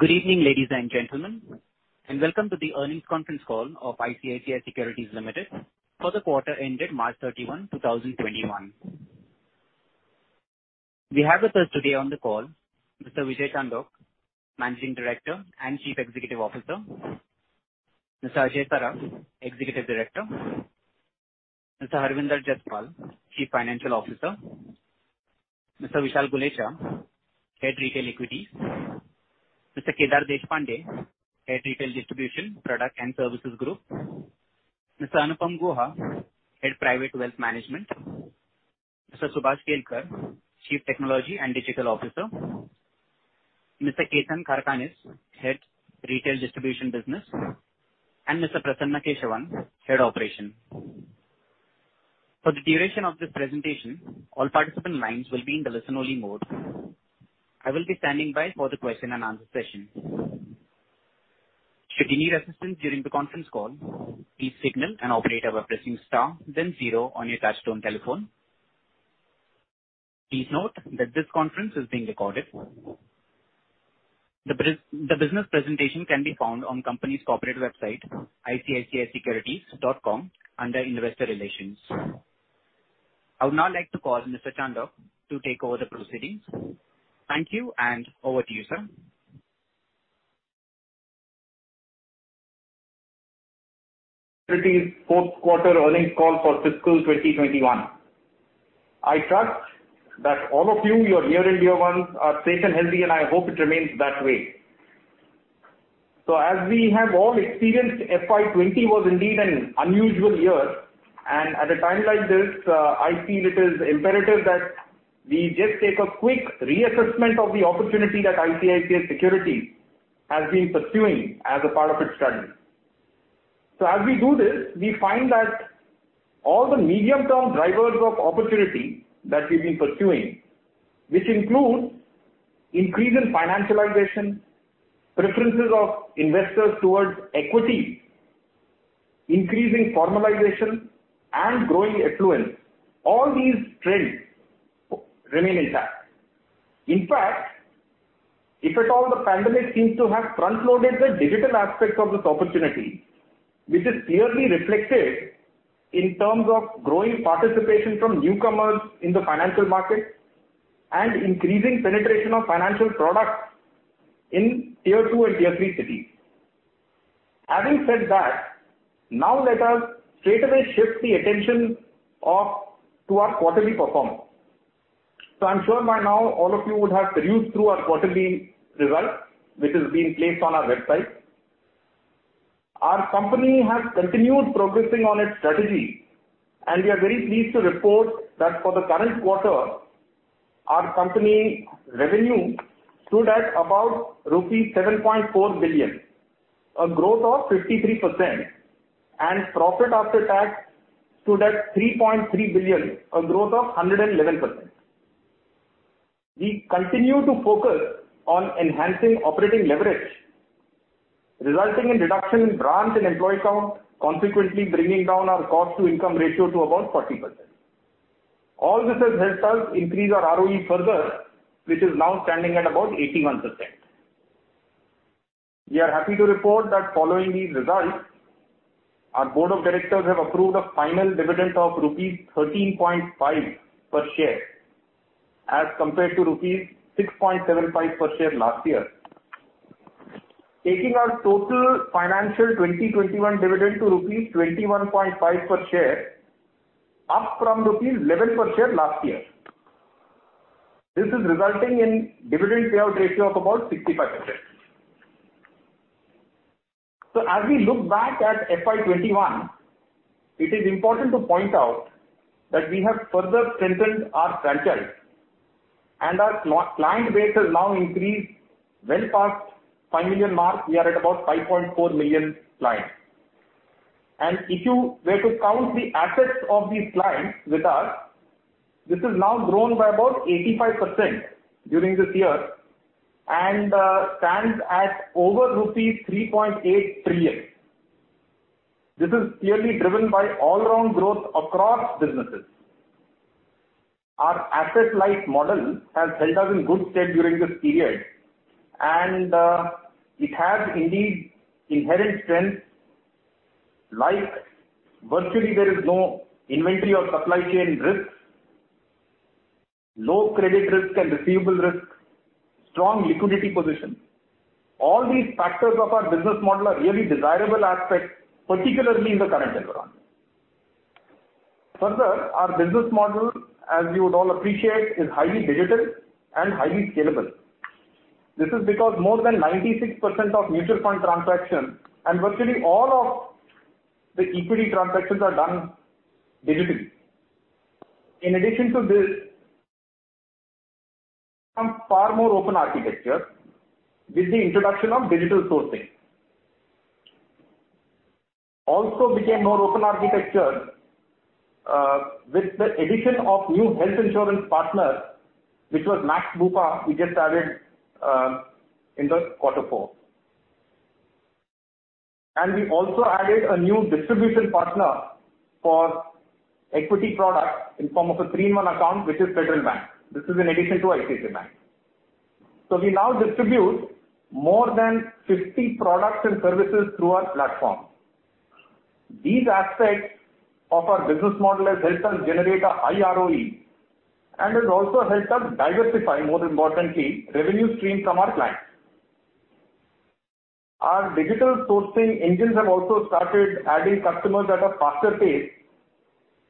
Good evening, ladies and gentlemen, and welcome to the earnings conference call of ICICI Securities Limited for the quarter-ended March 31, 2021. We have with us today on the call Mr. Vijay Chandok, Managing Director and Chief Executive Officer, Mr. Ajay Saraf, Executive Director, Mr. Harvinder Jaspal, Chief Financial Officer, Mr. Vishal Gulecha, Head Retail Equity, Mr. Kedar Deshpande, Head Retail Distribution, Product and Services Group, Mr. Anupam Guha, Head Private Wealth Management, Mr. Subhash Kelkar, Chief Technology and Digital Officer, Mr. Ketan Karkhanis, Head Retail Distribution Business, and Mr. Prasannan Keshavan, Head Operation. For the duration of this presentation, all participant lines will be in the listen-only mode. I will be standing by for the question-and-answer session. Should you need assistance during the conference call, please signal an operator by pressing star then zero on your touchtone telephone. Please note that this conference is being recorded. The business presentation can be found on company's corporate website, icicisecurities.com, under Investor Relations. I would now like to call Mr. Chandok to take over the proceedings. Thank you, and over to you, sir. Fourth quarter earnings call for fiscal 2021. I trust that all of you, your near and dear ones, are safe and healthy, and I hope it remains that way. As we have all experienced, FY 2020 was indeed an unusual year. At a time like this, I feel it is imperative that I just take a quick reassessment of the opportunity that ICICI Securities has been pursuing as a part of its strategy. As we do this, we find that all the medium-term drivers of opportunity that we've been pursuing, which include increase in financialization, preferences of investors towards equity, increasing formalization, and growing affluence. All these trends remain intact. In fact, if at all, the pandemic seems to have front-loaded the digital aspects of this opportunity, which is clearly reflected in terms of growing participation from newcomers in the financial market and increasing penetration of financial products in Tier 2 and Tier 3 cities. Having said that, now let us straightaway shift the attention to our quarterly performance. I'm sure by now all of you would have perused through our quarterly result, which has been placed on our website. Our company has continued progressing on its strategy, and we are very pleased to report that for the current quarter, our company revenue stood at about rupees 7.4 billion, a growth of 53%, and profit after tax stood at 3.3 billion, a growth of 111%. We continue to focus on enhancing operating leverage, resulting in reduction in branch and employee count, consequently bringing down our cost-to-income ratio to about 40%. All this has helped us increase our ROE further, which is now standing at about 81%. We are happy to report that following these results, our Board of Directors have approved a final dividend of rupees 13.5 per share as compared to rupees 6.75 per share last year, taking our total financial 2021 dividend to rupees 21.5 per share, up from rupees 11 per share last year. This is resulting in dividend payout ratio of about 65%. As we look back at FY 2021, it is important to point out that we have further strengthened our franchise and our client base has now increased well past 5 million mark. We are at about 5.4 million clients. If you were to count the assets of these clients with us, this has now grown by about 85% during this year and stands at over rupees 3.8 trillion. This is clearly driven by all-around growth across businesses. Our asset-light model has held us in good stead during this period, and it has indeed inherent strengths like virtually there is no inventory or supply chain risks, low credit risk and receivable risk, strong liquidity position. All these factors of our business model are really desirable aspects, particularly in the current environment. Further, our business model, as you would all appreciate, is highly digital and highly scalable. This is because more than 96% of mutual fund transactions and virtually all of the equity transactions are done digitally. In addition to this, some far more open architecture with the introduction of digital sourcing. Also became more open architecture, with the addition of new health insurance partner, which was Max Bupa, we just added in the quarter four. We also added a new distribution partner for equity product in form of a three-in-one account, which is Federal Bank. This is in addition to ICICI Bank. We now distribute more than 50 products and services through our platform. These aspects of our business model has helped us generate a high ROE and has also helped us diversify, more importantly, revenue stream from our clients. Our digital sourcing engines have also started adding customers at a faster pace,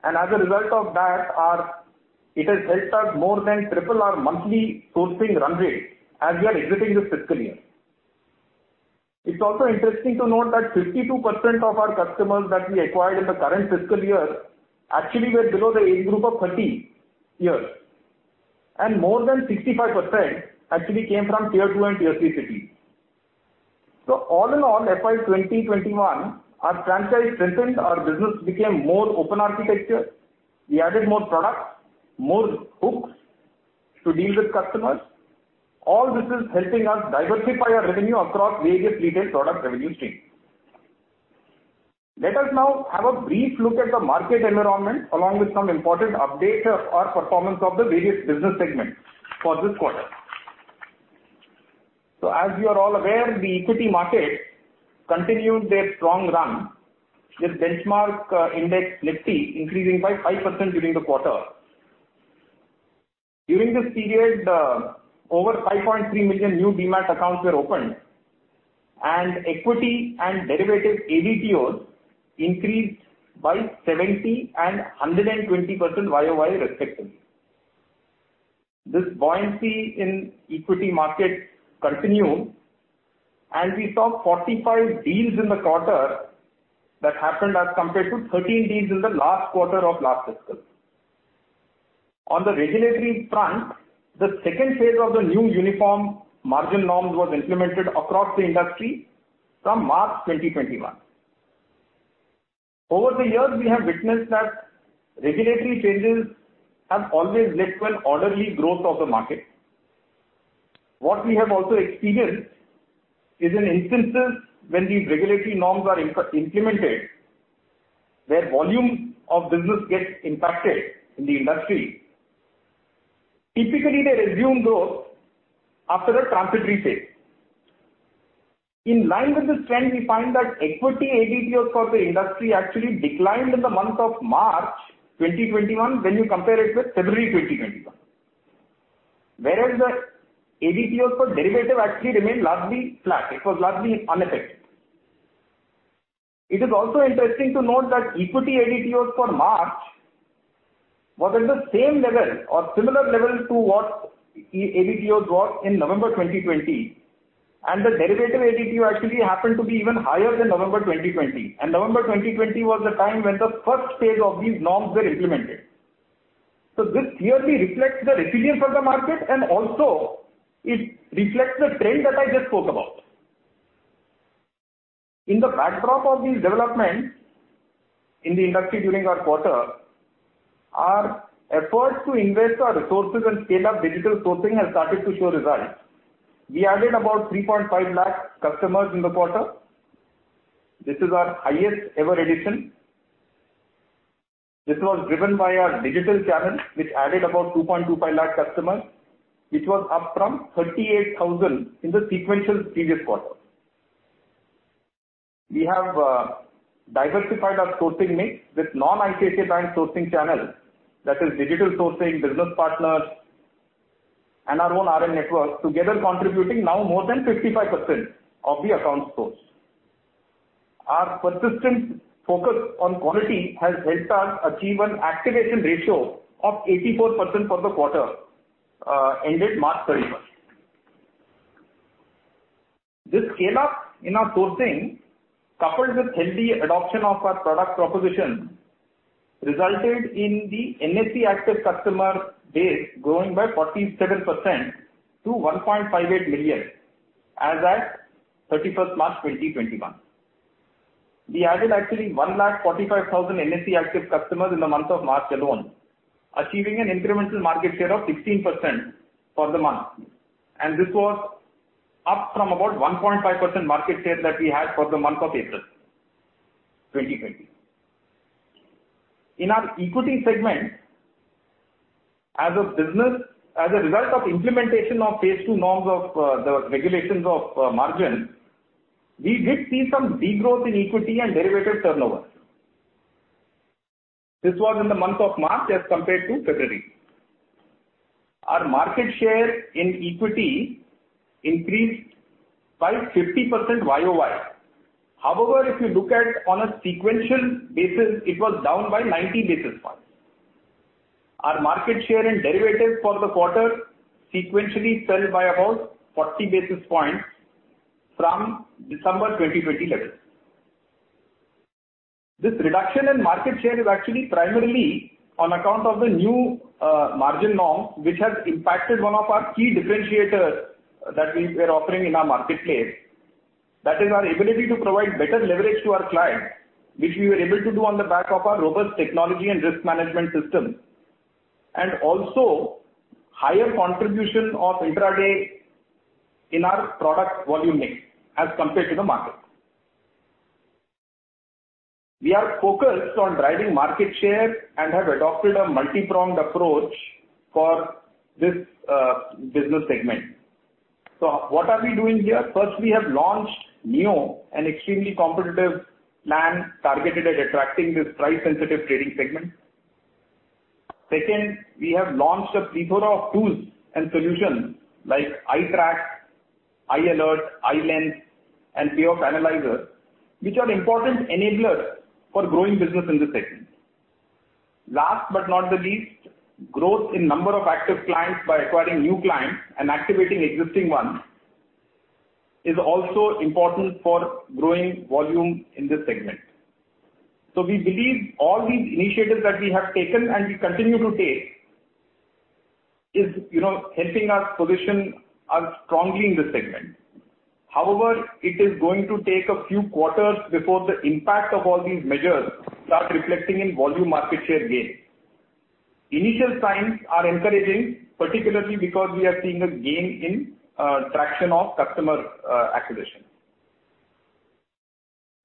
and as a result of that, it has helped us more than triple our monthly sourcing run rate as we are exiting this fiscal year. It's also interesting to note that 52% of our customers that we acquired in the current fiscal year actually were below the age group of 30 years, and more than 65% actually came from Tier 2 and Tier 3 cities. All in all, FY 2021, our franchise strengthened, our business became more open architecture. We added more products, more hooks to deal with customers. All this is helping us diversify our revenue across various retail product revenue streams. Let us now have a brief look at the market environment along with some important updates or performance of the various business segments for this quarter. As you are all aware, the equity market continued their strong run with benchmark index Nifty increasing by 5% during the quarter. During this period, over 5.3 million new Demat accounts were opened. Equity and derivative ADTOs increased by 70% and 120%, respectively. This buoyancy in equity market continued, and we saw 45 deals in the quarter that happened as compared to 13 deals in the last quarter of last fiscal. On the regulatory front, the second phase of the new uniform margin norms was implemented across the industry from March 2021. Over the years, we have witnessed that regulatory changes have always led to an orderly growth of the market. What we have also experienced is in instances when these regulatory norms are implemented, where volume of business gets impacted in the industry. Typically, they resume growth after a transitory phase. In line with this trend, we find that equity ADTOs for the industry actually declined in the month of March 2021 when you compare it with February 2021. The ADTOs for derivative actually remained largely flat. It was largely unaffected. It is also interesting to note that equity ADTOs for March was at the same level or similar level to what ADTOs was in November 2020, and the derivative ADTO actually happened to be even higher than November 2020. November 2020 was the time when the stage 1 of these norms were implemented. This clearly reflects the resilience of the market and also it reflects the trend that I just spoke about. In the backdrop of these developments in the industry during our quarter, our efforts to invest our resources and scale up digital sourcing has started to show results. We added about 3.5 lakh customers in the quarter. This is our highest ever addition. This was driven by our digital channel, which added about 2.25 lakh customers, which was up from 38,000 in the sequential previous quarter. We have diversified our sourcing mix with non-ICICI Bank sourcing channels. That is digital sourcing, business partners, and our own RM network together contributing now more than 55% of the account source. Our persistent focus on quality has helped us achieve an activation ratio of 84% for the quarter ended March 31st. This scale-up in our sourcing, coupled with healthy adoption of our product proposition, resulted in the NSE active customer base growing by 47% to 1.58 million as at 31st March, 2021. We added actually 145,000 NSE active customers in the month of March alone, achieving an incremental market share of 16% for the month. This was up from about 1.5% market share that we had for the month of April 2020. In our equity segment, as a result of implementation of phase II norms of the regulations of margin, we did see some de-growth in equity and derivative turnover. This was in the month of March as compared to February. Our market share in equity increased by 50% YoY. If you look at on a sequential basis, it was down by 90 basis points. Our market share in derivatives for the quarter sequentially fell by about 40 basis points from December 2020 levels. This reduction in market share is actually primarily on account of the new margin norms, which has impacted one of our key differentiators that we were offering in our marketplace. That is our ability to provide better leverage to our clients, which we were able to do on the back of our robust technology and risk management systems. Also higher contribution of intraday in our product volume mix as compared to the market. We are focused on driving market share and have adopted a multi-pronged approach for this business segment. What are we doing here? First, we have launched Neo, an extremely competitive plan targeted at attracting this price-sensitive trading segment. Second, we have launched a plethora of tools and solutions like i-Track, i-Alerts, i-Lens, and P/E analyzer, which are important enablers for growing business in this segment. Last but not the least, growth in number of active clients by acquiring new clients and activating existing ones is also important for growing volume in this segment. We believe all these initiatives that we have taken and we continue to take is helping us position us strongly in this segment. However, it is going to take a few quarters before the impact of all these measures start reflecting in volume market share gain. Initial signs are encouraging, particularly because we are seeing a gain in traction of customer acquisition.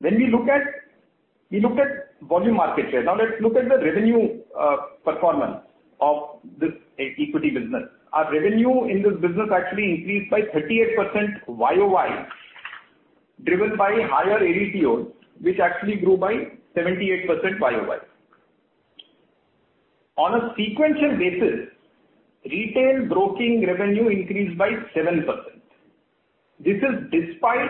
We looked at volume market share. Now let's look at the revenue performance of this equity business. Our revenue in this business actually increased by 38% YoY, driven by higher ADTO, which actually grew by 78% YoY. On a sequential basis, retail broking revenue increased by 7%. This is despite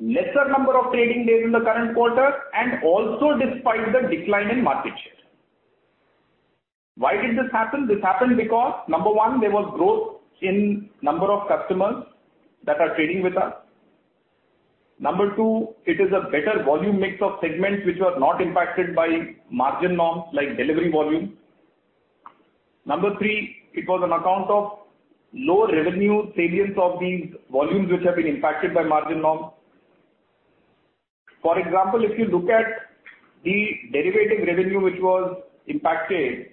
lesser number of trading days in the current quarter and also despite the decline in market share. Why did this happen? This happened because, number one, there was growth in number of customers that are trading with us. Number two, it is a better volume mix of segments which were not impacted by margin norms like delivery volume. Number three, it was on account of lower revenue salience of these volumes which have been impacted by margin norms. For example, if you look at the derivative revenue which was impacted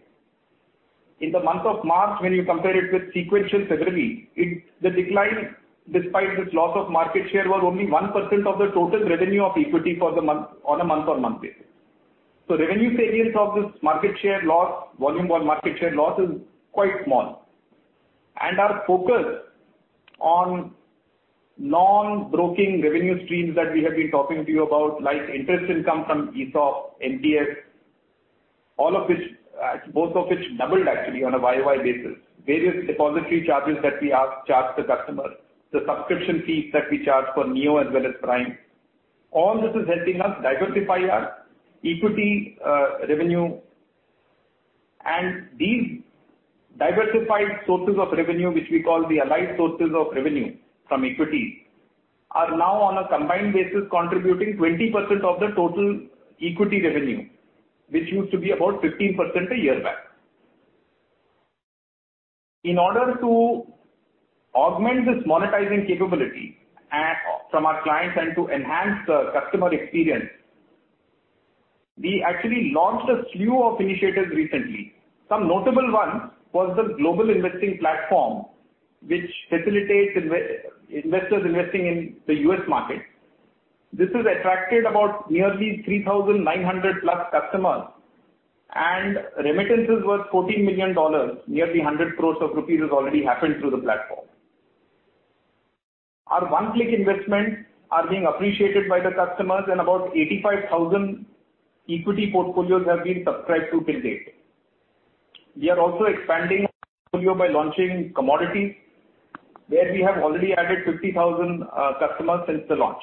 in the month of March, when you compare it with sequential February, the decline despite this loss of market share was only 1% of the total revenue of equity on a month-on-month basis. Revenue salience of this volume on market share loss is quite small. Our focus on non-broking revenue streams that we have been talking to you about, like interest income from ESOP, MTF both of which doubled actually on a YoY basis. Various depository charges that we charge the customers, the subscription fees that we charge for Neo as well as Prime. All this is helping us diversify our equity revenue and these diversified sources of revenue, which we call the allied sources of revenue from equities, are now on a combined basis contributing 20% of the total equity revenue, which used to be about 15% a year back. In order to augment this monetizing capability from our clients and to enhance the customer experience, we actually launched a slew of initiatives recently. Some notable ones was the global investing platform, which facilitates investors investing in the U.S. market. This has attracted about nearly 3,900+ customers and remittances worth $14 million. Nearly 100 crores rupees has already happened through the platform. Our one-click investments are being appreciated by the customers, about 85,000 equity portfolios have been subscribed to date. We are also expanding portfolio by launching commodity, where we have already added 50,000 customers since the launch.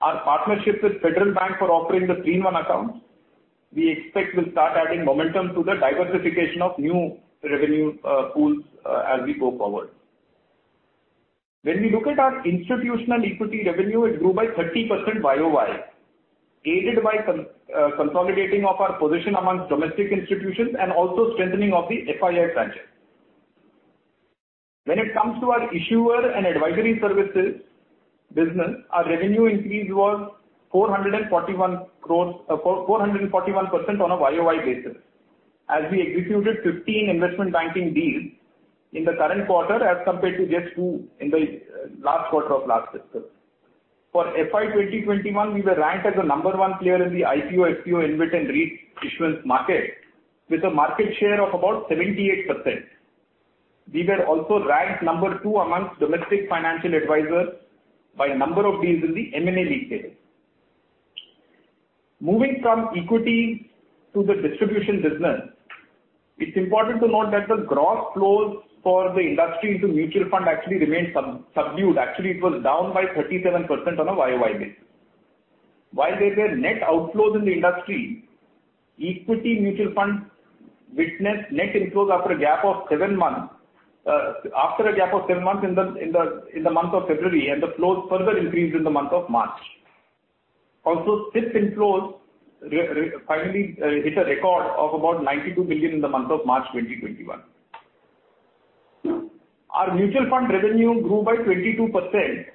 Our partnership with Federal Bank for offering the three-in-one accounts, we expect will start adding momentum to the diversification of new revenue pools as we go forward. When we look at our institutional equity revenue, it grew by 30% YoY, aided by consolidating of our position amongst domestic institutions and also strengthening of the FII franchise. When it comes to our issuer and advisory services business, our revenue increase was 441% on a YoY basis. We executed 15 investment banking deals in the current quarter as compared to just two in the last quarter of last fiscal. For FY 2021, we were ranked as the number one player in the IPO, FPO, InvIT and REIT issuance market with a market share of about 78%. We were also ranked number two amongst domestic financial advisors by number of deals in the M&A league table. Moving from equity to the distribution business, it's important to note that the gross flows for the industry into mutual fund actually remained subdued. Actually, it was down by 37% on a YoY basis. While there were net outflows in the industry, equity mutual funds witnessed net inflows after a gap of seven months in the month of February, and the flows further increased in the month of March. SIP inflows finally hit a record of about 92 billion in the month of March 2021. Our mutual fund revenue grew by 22%,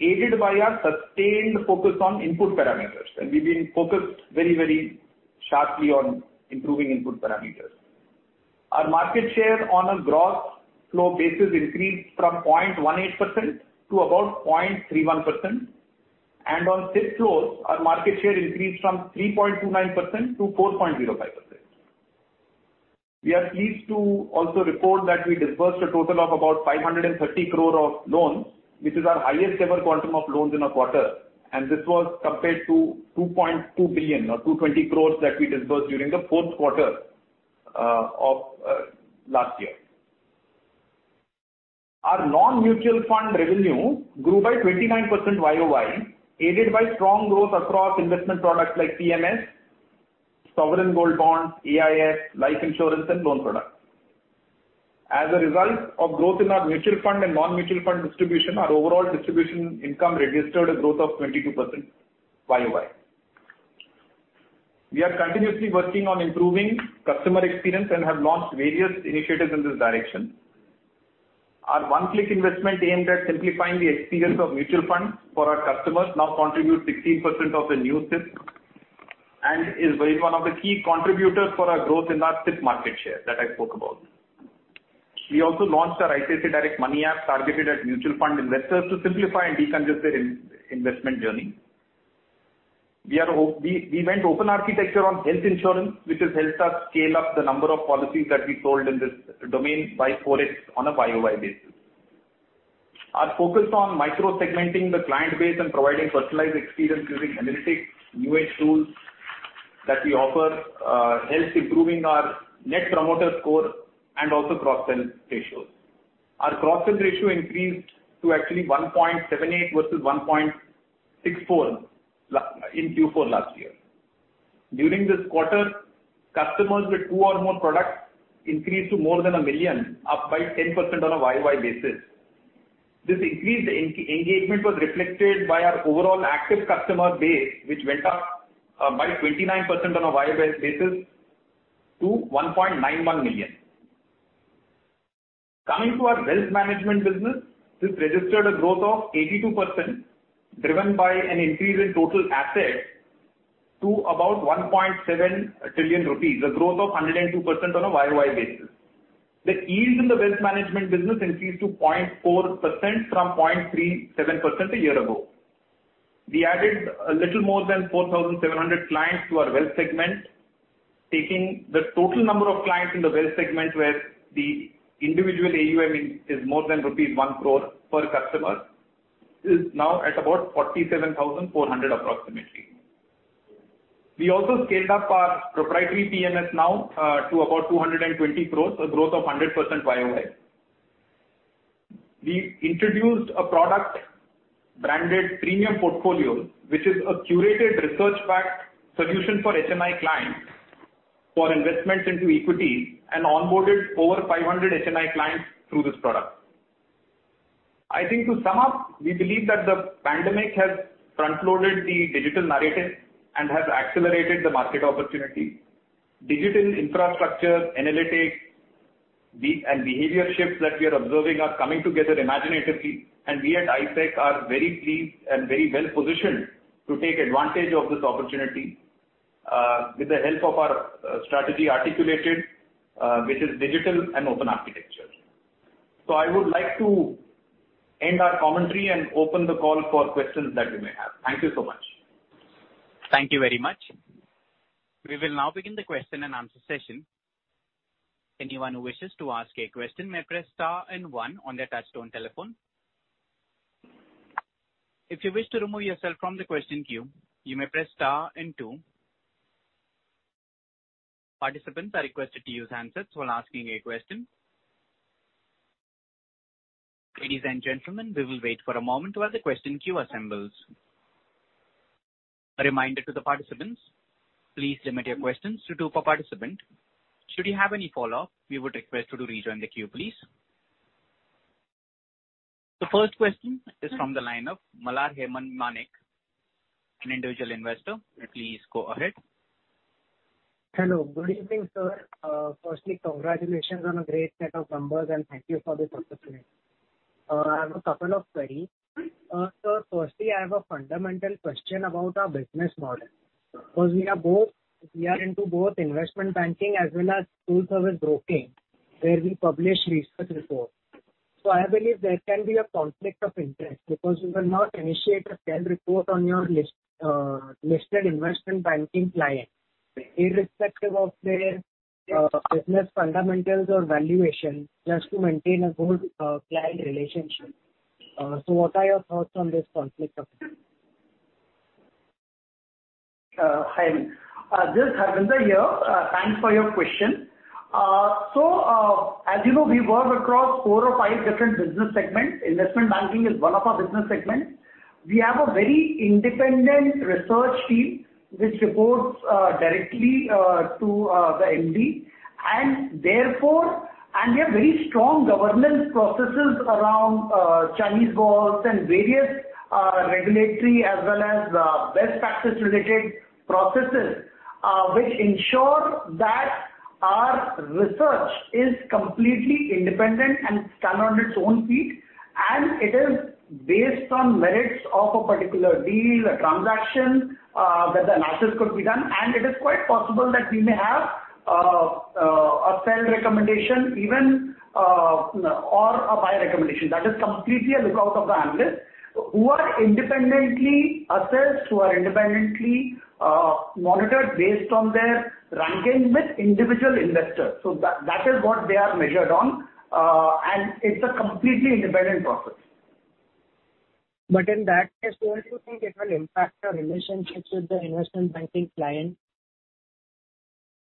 aided by our sustained focus on input parameters, and we've been focused very sharply on improving input parameters. Our market share on a gross flow basis increased from 0.18% to about 0.31%, and on SIP flows, our market share increased from 3.29% to 4.05%. We are pleased to also report that we disbursed a total of about 530 crore of loans, which is our highest ever quantum of loans in a quarter, and this was compared to 2.2 billion or 220 crore that we disbursed during the fourth quarter of last year. Our non-mutual fund revenue grew by 29% YoY, aided by strong growth across investment products like PMS, sovereign gold bonds, AIF, life insurance, and loan products. As a result of growth in our mutual fund and non-mutual fund distribution, our overall distribution income registered a growth of 22% YoY. We are continuously working on improving customer experience and have launched various initiatives in this direction. Our one-click investment aimed at simplifying the experience of mutual funds for our customers now contributes 16% of the new SIP and is one of the key contributors for our growth in our SIP market share that I spoke about. We also launched our ICICIdirect Money app targeted at mutual fund investors to simplify and decongest their investment journey. We went open architecture on health insurance, which has helped us scale up the number of policies that we sold in this domain by 4x on a YoY basis. Our focus on micro-segmenting the client base and providing personalized experience using analytics, new age tools that we offer helps improving our Net Promoter Score and also cross-sell ratios. Our cross-sell ratio increased to actually 1.78 versus 1.64 in Q4 last year. During this quarter, customers with two or more products increased to more than a million, up by 10% on a YoY basis. This increased engagement was reflected by our overall active customer base, which went up by 29% on a YoY basis to 1.91 million. Coming to our wealth management business, this registered a growth of 82%, driven by an increase in total assets to about 1.7 trillion rupees, a growth of 102% on a YoY basis. The yield in the wealth management business increased to 0.4% from 0.37% a year ago. We added a little more than 4,700 clients to our wealth segment, taking the total number of clients in the wealth segment, where the individual AUM is more than rupees 1 crore per customer, is now at about 47,400 approximately. We also scaled up our proprietary PMS now to about 220 crore, a growth of 100% YoY. We introduced a product branded Premium Portfolio, which is a curated research-backed solution for HNI clients for investments into equity and onboarded over 500 HNI clients through this product. I think to sum up, we believe that the pandemic has front-loaded the digital narrative and has accelerated the market opportunity. Digital infrastructure, analytics, and behavior shifts that we are observing are coming together imaginatively, and we at ICICI are very pleased and very well-positioned to take advantage of this opportunity, with the help of our strategy articulated, which is digital and open architecture. I would like to end our commentary and open the call for questions that you may have. Thank you so much. Thank you very much. We will now begin the question-and-answer session. Anyone who wishes to ask a question may press star and one on their touchtone telephone. If you wish to remove yourself from the question queue, you may press star and two. Participants are requested to use handsets when asking a question. Ladies and gentlemen, we will wait for a moment while the question queue assembles. A reminder to the participants, please limit your questions to two per participant. Should you have any follow-up, we would request you to rejoin the queue, please. The first question is from the line of Malhar Heman Manek, an individual investor. Please go ahead. Hello. Good evening, sir. Firstly, congratulations on a great set of numbers, and thank you for this opportunity. I have a couple of queries. Sir, firstly, I have a fundamental question about our business model, because we are into both investment banking as well as full-service broking, where we publish research reports. I believe there can be a conflict of interest, because you will not initiate a sell report on your listed investment banking client irrespective of their business fundamentals or valuation, just to maintain a good client relationship. What are your thoughts on this conflict of interest? Hi. This is Harvinder here. Thanks for your question. As you know, we work across four or five different business segments. Investment Banking is one of our business segments. We have a very independent research team which reports directly to the MD, therefore, We have very strong governance processes around Chinese walls and various regulatory as well as best practice-related processes which ensure that our research is completely independent and can stand on its own feet. It is based on merits of a particular deal, a transaction where the analysis could be done. It is quite possible that we may have a sell recommendation or a buy recommendation. That is completely a lookout of the analysts who are independently assessed, who are independently monitored based on their ranking with individual investors. That is what they are measured on. It's a completely independent process. In that case, don't you think it will impact your relationships with the investment banking client?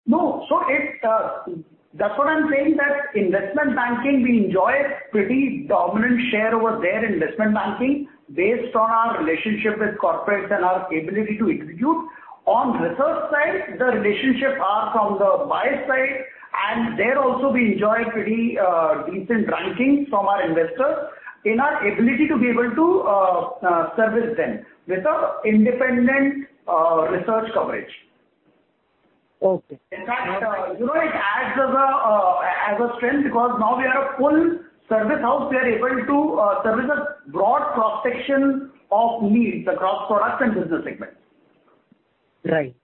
No. That's what I'm saying, that investment banking, we enjoy a pretty dominant share over their investment banking based on our relationship with corporates and our ability to execute. On research side, the relationships are from the buy side, there also we enjoy pretty decent rankings from our investors in our ability to be able to service them with independent research coverage. Okay. In fact it adds as a strength because now we are a full service house. We are able to service a broad cross-section of needs across products and business segments. Right.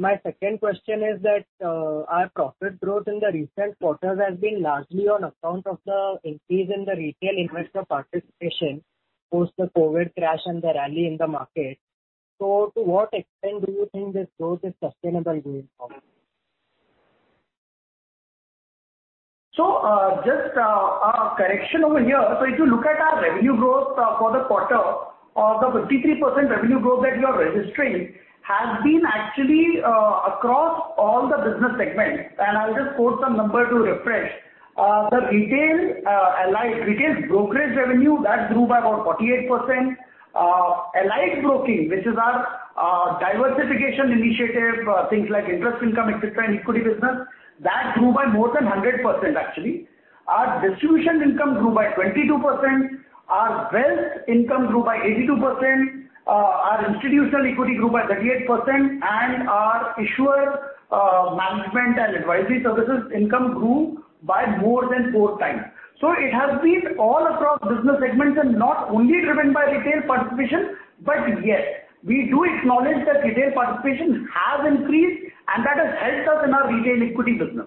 My second question is that our profit growth in the recent quarters has been largely on account of the increase in the retail investor participation post the COVID crash and the rally in the market. To what extent do you think this growth is sustainable going forward? Just a correction over here. If you look at our revenue growth for the quarter of the 53% revenue growth that we are registering has been actually across all the business segments. I'll just quote some number to refresh. The retail brokerage revenue grew by about 48%. Allied Broking, which is our diversification initiative things like interest income, et cetera, and equity business, grew by more than 100% actually. Our distribution income grew by 22%. Our wealth income grew by 82%. Our institutional equity grew by 38%. Our issuer management and advisory services income grew by more than 4x. It has been all across business segments and not only driven by retail participation, but yes, we do acknowledge that retail participation has increased and that has helped us in our retail equity business.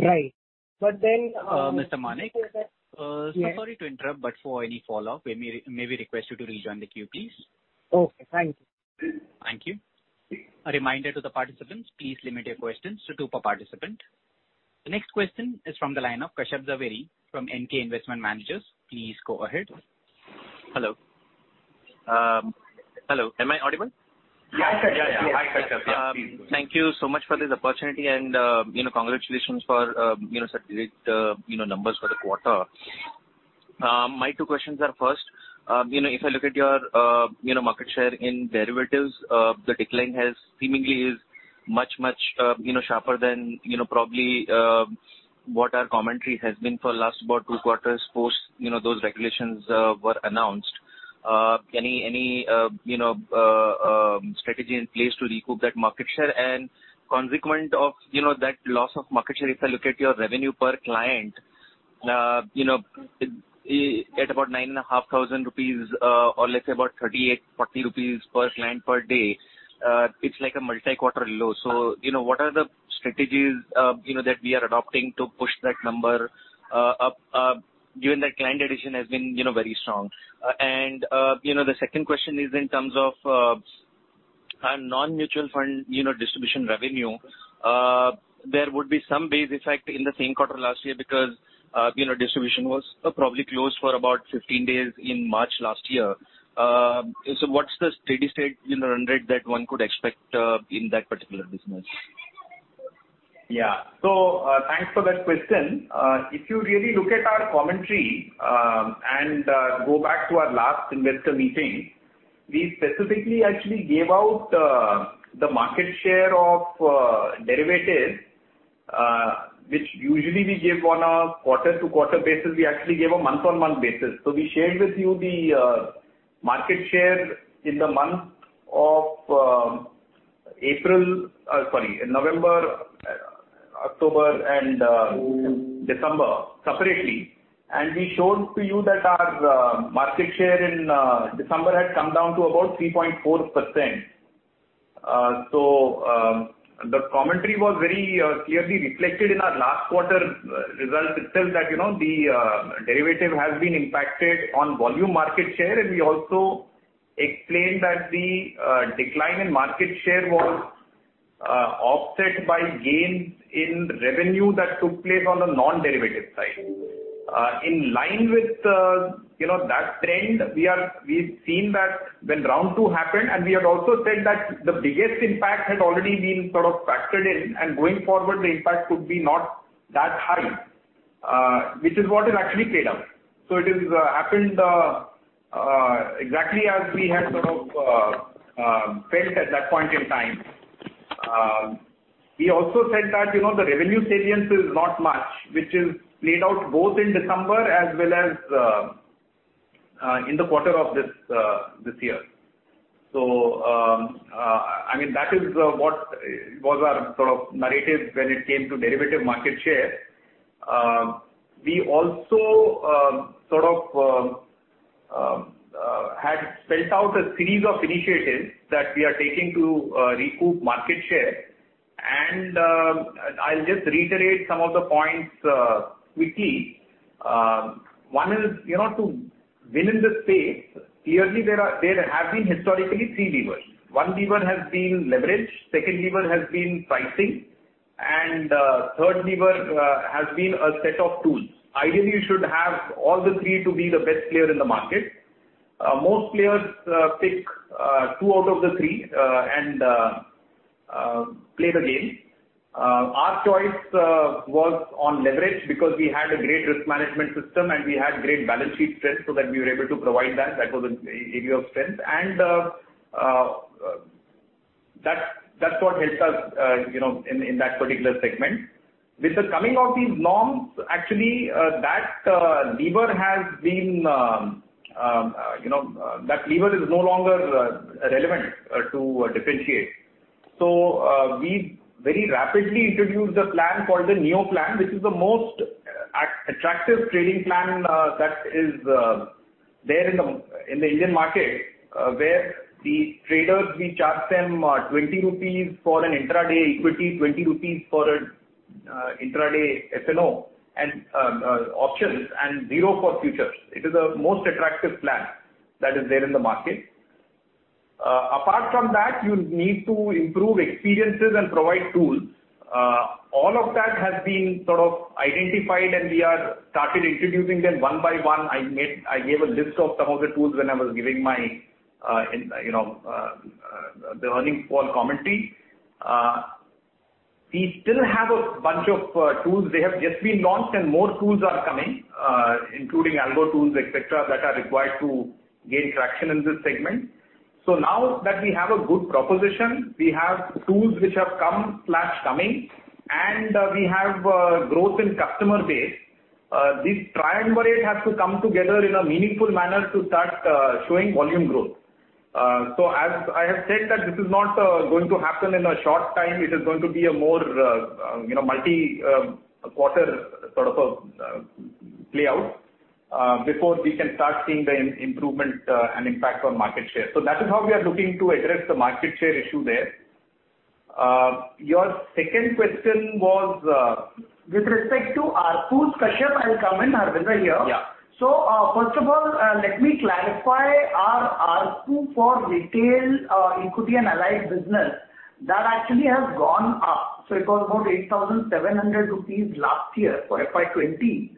Right. Mr. Manek? Yes. Sorry to interrupt, but for any follow-up, may we request you to rejoin the queue, please? Okay. Thank you. Thank you. A reminder to the participants, please limit your questions to two per participant. The next question is from the line of Kashyap Javeri from Emkay Investment Managers. Please go ahead. Hello. Hello, am I audible? Yes. Hi, Kashyap. Please go ahead. Thank you so much for this opportunity and congratulations for such great numbers for the quarter. My two questions are, first if I look at your market share in derivatives the decline seemingly is much sharper than probably what our commentary has been for the last about two quarters post those regulations were announced. Any strategy in place to recoup that market share? Consequent of that loss of market share, if I look at your revenue per client at about 9,500 rupees or let's say about 38-40 rupees per client per day it's like a multi-quarter low. What are the strategies that we are adopting to push that number up given that client addition has been very strong. The second question is in terms of our non-mutual fund distribution revenue. There would be some base effect in the same quarter last year because distribution was probably closed for about 15 days in March last year. What's the steady state run rate that one could expect in that particular business? Thanks for that question. If you really look at our commentary and go back to our last investor meeting, we specifically actually gave out the market share of derivatives which usually we give on a quarter-to-quarter basis, we actually gave a month-on-month basis. We shared with you the market share in the month of November, October, and December separately. We showed to you that our market share in December had come down to about 3.4%. The commentary was very clearly reflected in our last quarter results itself that the derivative has been impacted on volume market share, and we also explained that the decline in market share was offset by gains in revenue that took place on the non-derivative side. In line with that trend, we've seen that when round two happened, and we had also said that the biggest impact had already been sort of factored in, and going forward, the impact could be not that high. Which is what is actually played out. It has happened exactly as we had sort of felt at that point in time. We also said that the revenue salience is not much, which is played out both in December as well as in the quarter of this year. That is what was our sort of narrative when it came to derivative market share. We also sort of had spelt out a series of initiatives that we are taking to recoup market share, and I'll just reiterate some of the points quickly. One is to win in the space. Clearly, there have been historically three levers. One lever has been leverage, second lever has been pricing, and third lever has been a set of tools. Ideally, you should have all the three to be the best player in the market. Most players pick two out of the three and play the game. Our choice was on leverage because we had a great risk management system and we had great balance sheet strength so that we were able to provide that. That was an area of strength and that's what helped us in that particular segment. With the coming of these norms, actually, that lever is no longer relevant to differentiate. We very rapidly introduced a plan called the Neo plan, which is the most attractive trading plan that is there in the Indian market. Where the traders, we charge them 20 rupees for an intraday equity, 20 rupees for an intraday F&O and options, and 0 for futures. It is the most attractive plan that is there in the market. Apart from that, you need to improve experiences and provide tools. All of that has been sort of identified, and we are started introducing them one by one. I gave a list of some of the tools when I was giving the earnings call commentary. We still have a bunch of tools. They have just been launched and more tools are coming, including algo tools, et cetera, that are required to gain traction in this segment. Now that we have a good proposition, we have tools which have come/coming, and we have growth in customer base. This triumvirate has to come together in a meaningful manner to start showing volume growth. As I have said that this is not going to happen in a short time, it is going to be a more multi quarter sort of a play out before we can start seeing the improvement and impact on market share. That is how we are looking to address the market share issue there. Your second question was. With respect to ARPUs, Kashyap, I'll come in. Harvinder, here. Yeah. First of all, let me clarify our ARPU for retail equity and allied business. That actually has gone up. It was about 8,700 rupees last year for FY 2020.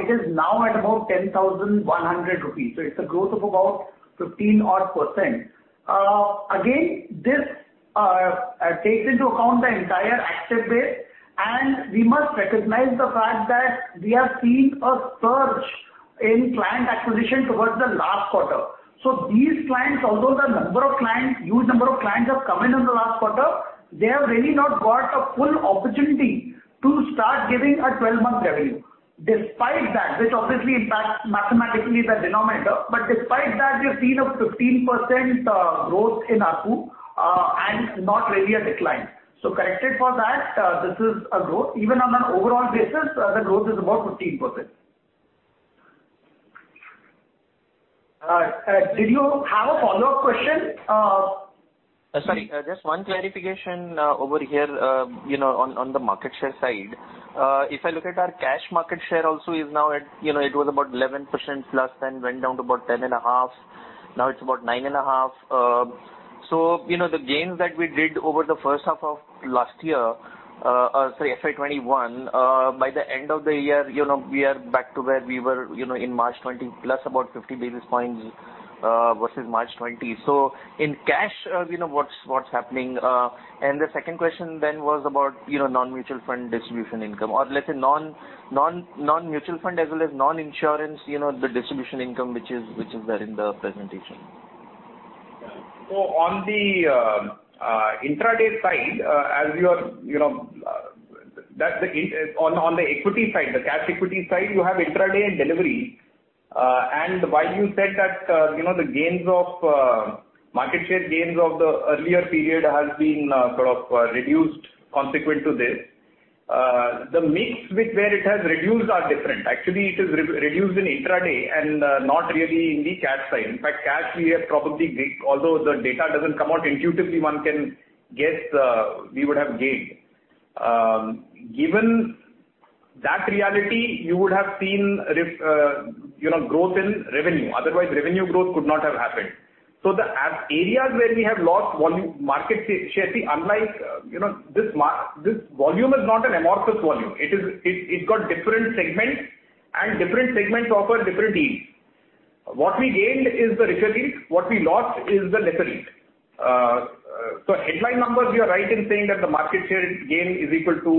It is now at about 10,100 rupees. It's a growth of about 15 odd %. Again, this takes into account the entire active base, and we must recognize the fact that we have seen a surge in client acquisition towards the last quarter. These clients, although the huge number of clients have come in in the last quarter, they have really not got a full opportunity to start giving a 12-month revenue. Despite that, which obviously impacts mathematically the denominator. Despite that, we have seen a 15% growth in ARPU and not really a decline. Corrected for that, this is a growth. Even on an overall basis, the growth is about 15%. Did you have a follow-up question? Sorry, just one clarification over here on the market share side. If I look at our cash market share also it was about 11%+, then went down to about 10.5%. Now it's about 9.5%. The gains that we did over the first half of last year, FY 2021, by the end of the year we are back to where we were in March 2020, plus about 50 basis points versus March 2020. In cash, what's happening? The second question then was about non-mutual fund distribution income. Let's say non-mutual fund as well as non-insurance, the distribution income which is there in the presentation. On the intraday side, on the equity side, the cash equity side, you have intraday and delivery. While you said that the market share gains of the earlier period has been sort of reduced consequent to this, the mix with where it has reduced are different. It is reduced in intraday and not really in the cash side. Cash we have probably gained, although the data doesn't come out, intuitively one can guess we would have gained. Given that reality, you would have seen growth in revenue. Otherwise, revenue growth could not have happened. The areas where we have lost volume market share. This volume is not an amorphous volume. It got different segments and different segments offer different yields. What we gained is the richer yield. What we lost is the lesser yield. Headline numbers, you are right in saying that the market share gain is equal to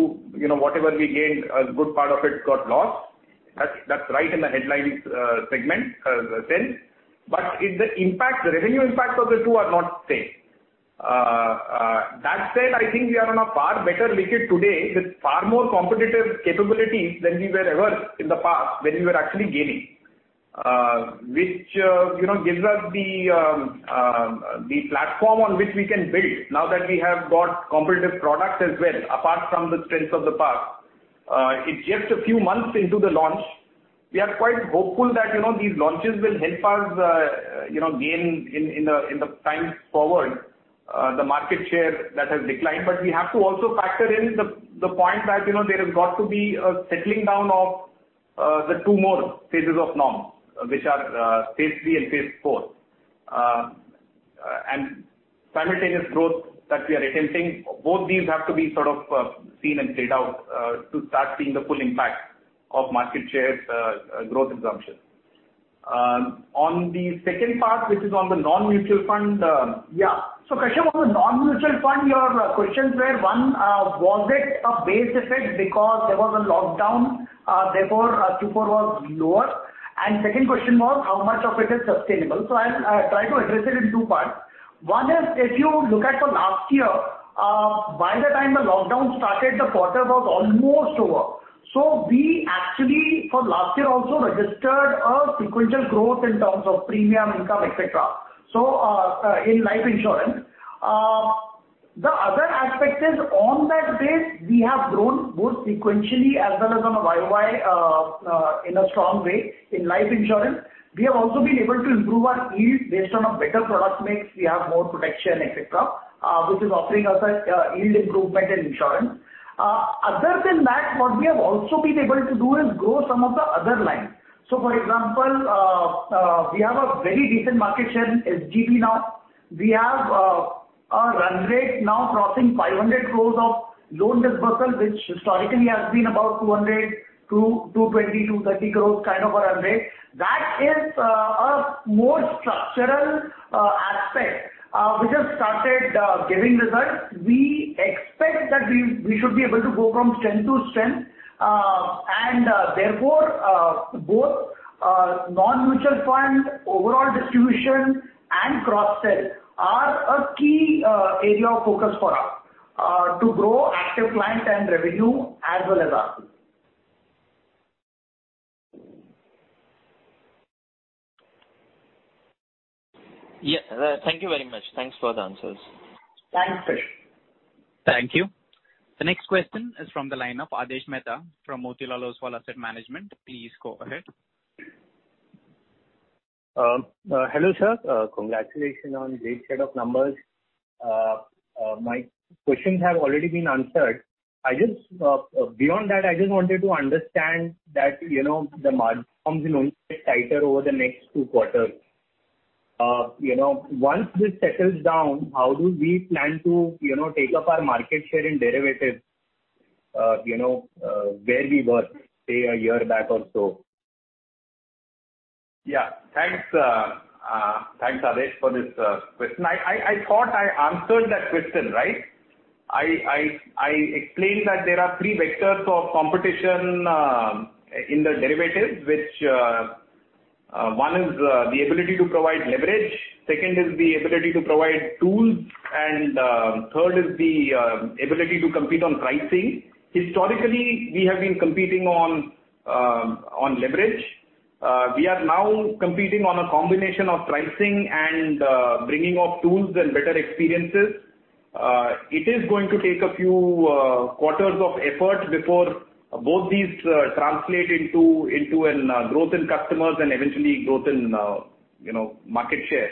whatever we gained, a good part of it got lost. That is right in the headline segment sense. The revenue impacts of the two are not same. That said, I think we are on a far better wicket today with far more competitive capabilities than we were ever in the past when we were actually gaining, which gives us the platform on which we can build now that we have got competitive products as well, apart from the strengths of the past. It is just a few months into the launch. We are quite hopeful that these launches will help us gain in the times forward the market share that has declined. We have to also factor in the point that there has got to be a settling down of the two more phases of norms, which are phase III and phase IV. Simultaneous growth that we are attempting, both these have to be sort of seen and played out to start seeing the full impact of market share growth assumption. On the second part, which is on the non-mutual fund. Kashyap, on the non-mutual fund, your questions were, 1, was it a base effect because there was a lockdown, therefore, Q4 was lower? Second question was how much of it is sustainable? I'll try to address it in two parts. If you look at the last year, by the time the lockdown started, the quarter was almost over. We actually for last year also registered a sequential growth in terms of premium income, et cetera, in life insurance. The other aspect is on that base, we have grown both sequentially as well as on a YoY in a strong way in life insurance. We have also been able to improve our yield based on a better product mix. We have more protection, et cetera, which is offering us a yield improvement in insurance. Other than that, what we have also been able to do is grow some of the other lines. For example, we have a very decent market share in SGB now. We have a run rate now crossing 500 crores of loan disbursals, which historically has been about 200 crores-220 crores, 230 crores kind of a run rate. That is a more structural aspect which has started giving results. We expect that we should be able to go from strength to strength, and therefore, both non-mutual fund, overall distribution, and cross-sell are a key area of focus for us to grow active client and revenue as well as ARPU. Yes. Thank you very much. Thanks for the answers. Thanks, Kashyap. Thank you. The next question is from the line of Aadesh Mehta from Motilal Oswal Asset Management. Please go ahead. Hello, sir. Congratulations on great set of numbers. My questions have already been answered. Beyond that, I just wanted to understand that the margin becomes a bit tighter over the next two quarters. Once this settles down, how do we plan to take up our market share in derivatives where we were, say, a year back or so? Thanks. Thanks, Aadesh, for this question. I thought I answered that question, right? I explained that there are three vectors of competition in the derivatives, which one is the ability to provide leverage, second is the ability to provide tools, and third is the ability to compete on pricing. Historically, we have been competing on leverage. We are now competing on a combination of pricing and bringing up tools and better experiences. It is going to take a few quarters of effort before both these translate into a growth in customers and eventually growth in market share.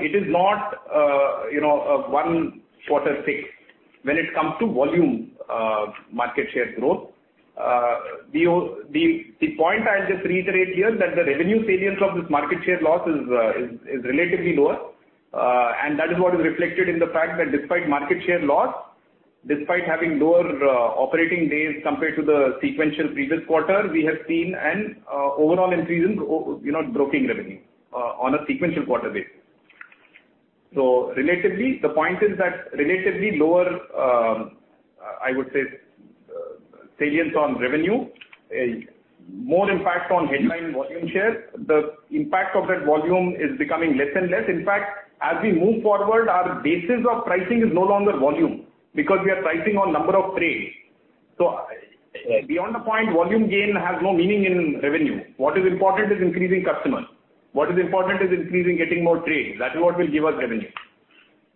It is not a one quarter fix when it comes to volume market share growth. The point I'll just reiterate here that the revenue salience of this market share loss is relatively lower, and that is what is reflected in the fact that despite market share loss, despite having lower operating days compared to the sequential previous quarter, we have seen an overall increase in broking revenue on a sequential quarter base. Relatively, the point is that relatively lower, I would say, salience on revenue, more impact on headline volume share. The impact of that volume is becoming less and less. In fact, as we move forward, our basis of pricing is no longer volume because we are pricing on number of trades. Beyond a point, volume gain has no meaning in revenue. What is important is increasing customers. What is important is increasing getting more trades. That is what will give us revenue.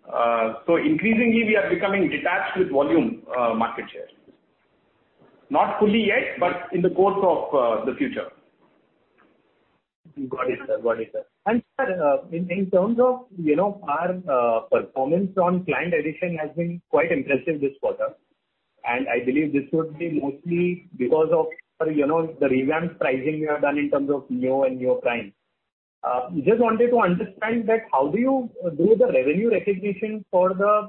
Increasingly, we are becoming detached with volume market share. Not fully yet, but in the course of the future. Got it, sir. Sir, in terms of our performance on client addition has been quite impressive this quarter, and I believe this would be mostly because of the revamped pricing we have done in terms of Neo and Neo Prime. Just wanted to understand that how do you do the revenue recognition for the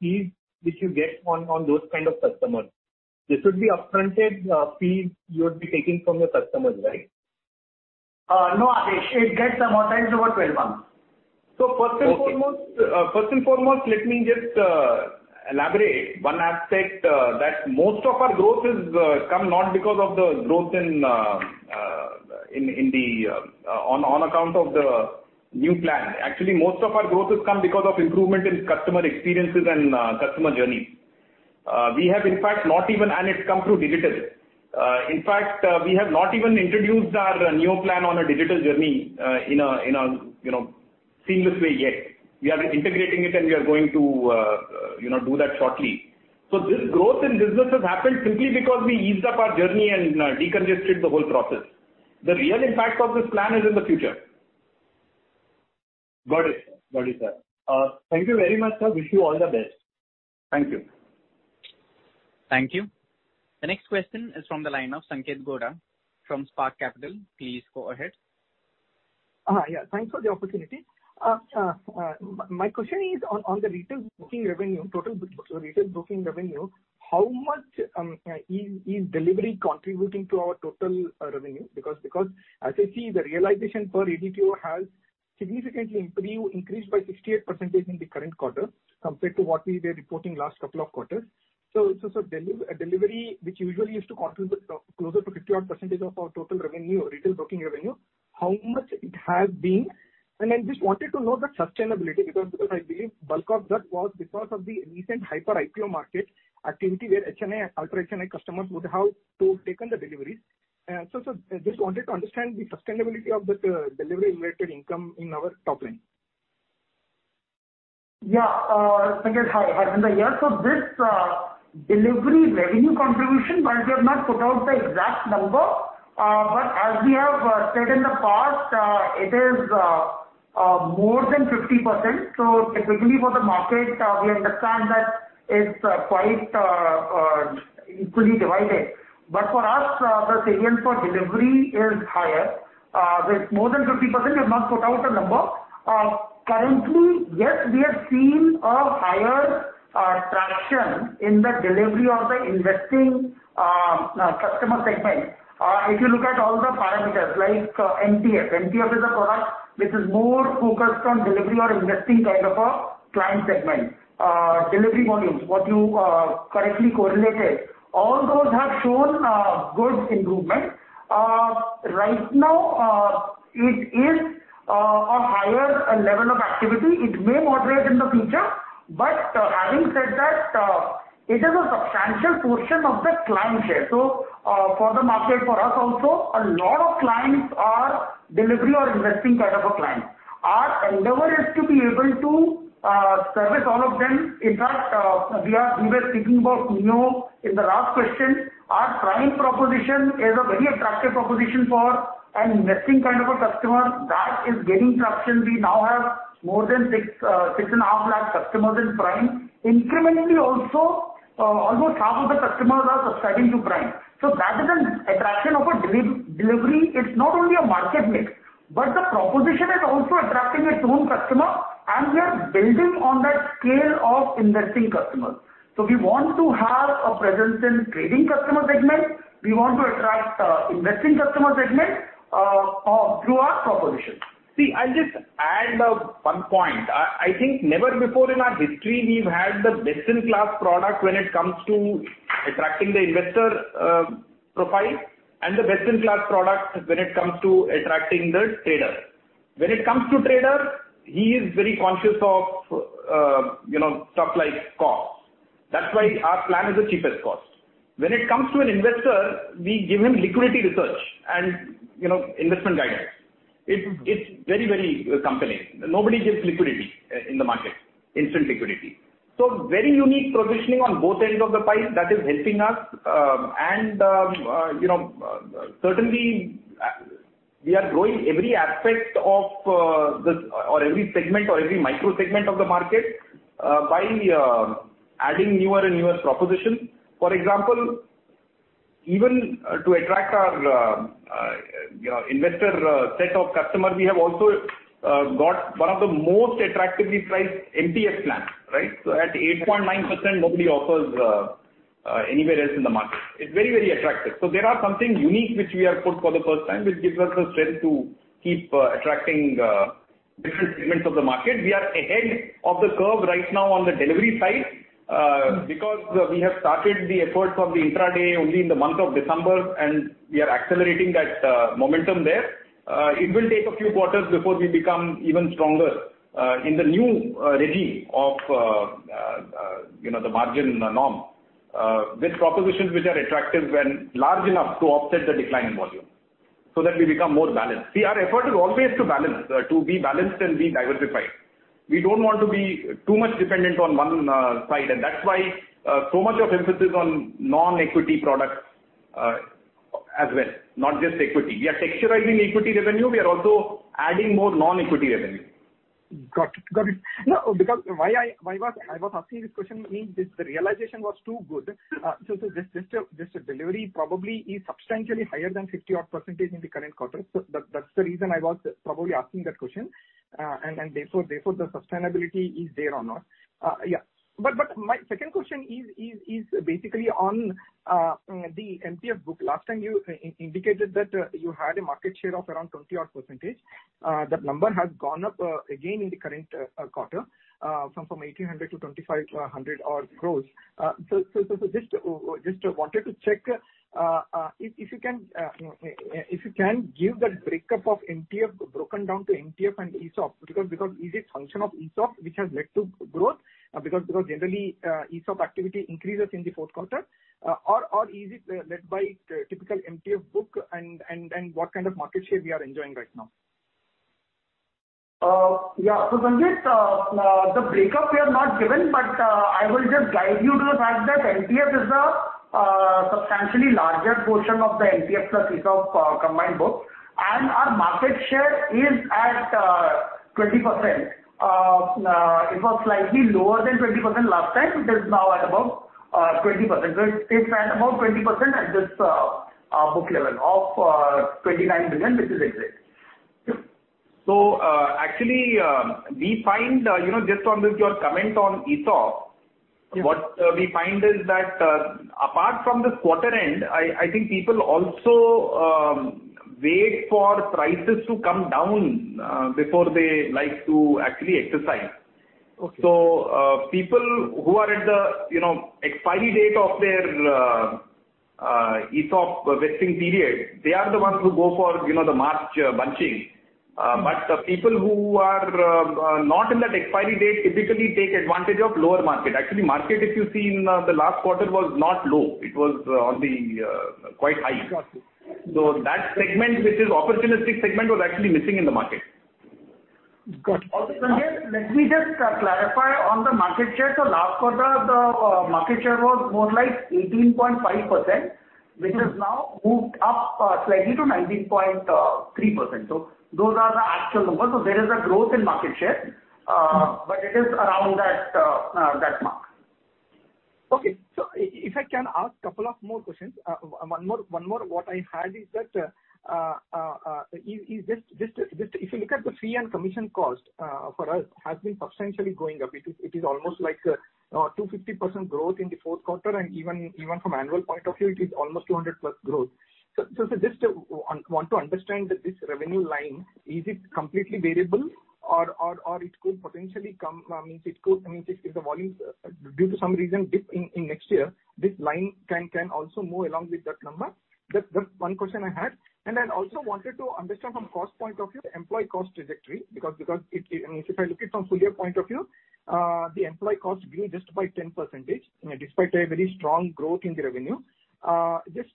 fees which you get on those kind of customers? This would be upfronted fee you would be taking from your customers, right? No, Aadesh. It gets amortized over 12 months. Okay. First and foremost, let me just elaborate one aspect, that most of our growth has come not on account of the new plan. Actually, most of our growth has come because of improvement in customer experiences and customer journeys. It's come through digital. In fact, we have not even introduced our new plan on a digital journey in a seamless way yet. We are integrating it, and we are going to do that shortly. This growth in business has happened simply because we eased up our journey and decongested the whole process. The real impact of this plan is in the future. Got it, sir. Thank you very much, sir. Wish you all the best. Thank you. Thank you. The next question is from the line of Sanketh Godha from Spark Capital. Please go ahead. Yeah. Thanks for the opportunity. My question is on the total retail broking revenue, how much is delivery contributing to our total revenue? As I see, the realization per ADTO has significantly increased by 68% in the current quarter compared to what we were reporting last couple of quarters. Delivery, which usually used to contribute closer to 50% odd of our total revenue or retail broking revenue, how much it has been? I just wanted to know the sustainability, because I believe bulk of that was because of the recent hyper IPO market activity, where HNI and ultra-HNI customers would have taken the deliveries. Just wanted to understand the sustainability of the delivery-related income in our top line. Yeah. Sanketh, hi. Harvinder here. This delivery revenue contribution, while we have not put out the exact number, but as we have said in the past, it is more than 50%. Typically, for the market, we understand that it's quite equally divided. For us, the segment for delivery is higher. With more than 50%, we have not put out a number. Currently, yes, we have seen a higher traction in the delivery or the investing customer segment. If you look at all the parameters, like MTF. MTF is a product which is more focused on delivery or investing kind of a client segment. Delivery volumes, what you correctly correlated, all those have shown good improvement. Right now, it is a higher level of activity. It may moderate in the future. Having said that, it is a substantial portion of the client share. For the market, for us also, a lot of clients are delivery or investing kind of a client. Our endeavor is to be able to service all of them. In fact, we were speaking about Neo in the last question. Our Prime proposition is a very attractive proposition for an investing kind of a customer. That is gaining traction. We now have more than 6.5 lakh customers in Prime. Incrementally also, almost half of the customers are subscribing to Prime. That is an attraction of a delivery. It is not only a market mix, but the proposition is also attracting its own customer, and we are building on that scale of investing customers. We want to have a presence in trading customer segment. We want to attract investing customer segment through our proposition. I'll just add one point. I think never before in our history we've had the best-in-class product when it comes to attracting the investor profile and the best-in-class product when it comes to attracting the trader. When it comes to trader, he is very conscious of stuff like cost. That's why our plan is the cheapest cost. When it comes to an investor, we give him liquidity research and investment guidance. It's very compelling. Nobody gives liquidity in the market, instant liquidity. Very unique positioning on both ends of the pipe that is helping us. Certainly, we are growing every aspect or every segment or every micro segment of the market by adding newer and newer propositions. For example, even to attract our investor set of customers, we have also got one of the most attractively priced MTF plans. At 8.9%, nobody offers anywhere else in the market. It's very attractive. There are some things unique which we have put for the first time, which gives us the strength to keep attracting different segments of the market. We are ahead of the curve right now on the delivery side, because we have started the efforts of the intraday only in the month of December, and we are accelerating that momentum there. It will take a few quarters before we become even stronger in the new regime of the margin norm. These propositions which are attractive and large enough to offset the decline in volume so that we become more balanced. See, our effort is always to be balanced and be diversified. We don't want to be too much dependent on one side, and that's why so much of emphasis on non-equity products as well, not just equity. We are texturizing equity revenue. We are also adding more non-equity revenue. Got it. Why I was asking this question, means the realization was too good. Just delivery probably is substantially higher than 50% odd in the current quarter. That's the reason I was probably asking that question, and therefore the sustainability is there or not. My second question is basically on the MTF book. Last time you indicated that you had a market share of around 20% odd. That number has gone up again in the current quarter from 1,800 crore to 2,500 crore odd. Just wanted to check if you can give that breakup of MTF broken down to MTF and ESOP, because is it function of ESOP which has led to growth? Generally, ESOP activity increases in the fourth quarter. Is it led by typical MTF book and what kind of market share we are enjoying right now? Sanketh, the breakup we have not given, but I will just guide you to the fact that MTF is a substantially larger portion of the MTF plus ESOP combined book, and our market share is at 20%. It was slightly lower than 20% last time. It is now at about 20%. It's at about 20% at this book level of INR 29 billion, which is exact. Actually, just on this, your comment on ESOP- Yeah. What we find is that apart from this quarter end, I think people also wait for prices to come down before they like to actually exercise. Okay. People who are at the expiry date of their ESOP vesting period, they are the ones who go for the March bunching. People who are not in that expiry date typically take advantage of lower market. Actually, market, if you see in the last quarter, was not low. It was on the quite high. Got it. That segment, which is opportunistic segment, was actually missing in the market. Got it. Sanketh, let me just clarify on the market share. Last quarter, the market share was more like 18.5%, which has now moved up slightly to 19.3%. Those are the actual numbers. There is a growth in market share. It is around that mark. Okay. If I can ask a couple of more questions. One more what I had is that, if you look at the fee and commission cost for us, has been substantially going up. It is almost like 250% growth in the fourth quarter, and even from annual point of view, it is almost 200%+ growth. Just want to understand this revenue line. Is it completely variable or it could potentially come, means if the volumes due to some reason dip in next year, this line can also move along with that number? That's one question I had. I also wanted to understand from cost point of view, the employee cost trajectory, because if I look it from full-year point of view, the employee cost grew just by 10% despite a very strong growth in the revenue. Just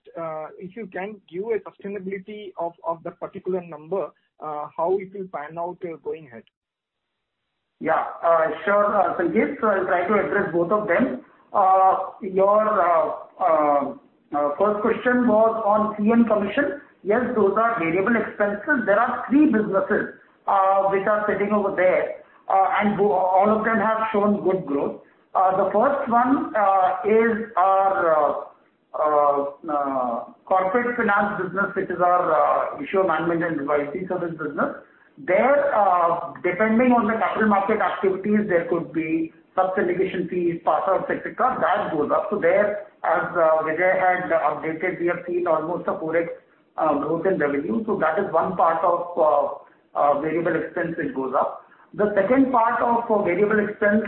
if you can give a sustainability of that particular number, how it will pan out going ahead? Sure, Sanketh. I'll try to address both of them. Your first question was on fee and commission. Yes, those are variable expenses. There are three businesses which are sitting over there, and all of them have shown good growth. The first one is our corporate finance business, which is our issue management and advisory service business. There, depending on the capital market activities, there could be sub-syndication fees, partner, et cetera, that goes up. There, as Vijay had updated, we have seen almost a 4x growth in revenue. That is one part of variable expense which goes up. The second part of variable expense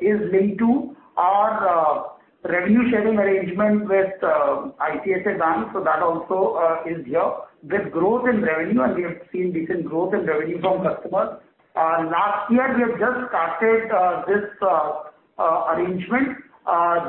is linked to our revenue sharing arrangement with ICICI Bank, that also is here. With growth in revenue, we have seen decent growth in revenue from customers. Last year, we have just started this arrangement.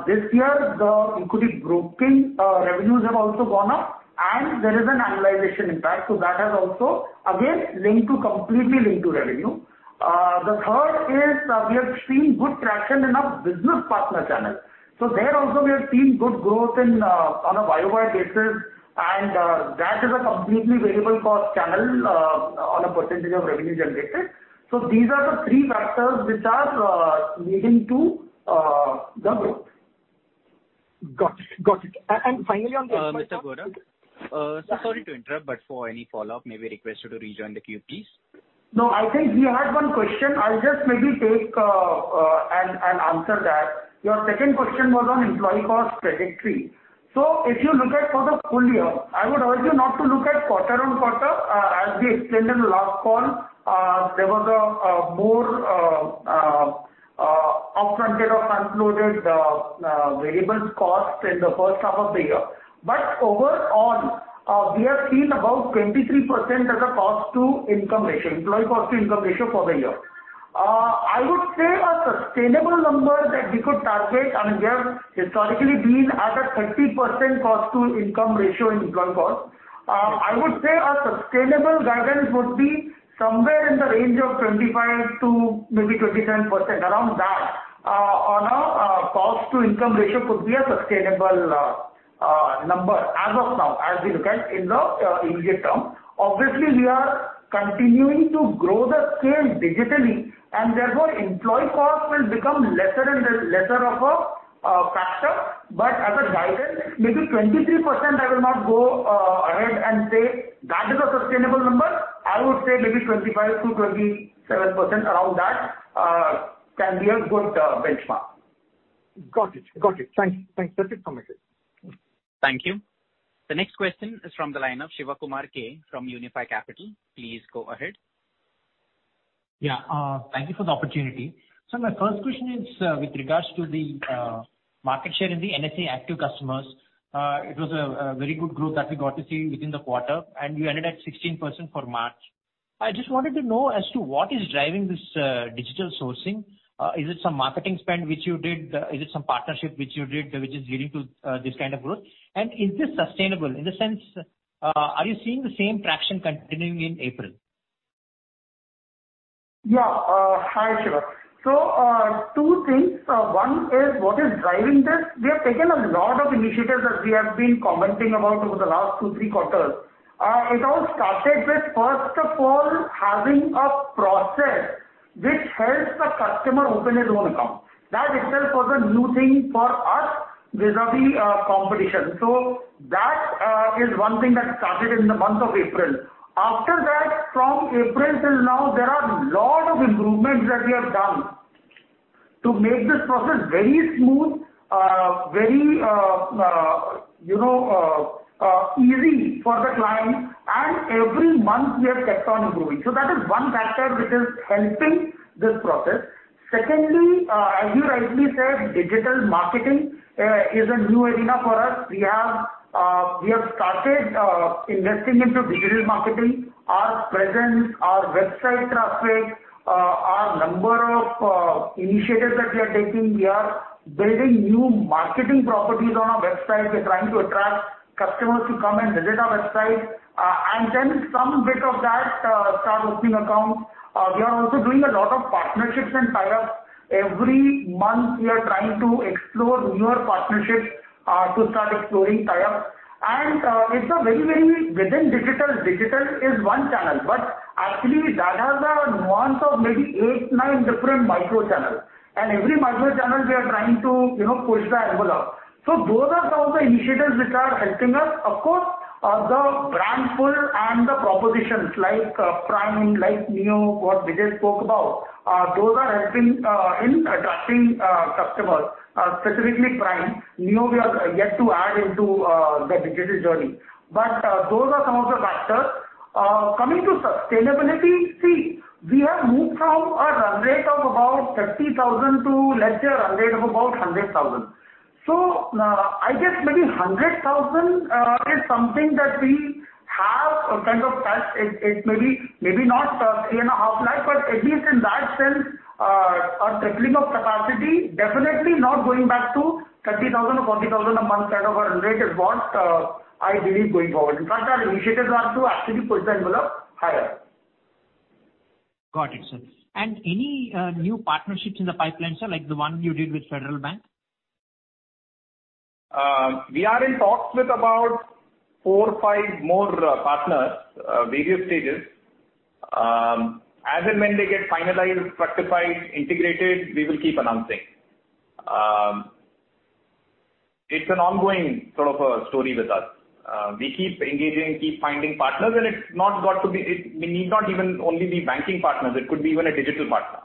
This year, the equity broking revenues have also gone up and there is an annualization impact. That has also, again, completely linked to revenue. The third is we have seen good traction in our business partner channel. There also we have seen good growth on a YoY basis, and that is a completely variable cost channel on a percentage of revenue generated. These are the three factors which are leading to the growth. Got it. Mr. Godha, sorry to interrupt, but for any follow-up, may we request you to rejoin the queue, please? I think he had one question. I'll just maybe take and answer that. Your second question was on employee cost trajectory. If you look at for the full-year, I would urge you not to look at quarter-on-quarter. As we explained in the last call, there was a more up-front load of unloaded variable costs in the first half of the year. Overall, we have seen about 23% as a cost-to-income ratio, employee cost-to-income ratio for the year. I would say a sustainable number that we could target, and we have historically been at a 30% cost-to-income ratio in income cost. I would say our sustainable guidance would be somewhere in the range of 25% to maybe 27%, around that on a cost to income ratio could be a sustainable number as of now, as we look at in the immediate term. Obviously, we are continuing to grow the scale digitally and therefore employee cost will become lesser and lesser of a factor. As a guidance, maybe 23%, I will not go ahead and say that is a sustainable number. I would say maybe 25%-27% around that can be a good benchmark. Got it. Thanks. That's it from my side. Thank you. The next question is from the line of Sivakumar K. from Unifi Capital. Please go ahead. Yeah. Thank you for the opportunity. Sir, my first question is with regards to the market share in the NSE active customers. It was a very good growth that we got to see within the quarter, and you ended at 16% for March. I just wanted to know as to what is driving this digital sourcing. Is it some marketing spend which you did? Is it some partnership which you did that is leading to this kind of growth? Is this sustainable, in the sense, are you seeing the same traction continuing in April? Yeah. Hi, Siva. Two things. One is what is driving this. We have taken a lot of initiatives that we have been commenting about over the last two, three quarters. It all started with, first of all, having a process which helps the customer open his own account. That itself was a new thing for us vis-a-vis competition. That is one thing that started in the month of April. After that, from April till now, there are a lot of improvements that we have done to make this process very smooth, very easy for the client. Every month we have kept on improving. That is one factor which is helping this process. Secondly, as you rightly said, digital marketing is a new arena for us. We have started investing into digital marketing. Our presence, our website traffic, our number of initiatives that we are taking. We are building new marketing properties on our website. We're trying to attract customers to come and visit our website. Some bit of that start opening accounts. We are also doing a lot of partnerships and tie-ups. Every month we are trying to explore newer partnerships to start exploring tie-ups. Within digital is one channel, but actually that has a nuance of maybe eight, nine different micro channels. Every micro channel, we are trying to push the envelope. Those are some of the initiatives which are helping us. Of course, the brand pull and the propositions like Prime, like Neo, what Vijay spoke about, those are helping in attracting customers, specifically Prime. Neo, we are yet to add into the digital journey. Those are some of the factors. Coming to sustainability, we have moved from a run rate of about 30,000 to, let's say, a run rate of about 100,000. I guess maybe 100,000 is something that we have a kind of test. It's maybe not 3.5 lakh But at least in that sense, a tripling of capacity, definitely not going back to 30,000 or 40,000 a month kind of a run rate is what I believe going forward. In fact, our initiatives are to actually push the envelope higher. Got it, sir. Any new partnerships in the pipeline, sir, like the one you did with Federal Bank? We are in talks with about four or five more partners, various stages. As and when they get finalized, structured, integrated, we will keep announcing. It is an ongoing sort of a story with us. We keep engaging, keep finding partners, and we need not even only be banking partners, it could be even a digital partner.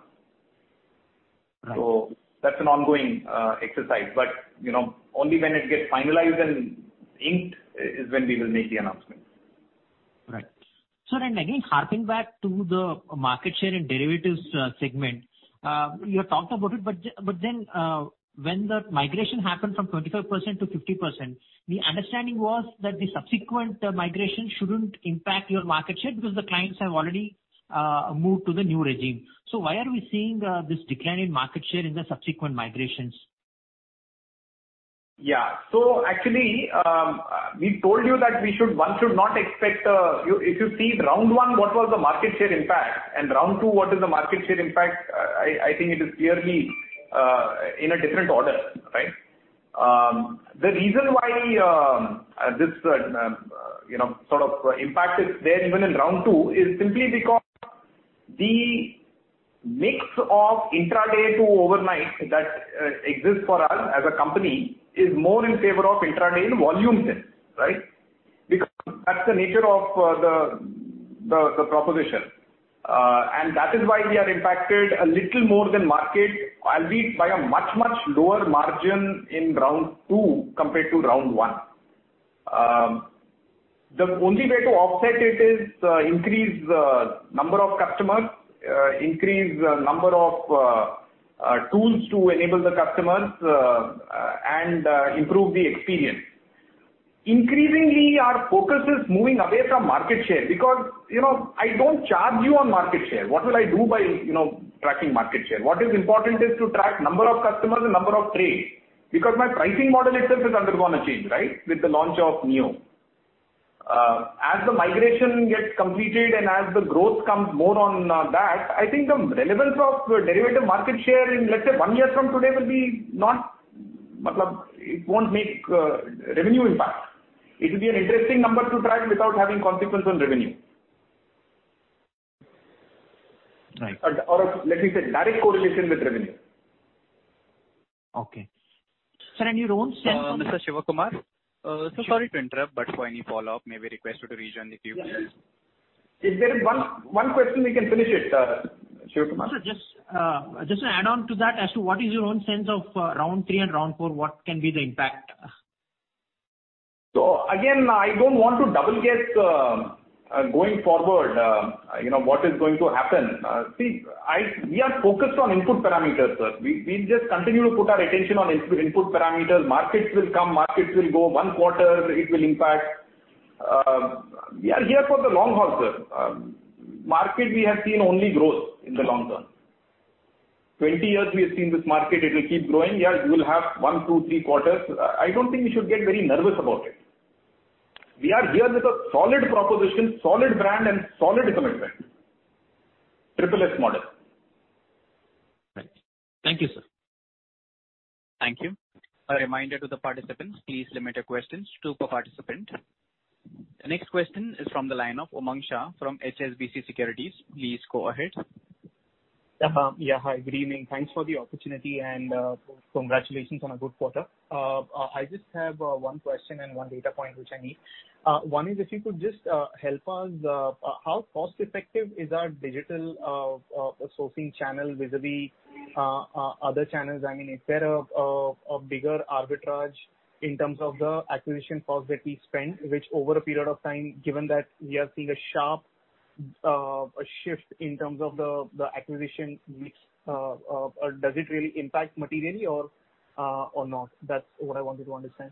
Right. That's an ongoing exercise. Only when it gets finalized and inked is when we will make the announcement. Right. Sir, again, harping back to the market share and derivatives segment. You have talked about it, when the migration happened from 25%-50%, the understanding was that the subsequent migration shouldn't impact your market share because the clients have already moved to the new regime. Why are we seeing this decline in market share in the subsequent migrations? Actually, we told you that one should not expect If you see round one, what was the market share impact, and round two, what is the market share impact, I think it is clearly in a different order, right? The reason why this sort of impact is there even in round two is simply because the mix of intraday to overnight that exists for us as a company is more in favor of intraday in volume sense, right? That's the nature of the proposition. That is why we are impacted a little more than market, albeit by a much, much lower margin in round two compared to round one. The only way to offset it is increase number of customers, increase number of tools to enable the customers, and improve the experience. Increasingly, our focus is moving away from market share because I don't charge you on market share. What will I do by tracking market share? What is important is to track number of customers and number of trades, because my pricing model itself has undergone a change, right, with the launch of Neo. As the migration gets completed and as the growth comes more on that, I think the relevance of derivative market share in, let's say, one year from today will be not. It won't make revenue impact. It will be an interesting number to track without having consequence on revenue. Right. Let me say, direct correlation with revenue. Okay. Sir, your own sense- Mr. Sivakumar? Sir, sorry to interrupt, but for any follow-up, may we request you to rejoin the queue, please? If there is one question, we can finish it, Sivakumar. Sir, just to add on to that, as to what is your own sense of round three and round four, what can be the impact? Again, I don't want to double-guess going forward what is going to happen. See, we are focused on input parameters, sir. We just continue to put our attention on input parameters. Markets will come, markets will go. One quarter, it will impact. We are here for the long haul, sir. Market, we have seen only growth in the long-term. 20 years we have seen this market, it will keep growing. Yes, we will have one, two, three quarters. I don't think we should get very nervous about it. We are here with a solid proposition, solid brand, and solid commitment. Triple S model. Right. Thank you, sir. Thank you. A reminder to the participants, please limit your questions, two per participant. The next question is from the line of Umang Shah from HSBC Securities. Please go ahead. Yeah. Hi, good evening. Thanks for the opportunity and congratulations on a good quarter. I just have one question and one data point, which I need. One is, if you could just help us, how cost-effective is our digital sourcing channel vis-a-vis other channels? I mean, is there a bigger arbitrage in terms of the acquisition cost that we spend, which over a period of time, given that we are seeing a sharp shift in terms of the acquisition mix. Does it really impact materially or not? That's what I wanted to understand.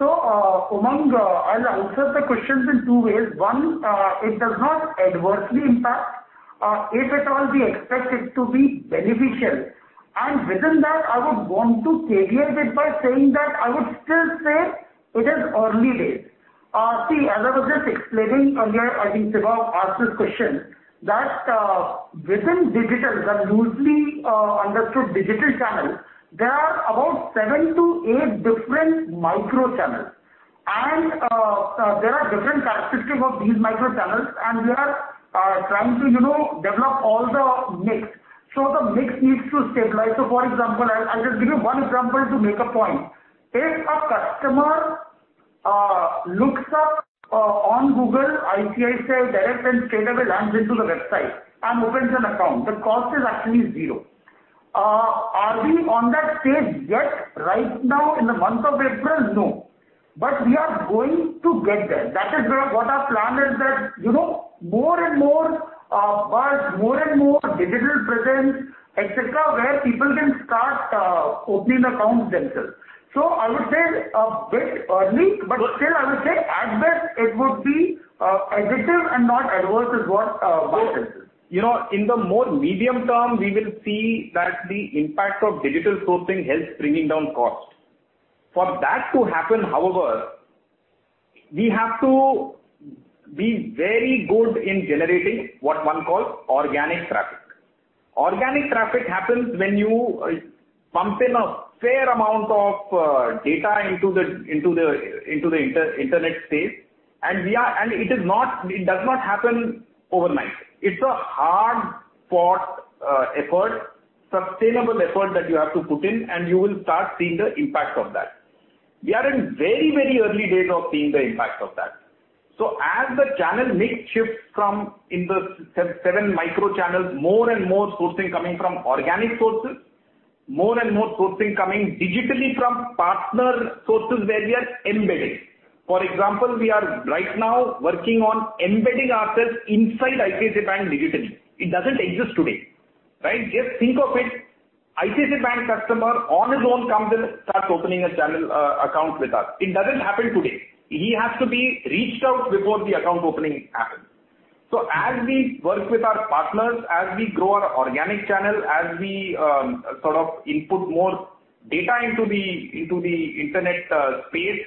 Umang, I'll answer the questions in two ways. One, it does not adversely impact. If at all, we expect it to be beneficial. Within that, I would want to caveat it by saying that I would still say it is early days. As I was just explaining earlier, I think Siva asked this question, that within digital, the loosely understood digital channels, there are about 7-8 different micro channels. There are different characteristics of these micro channels, and we are trying to develop all the mix. The mix needs to stabilize. For example, I'll just give you one example to make a point. If a customer looks up on Google ICICIdirect Money and straightaway lands into the website and opens an account, the cost is actually zero. Are we on that stage yet right now in the month of April? No. We are going to get there. That is what our plan is that more and more buzz, more and more digital presence, et cetera, where people can start opening accounts themselves. I would say a bit early, but still, I would say at best, it would be additive and not adverse is what my sense is. In the more medium-term, we will see that the impact of digital sourcing helps bringing down cost. For that to happen, however, we have to be very good in generating what one calls organic traffic. Organic traffic happens when you pump in a fair amount of data into the internet space, and it does not happen overnight. It is a hard-fought effort, sustainable effort that you have to put in, and you will start seeing the impact of that. We are in very early days of seeing the impact of that. As the channel mix shifts from, in the seven micro channels, more and more sourcing coming from organic sources, more and more sourcing coming digitally from partner sources where we are embedded. For example, we are right now working on embedding ourselves inside ICICI Bank digitally. It doesn't exist today, right? Just think of it, ICICI Bank customer on his own comes and starts opening his account with us. It doesn't happen today. He has to be reached out before the account opening happens. As we work with our partners, as we grow our organic channel, as we sort of input more data into the internet space,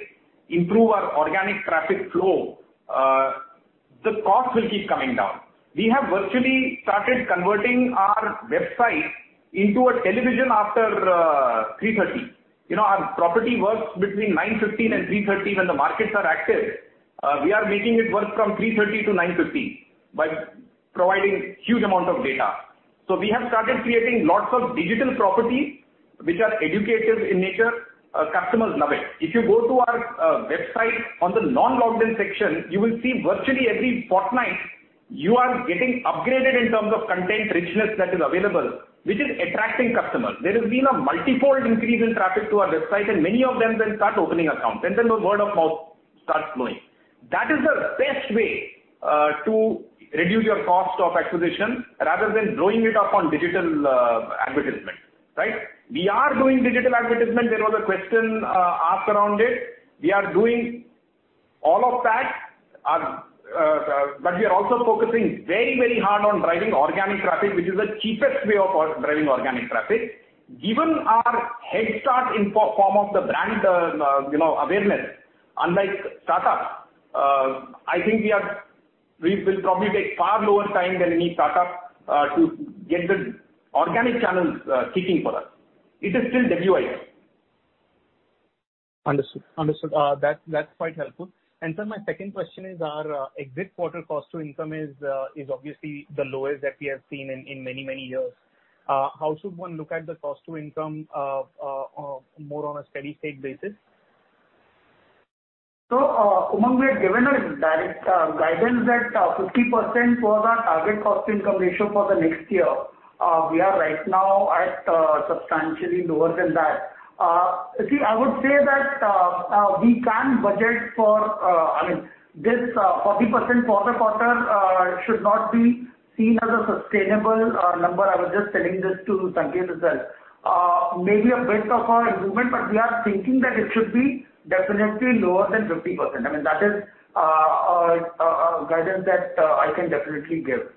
improve our organic traffic flow, the cost will keep coming down. We have virtually started converting our website into a television after 3:30. Our property works between 9:15 and 3:30 when the markets are active. We are making it work from 3:30-9:15 by providing huge amount of data. We have started creating lots of digital property, which are educative in nature. Customers love it. If you go to our website on the non-logged in section, you will see virtually every fortnight, you are getting upgraded in terms of content richness that is available, which is attracting customers. There has been a multifold increase in traffic to our website and many of them will start opening accounts, and then the word of mouth starts growing. That is the best way to reduce your cost of acquisition rather than blowing it up on digital advertisement. Right? We are doing digital advertisement. There was a question asked around it. We are doing all of that, but we are also focusing very hard on driving organic traffic, which is the cheapest way of driving organic traffic. Given our head start in form of the brand awareness, unlike startup, I think we will probably take far lower time than any startup to get the organic channels ticking for us. It is still WIP. Understood. That's quite helpful. Sir, my second question is our exit quarter cost to income is obviously the lowest that we have seen in many, many years. How should one look at the cost to income more on a steady state basis? Umang, we have given a direct guidance that 50% was our target cost-income ratio for the next year. We are right now at substantially lower than that. I would say that this 40% quarter should not be seen as a sustainable number. I was just telling this to Sanketh as well. Maybe a bit of our improvement, but we are thinking that it should be definitely lower than 50%. That is a guidance that I can definitely give.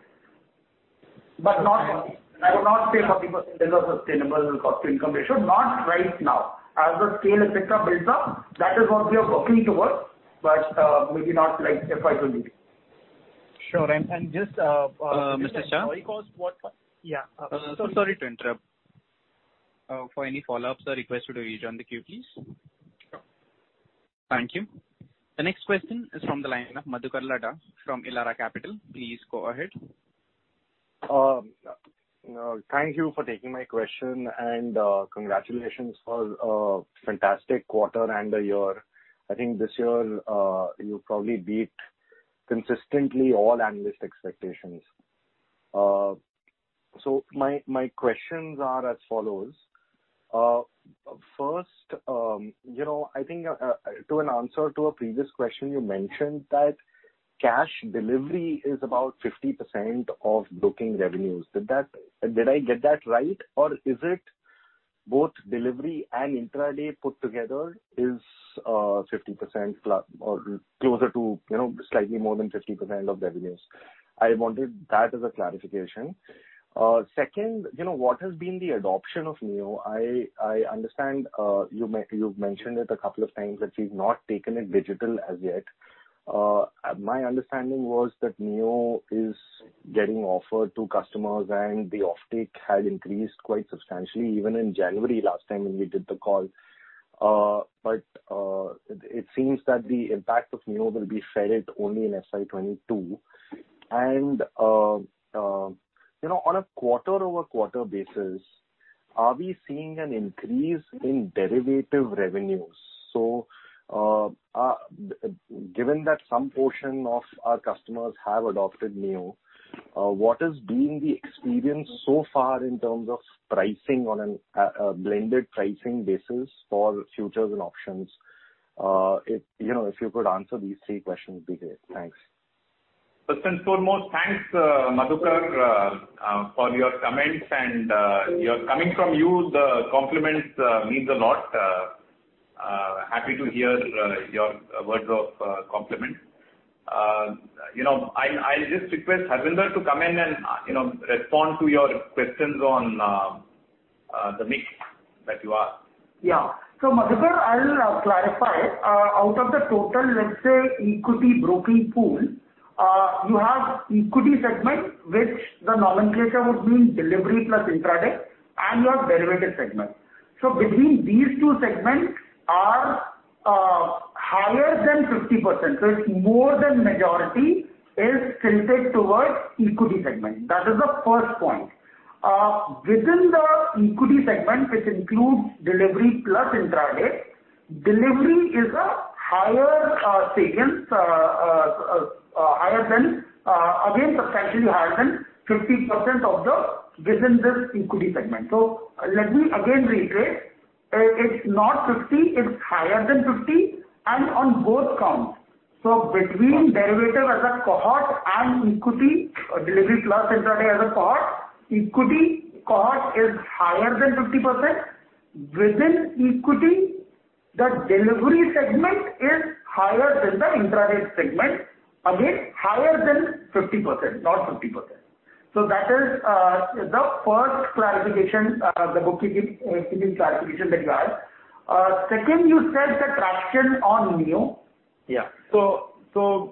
I would not say 40% is a sustainable cost to income ratio, not right now. As the scale et cetera builds up, that is what we are working towards, maybe not like FY 2023. Sure. Mr. Shah. Yeah. Sorry to interrupt. For any follow-ups or requests, would you rejoin the queue, please? Sure. Thank you. The next question is from the line of Madhukar Ladha from Elara Capital. Please go ahead. Thank you for taking my question and congratulations for a fantastic quarter and a year. I think this year you probably beat consistently all analyst expectations. My questions are as follows. First, I think to an answer to a previous question, you mentioned that cash delivery is about 50% of broking revenues. Did I get that right? Or is it both delivery and intraday put together is 50% closer to slightly more than 50% of revenues? I wanted that as a clarification. Second, what has been the adoption of Neo? I understand you've mentioned it a couple of times that we've not taken it digital as yet. My understanding was that Neo is getting offered to customers and the offtake had increased quite substantially even in January last time when we did the call. It seems that the impact of Neo will be felt only in FY 2022. On a quarter-over-quarter basis, are we seeing an increase in derivative revenues? Given that some portion of our customers have adopted Neo what has been the experience so far in terms of pricing on a blended pricing basis for futures and options? If you could answer these three questions would be great. Thanks. First and foremost, thanks Madhukar for your comments and coming from you the compliments means a lot. Happy to hear your words of compliment. I'll just request Harvinder to come in and respond to your questions on the mix that you asked. Madhukar, I'll clarify. Out of the total, let's say equity broking pool you have equity segment which the nomenclature would mean delivery plus intraday and your derivative segment. Between these two segments are higher than 50%. It's more than majority is tilted towards equity segment. That is the first point. Within the equity segment, which includes delivery plus intraday, delivery is a higher stake, again, substantially higher than 50% within this equity segment. Let me again reiterate. It's not 50%, it's higher than 50% and on both counts. Between derivative as a cohort and equity, delivery plus intraday as a cohort, equity cohort is higher than 50%. Within equity, the delivery segment is higher than the intraday segment. Again, higher than 50%, not 50%. That is the first clarification the bookkeeping clarification that you asked. Second, you said the traction on Neo. Yeah. When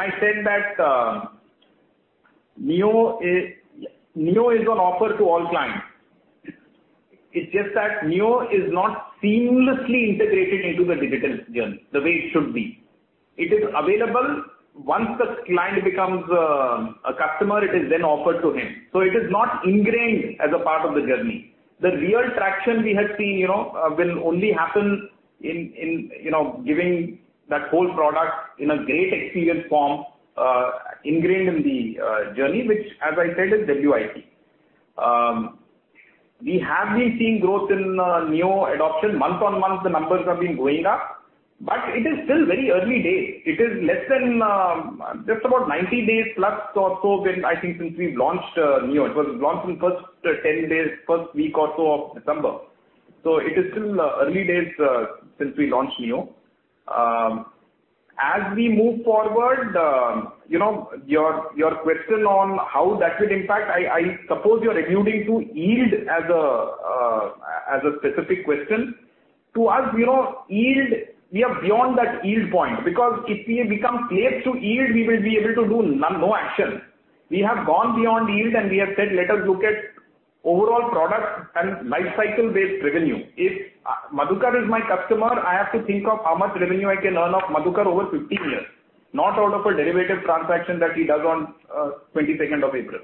I said that Neo is on offer to all clients. It is just that Neo is not seamlessly integrated into the digital journey the way it should be. It is available once the client becomes a customer, it is then offered to him. It is not ingrained as a part of the journey. The real traction we have seen will only happen in giving that whole product in a great experience form ingrained in the journey which as I said is WIP. We have been seeing growth in Neo adoption. Month on month the numbers have been going up, it is still very early days. It is just about 90+ days or so I think since we've launched Neo. It was launched in first 10 days, first week or so of December. It is still early days since we launched Neo. As we move forward your question on how that will impact, I suppose you're alluding to yield as a specific question. To us, we are beyond that yield point because if we become slave to yield, we will be able to do no action. We have gone beyond yield. We have said, let us look at overall product and life cycle-based revenue. If Madhukar is my customer, I have to think of how much revenue I can earn off Madhukar over 15 years, not out of a derivative transaction that he does on 22nd of April.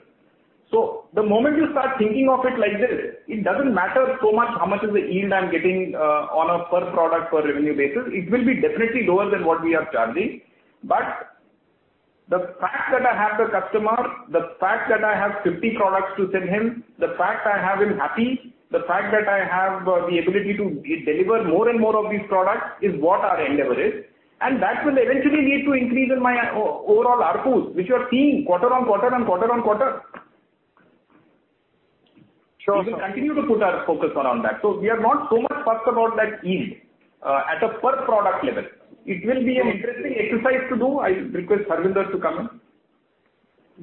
The moment you start thinking of it like this, it doesn't matter so much how much is the yield I'm getting on a per product, per revenue basis. It will be definitely lower than what we are charging. The fact that I have the customer, the fact that I have 50 products to sell him, the fact I have him happy, the fact that I have the ability to deliver more and more of these products is what our endeavor is. That will eventually lead to increase in my overall ARPU, which you are seeing quarter-on-quarter and quarter-on-quarter. Sure. We will continue to put our focus around that. We are not so much fussed about that yield at a per product level. It will be an interesting exercise to do. I request Harvinder to come in.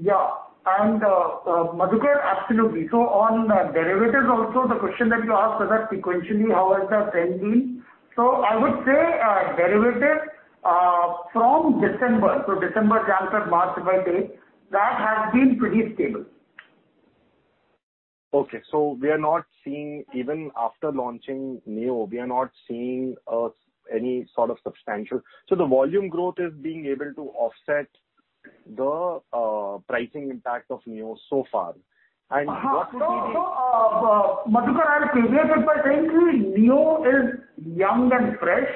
Yeah. Madhukar, absolutely. On derivatives also, the question that you asked was that sequentially, how has the trend been? I would say derivatives from December, so December till March if I take, that has been pretty stable. Okay. Even after launching Neo, we are not seeing any sort of substantial. The volume growth is being able to offset the pricing impact of Neo so far. What would be the- Madhukar, as previous if I tell you, Neo is young and fresh.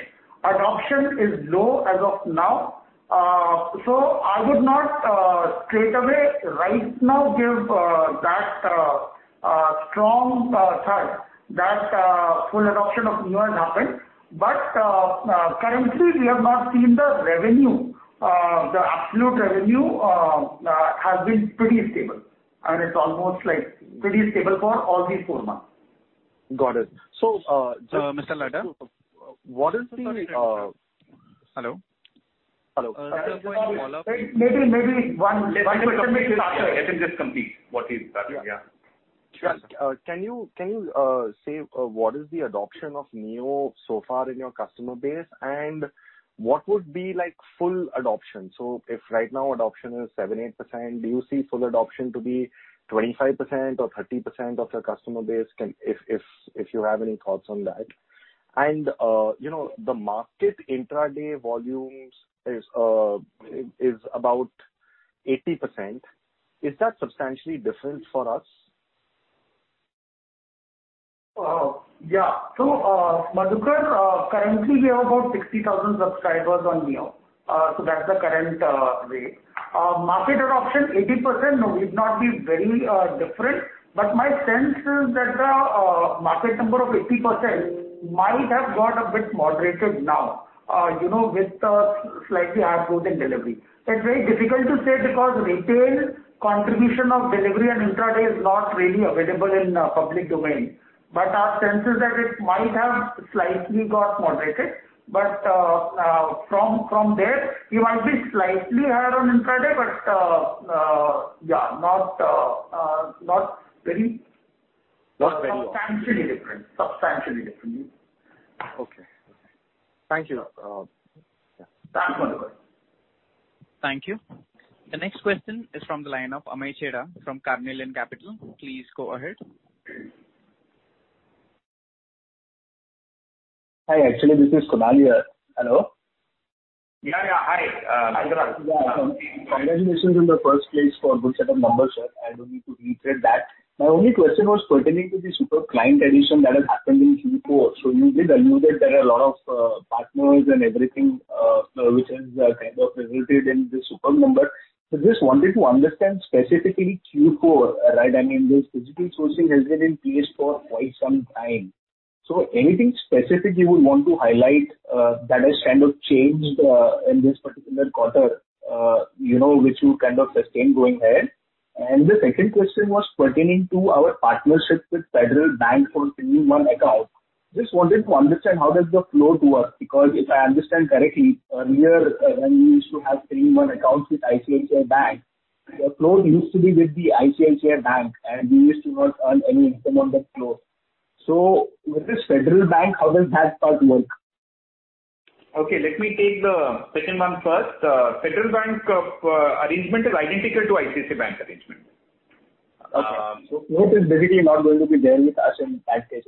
Adoption is low as of now. I would not straight away right now give that strong sign that full adoption of Neo has happened. Currently, we have not seen the revenue. The absolute revenue has been pretty stable, and it's almost pretty stable for all these four months. Got it. Mr. Ladha, what is the Hello? Hello? Maybe one question. Let him just complete what he's saying. Yeah. Sure. Can you say what is the adoption of Neo so far in your customer base and what would be full adoption? If right now adoption is 7% or 8%, do you see full adoption to be 25% or 30% of your customer base, if you have any thoughts on that? The market intraday volumes is about 80%. Is that substantially different for us? Yeah. Madhukar, currently we have about 60,000 subscribers on Neo. That's the current rate. Market adoption, 80% would not be very different. My sense is that the market number of 80% might have got a bit moderated now with slightly ARPU than delivery. It's very difficult to say because retail contribution of delivery and intraday is not really available in public domain. Our sense is that it might have slightly got moderated. From there, we might be slightly higher on intraday. Not very. Substantially different. Okay. Thank you. Thanks, Madhukar. Thank you. The next question is from the line of Amey Chheda from Carnelian Capital. Please go ahead. Hi. Actually, this is Kunal here. Hello? Yeah. Hi, Kunal. Yeah. Congratulations in the first place for good set of numbers, sir. I don't need to reiterate that. My only question was pertaining to the super client addition that has happened in Q4. You did allude that there are a lot of partners and everything which has kind of resulted in this super number. Just wanted to understand specifically Q4, right? I mean, this digital sourcing has been in place for quite some time. Anything specific you would want to highlight that has kind of changed in this particular quarter which you kind of sustain going ahead? The second question was pertaining to our partnership with Federal Bank for 3-in-1 Account. Just wanted to understand how does the flow work? If I understand correctly, earlier when we used to have 3-in-1 Accounts with ICICI Bank, the flow used to be with the ICICI Bank and we used to not earn any income on that flow. With this Federal Bank, how does that part work? Okay, let me take the second one first. Federal Bank arrangement is identical to ICICI Bank arrangement. Okay. flow is basically not going to be there with us in that case.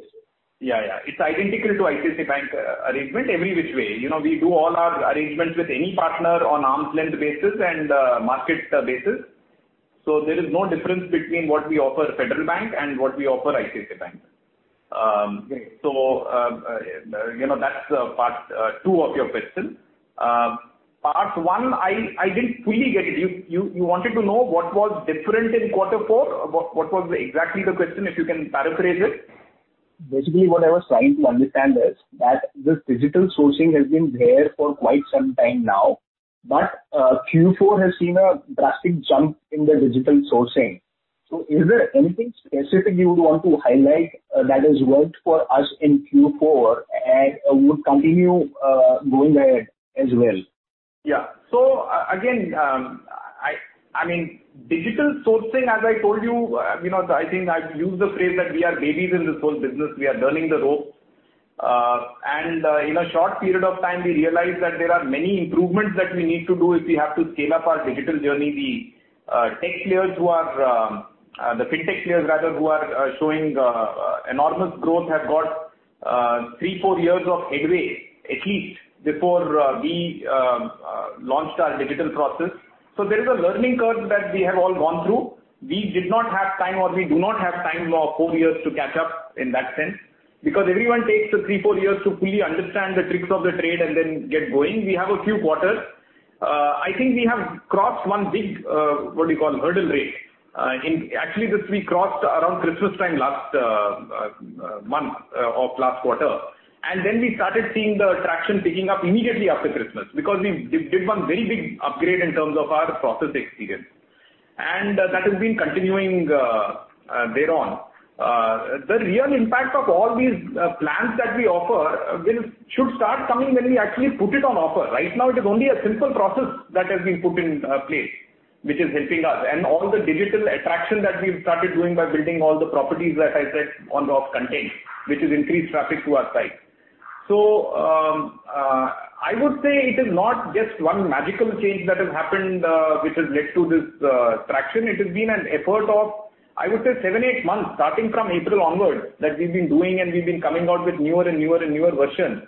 Yeah. It's identical to ICICI Bank arrangement every which way. We do all our arrangements with any partner on arm's length basis and market basis. There is no difference between what we offer Federal Bank and what we offer ICICI Bank. Great. That's part two of your question. Part 1, I didn't fully get it. You wanted to know what was different in quarter four? What was exactly the question, if you can paraphrase it? What I was trying to understand is that this digital sourcing has been there for quite some time now, but Q4 has seen a drastic jump in the digital sourcing. Is there anything specific you would want to highlight that has worked for us in Q4 and would continue going ahead as well? Yeah. Again, digital sourcing, as I told you, I think I've used the phrase that we are babies in this whole business. We are learning the ropes. In a short period of time, we realized that there are many improvements that we need to do if we have to scale up our digital journey. The tech players who are, the FinTech players rather, who are showing enormous growth have got three, four years of headway, at least, before we launched our digital process. There is a learning curve that we have all gone through. We did not have time, or we do not have time of four years to catch up in that sense, because everyone takes three, four years to fully understand the tricks of the trade and then get going. We have a few quarters. I think we have crossed one big hurdle rate. Actually, this we crossed around Christmas time last month or last quarter. Then we started seeing the traction picking up immediately after Christmas, because we did one very big upgrade in terms of our process experience. That has been continuing thereon. The real impact of all these plans that we offer should start coming when we actually put it on offer. Right now, it is only a simple process that has been put in place, which is helping us. All the digital attraction that we've started doing by building all the properties that I said on the off content, which has increased traffic to our site. I would say it is not just one magical change that has happened which has led to this traction. It has been an effort of, I would say, seven, eight months starting from April onwards that we've been doing, and we've been coming out with newer and newer versions.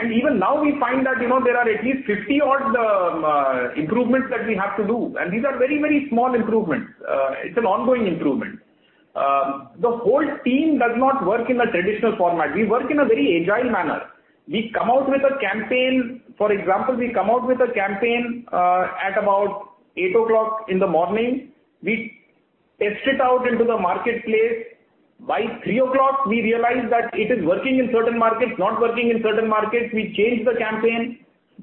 Even now, we find that there are at least 50 odd improvements that we have to do. These are very small improvements. It's an ongoing improvement. The whole team does not work in a traditional format. We work in a very agile manner. For example, we come out with a campaign at about eight o'clock in the morning. We test it out into the marketplace. By three o'clock, we realize that it is working in certain markets, not working in certain markets. We change the campaign.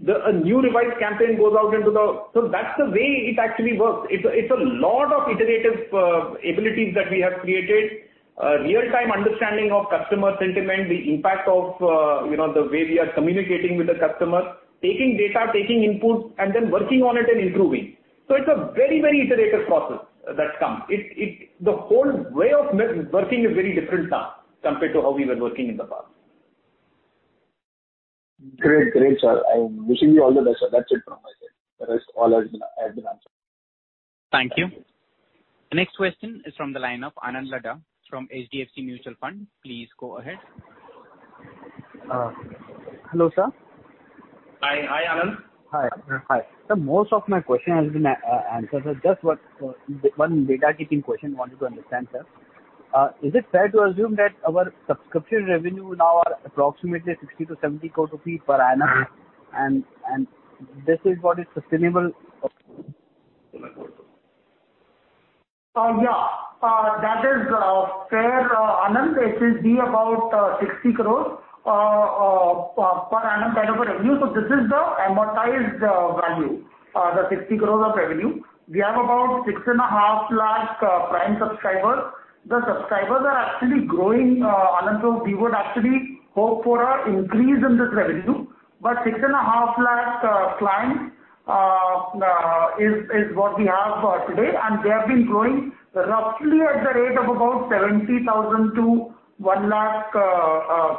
A new revised campaign goes out. That's the way it actually works. It's a lot of iterative abilities that we have created, real-time understanding of customer sentiment, the impact of the way we are communicating with the customer, taking data, taking input, and then working on it and improving. It's a very iterative process that comes. The whole way of working is very different now compared to how we were working in the past. Great, sir. I'm wishing you all the best, sir. That's it from my side. The rest all has been answered. Thank you. The next question is from the line of Anand Laddha from HDFC Mutual Fund. Please go ahead. Hello, sir. Hi, Anand. Hi. Sir, most of my question has been answered. Just one data-keeping question I wanted to understand, sir. Is it fair to assume that our subscription revenue now are approximately 60 crore-70 crore rupees per annum, and this is what is sustainable going forward, sir? That is fair, Anand. It will be about 60 crore per annum type of revenue. This is the amortized value, the 60 crore of revenue. We have about 6.5 lakh Prime subscribers. The subscribers are actually growing, Anand. We would actually hope for an increase in this revenue. 6.5 lakh clients is what we have today, and they have been growing roughly at the rate of about 70,000 to 1 lakh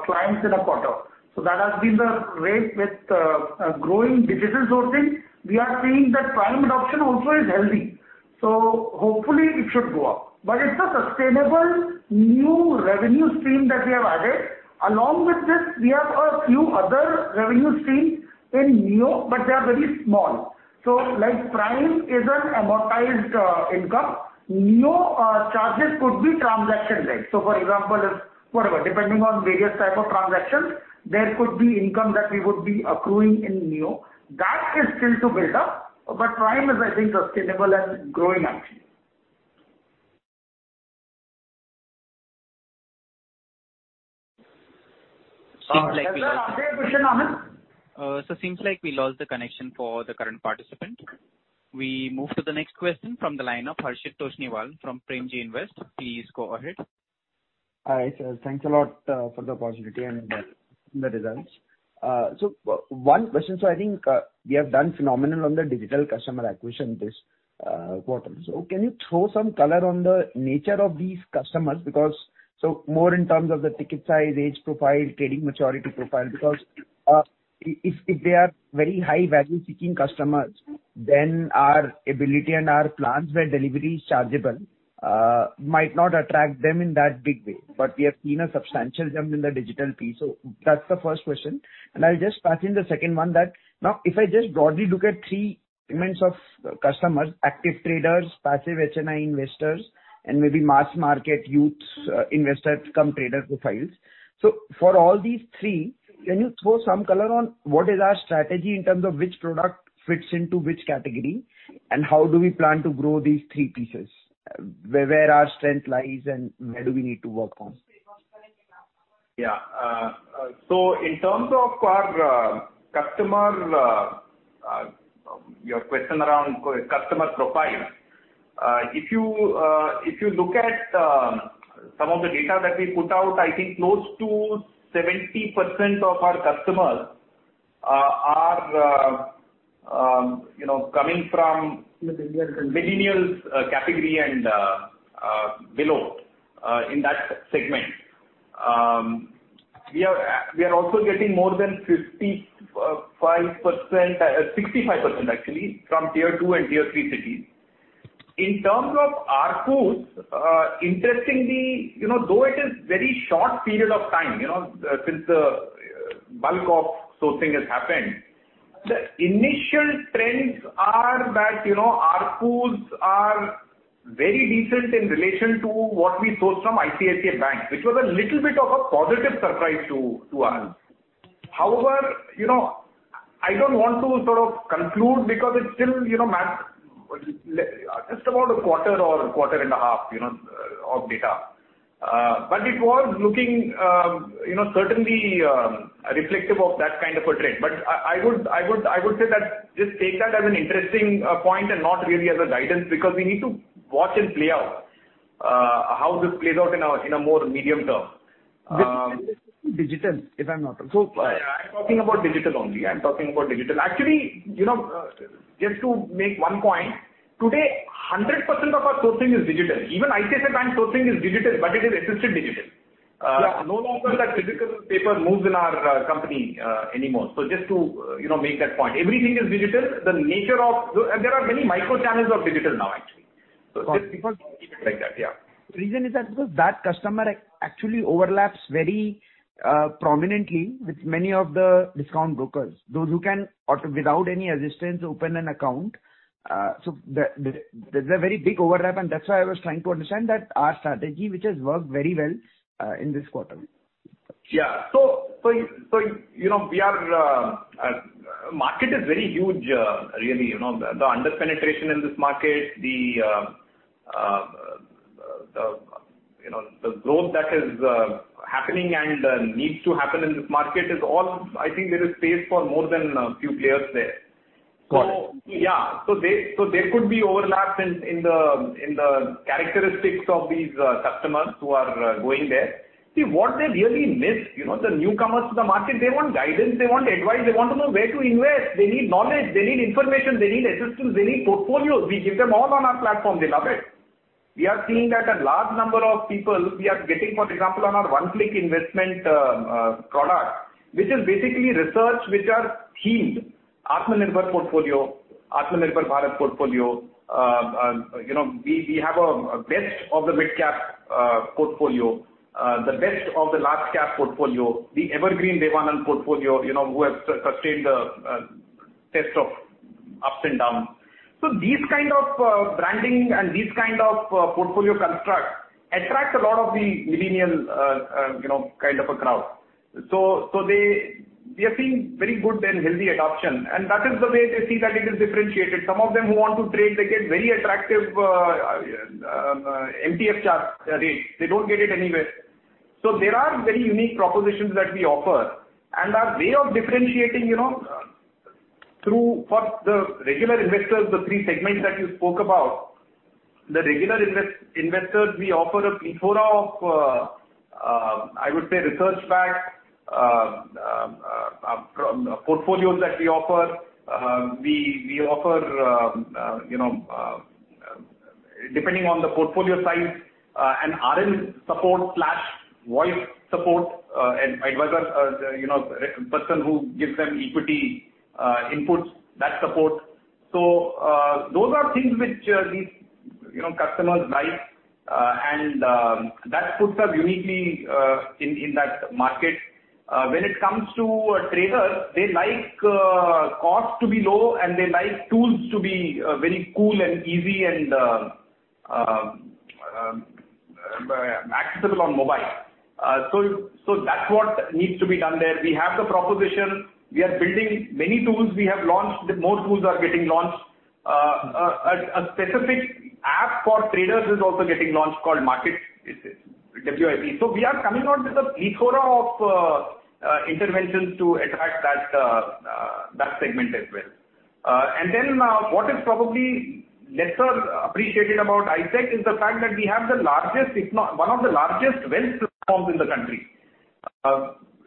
clients in a quarter. That has been the rate with growing digital sourcing. We are seeing that Prime adoption also is healthy, hopefully it should go up. It's a sustainable new revenue stream that we have added. Along with this, we have a few other revenue streams in Neo, they are very small. Like Prime is an amortized income. Neo charges could be transaction-led. For example, whatever, depending on various type of transactions, there could be income that we would be accruing in Neo. That is still to build up. Prime is, I think, sustainable and growing actually. Is there a last question, Anand? Sir, seems like we lost the connection for the current participant. We move to the next question from the line of Harshit Toshniwal from Premji Invest. Please go ahead. Hi, sir. Thanks a lot for the opportunity and the results. One question, sir. I think we have done phenomenal on the digital customer acquisition this quarter. Can you throw some color on the nature of these customers? More in terms of the ticket size, age profile, trading maturity profile. Because if they are very high value-seeking customers, then our ability and our plans where delivery is chargeable might not attract them in that big way. We have seen a substantial jump in the digital piece. That's the first question. I'll just patch in the second one that, now if I just broadly look at three segments of customers, active traders, passive HNI investors, and maybe mass market youths, investors-cum-trader profiles. For all these three, can you throw some color on what is our strategy in terms of which product fits into which category, and how do we plan to grow these three pieces? Where our strength lies and where do we need to work on? Yeah. In terms of your question around customer profile. If you look at some of the data that we put out, I think close to 70% of our customers are coming from. Millennials and- millennials category and below, in that segment. We are also getting more than 65%, actually, from Tier 2 and Tier 3 cities. In terms of ARPU, interestingly, though it is very short period of time, since the bulk of sourcing has happened, the initial trends are that ARPUs are very decent in relation to what we source from ICICI Bank, which was a little bit of a positive surprise to us. I don't want to conclude because it's still just about a quarter or quarter and a half of data. It was looking certainly reflective of that kind of a trend. I would say that just take that as an interesting point and not really as a guidance, because we need to watch it play out, how this plays out in a more medium term. This trend is digital, if I'm not wrong. I'm talking about digital only. Actually, just to make one point, today 100% of our sourcing is digital. Even ICICI Bank sourcing is digital, but it is assisted digital. Yeah. No longer that physical paper moves in our company anymore. Just to make that point. Everything is digital. There are many micro channels of digital now, actually. Just keep it like that, yeah. The reason is that because that customer actually overlaps very prominently with many of the discount brokers, those who can without any assistance open an account. There's a very big overlap, and that's why I was trying to understand that our strategy, which has worked very well in this quarter. Yeah. Our market is very huge, really. The under-penetration in this market, the growth that is happening and needs to happen in this market, I think there is space for more than a few players there. Got it. Yeah. There could be overlaps in the characteristics of these customers who are going there. What they really miss, the newcomers to the market, they want guidance, they want advice, they want to know where to invest. They need knowledge, they need information, they need assistance, they need portfolios. We give them all on our platform. They love it. We are seeing that a large number of people we are getting, for example, on our One Click Investment, which is basically research which are themed Atmanirbhar portfolio, Atmanirbhar Bharat portfolio. We have a best of the mid-cap portfolio, the best of the large-cap portfolio, the Evergreen Dev Anand portfolio, who has sustained the test of ups and downs. These kind of branding and these kind of portfolio construct attract a lot of the millennial kind of a crowd. We are seeing very good and healthy adoption, and that is the way they see that it is differentiated. Some of them who want to trade, they get very attractive MTF charge rate. They don't get it anywhere. There are very unique propositions that we offer, and our way of differentiating through, for the regular investors, the three segments that you spoke about. The regular investors we offer a plethora of, I would say, research-backed portfolios that we offer. We offer, depending on the portfolio size, an RM support/voice support advisor, a person who gives them equity inputs, that support. Those are things which these customers like. That puts us uniquely in that market. When it comes to traders, they like cost to be low, and they like tools to be very cool and easy and accessible on mobile. That's what needs to be done there. We have the proposition. We are building many tools. We have launched, more tools are getting launched. A specific app for traders is also getting launched called Market Wisdom, WIE. We are coming out with a plethora of interventions to attract that segment as well. What is probably lesser appreciated about ICICI is the fact that we have one of the largest wealth platforms in the country.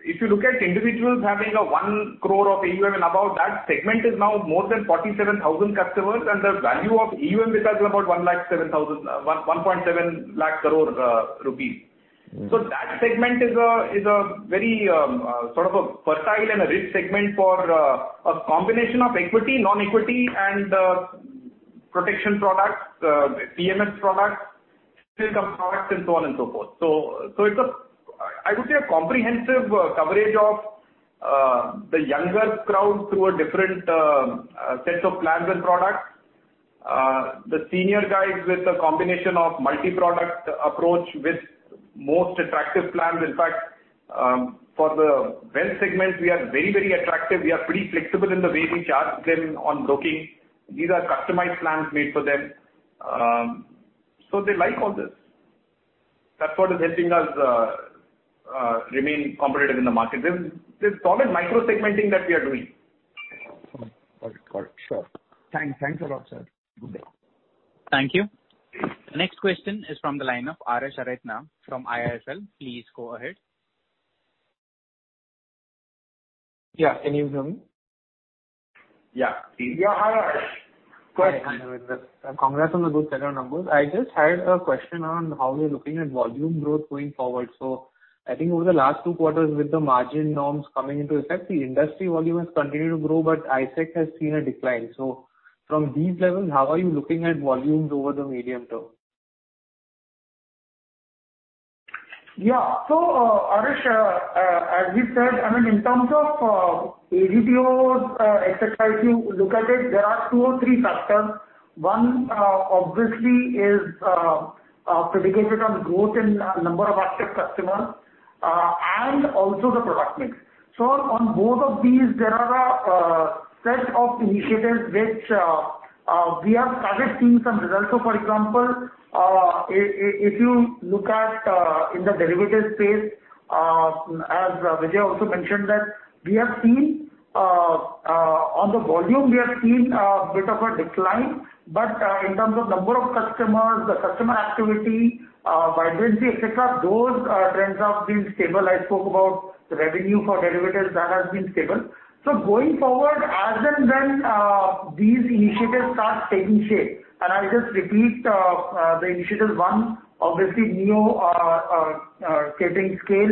If you look at individuals having a one crore of AUM and above, that segment is now more than 47,000 customers, and the value of AUM with us is about 170,000 crore rupees. That segment is a very sort of a fertile and a rich segment for a combination of equity, non-equity and protection products, PMS products, still some products and so on and so forth. It's, I would say, a comprehensive coverage of the younger crowd through a different sets of plans and products. The senior guys with a combination of multi-product approach with most attractive plans. In fact, for the wealth segment, we are very attractive. We are pretty flexible in the way we charge them on broking. These are customized plans made for them. They like all this. That's what is helping us remain competitive in the market. This is solid micro-segmenting that we are doing. Got it. Sure. Thanks a lot, sir. Good day. Thank you. The next question is from the line of Arish Aradhna from IIFL. Please go ahead. Yeah. Can you hear me? Yeah. Hi, Arish. Go ahead. Hi, Harvinder. Congrats on the good set of numbers. I just had a question on how you're looking at volume growth going forward. I think over the last two quarters with the margin norms coming into effect, the industry volume has continued to grow, but ICICI has seen a decline. From these levels, how are you looking at volumes over the medium-term? Yeah. Arish, as we said, in terms of ADTO, et cetera, if you look at it, there are two or three factors. One, obviously, is predicated on growth in number of active customers and also the product mix. On both of these, there are a set of initiatives which we have started seeing some results. For example, if you look at in the derivatives space, as Vijay also mentioned that on the volume, we have seen a bit of a decline. In terms of number of customers, the customer activity, vibrancy, et cetera, those trends have been stable. I spoke about the revenue for derivatives, that has been stable. Going forward, as and when these initiatives start taking shape, and I'll just repeat the initiatives. One, obviously Neo getting scale,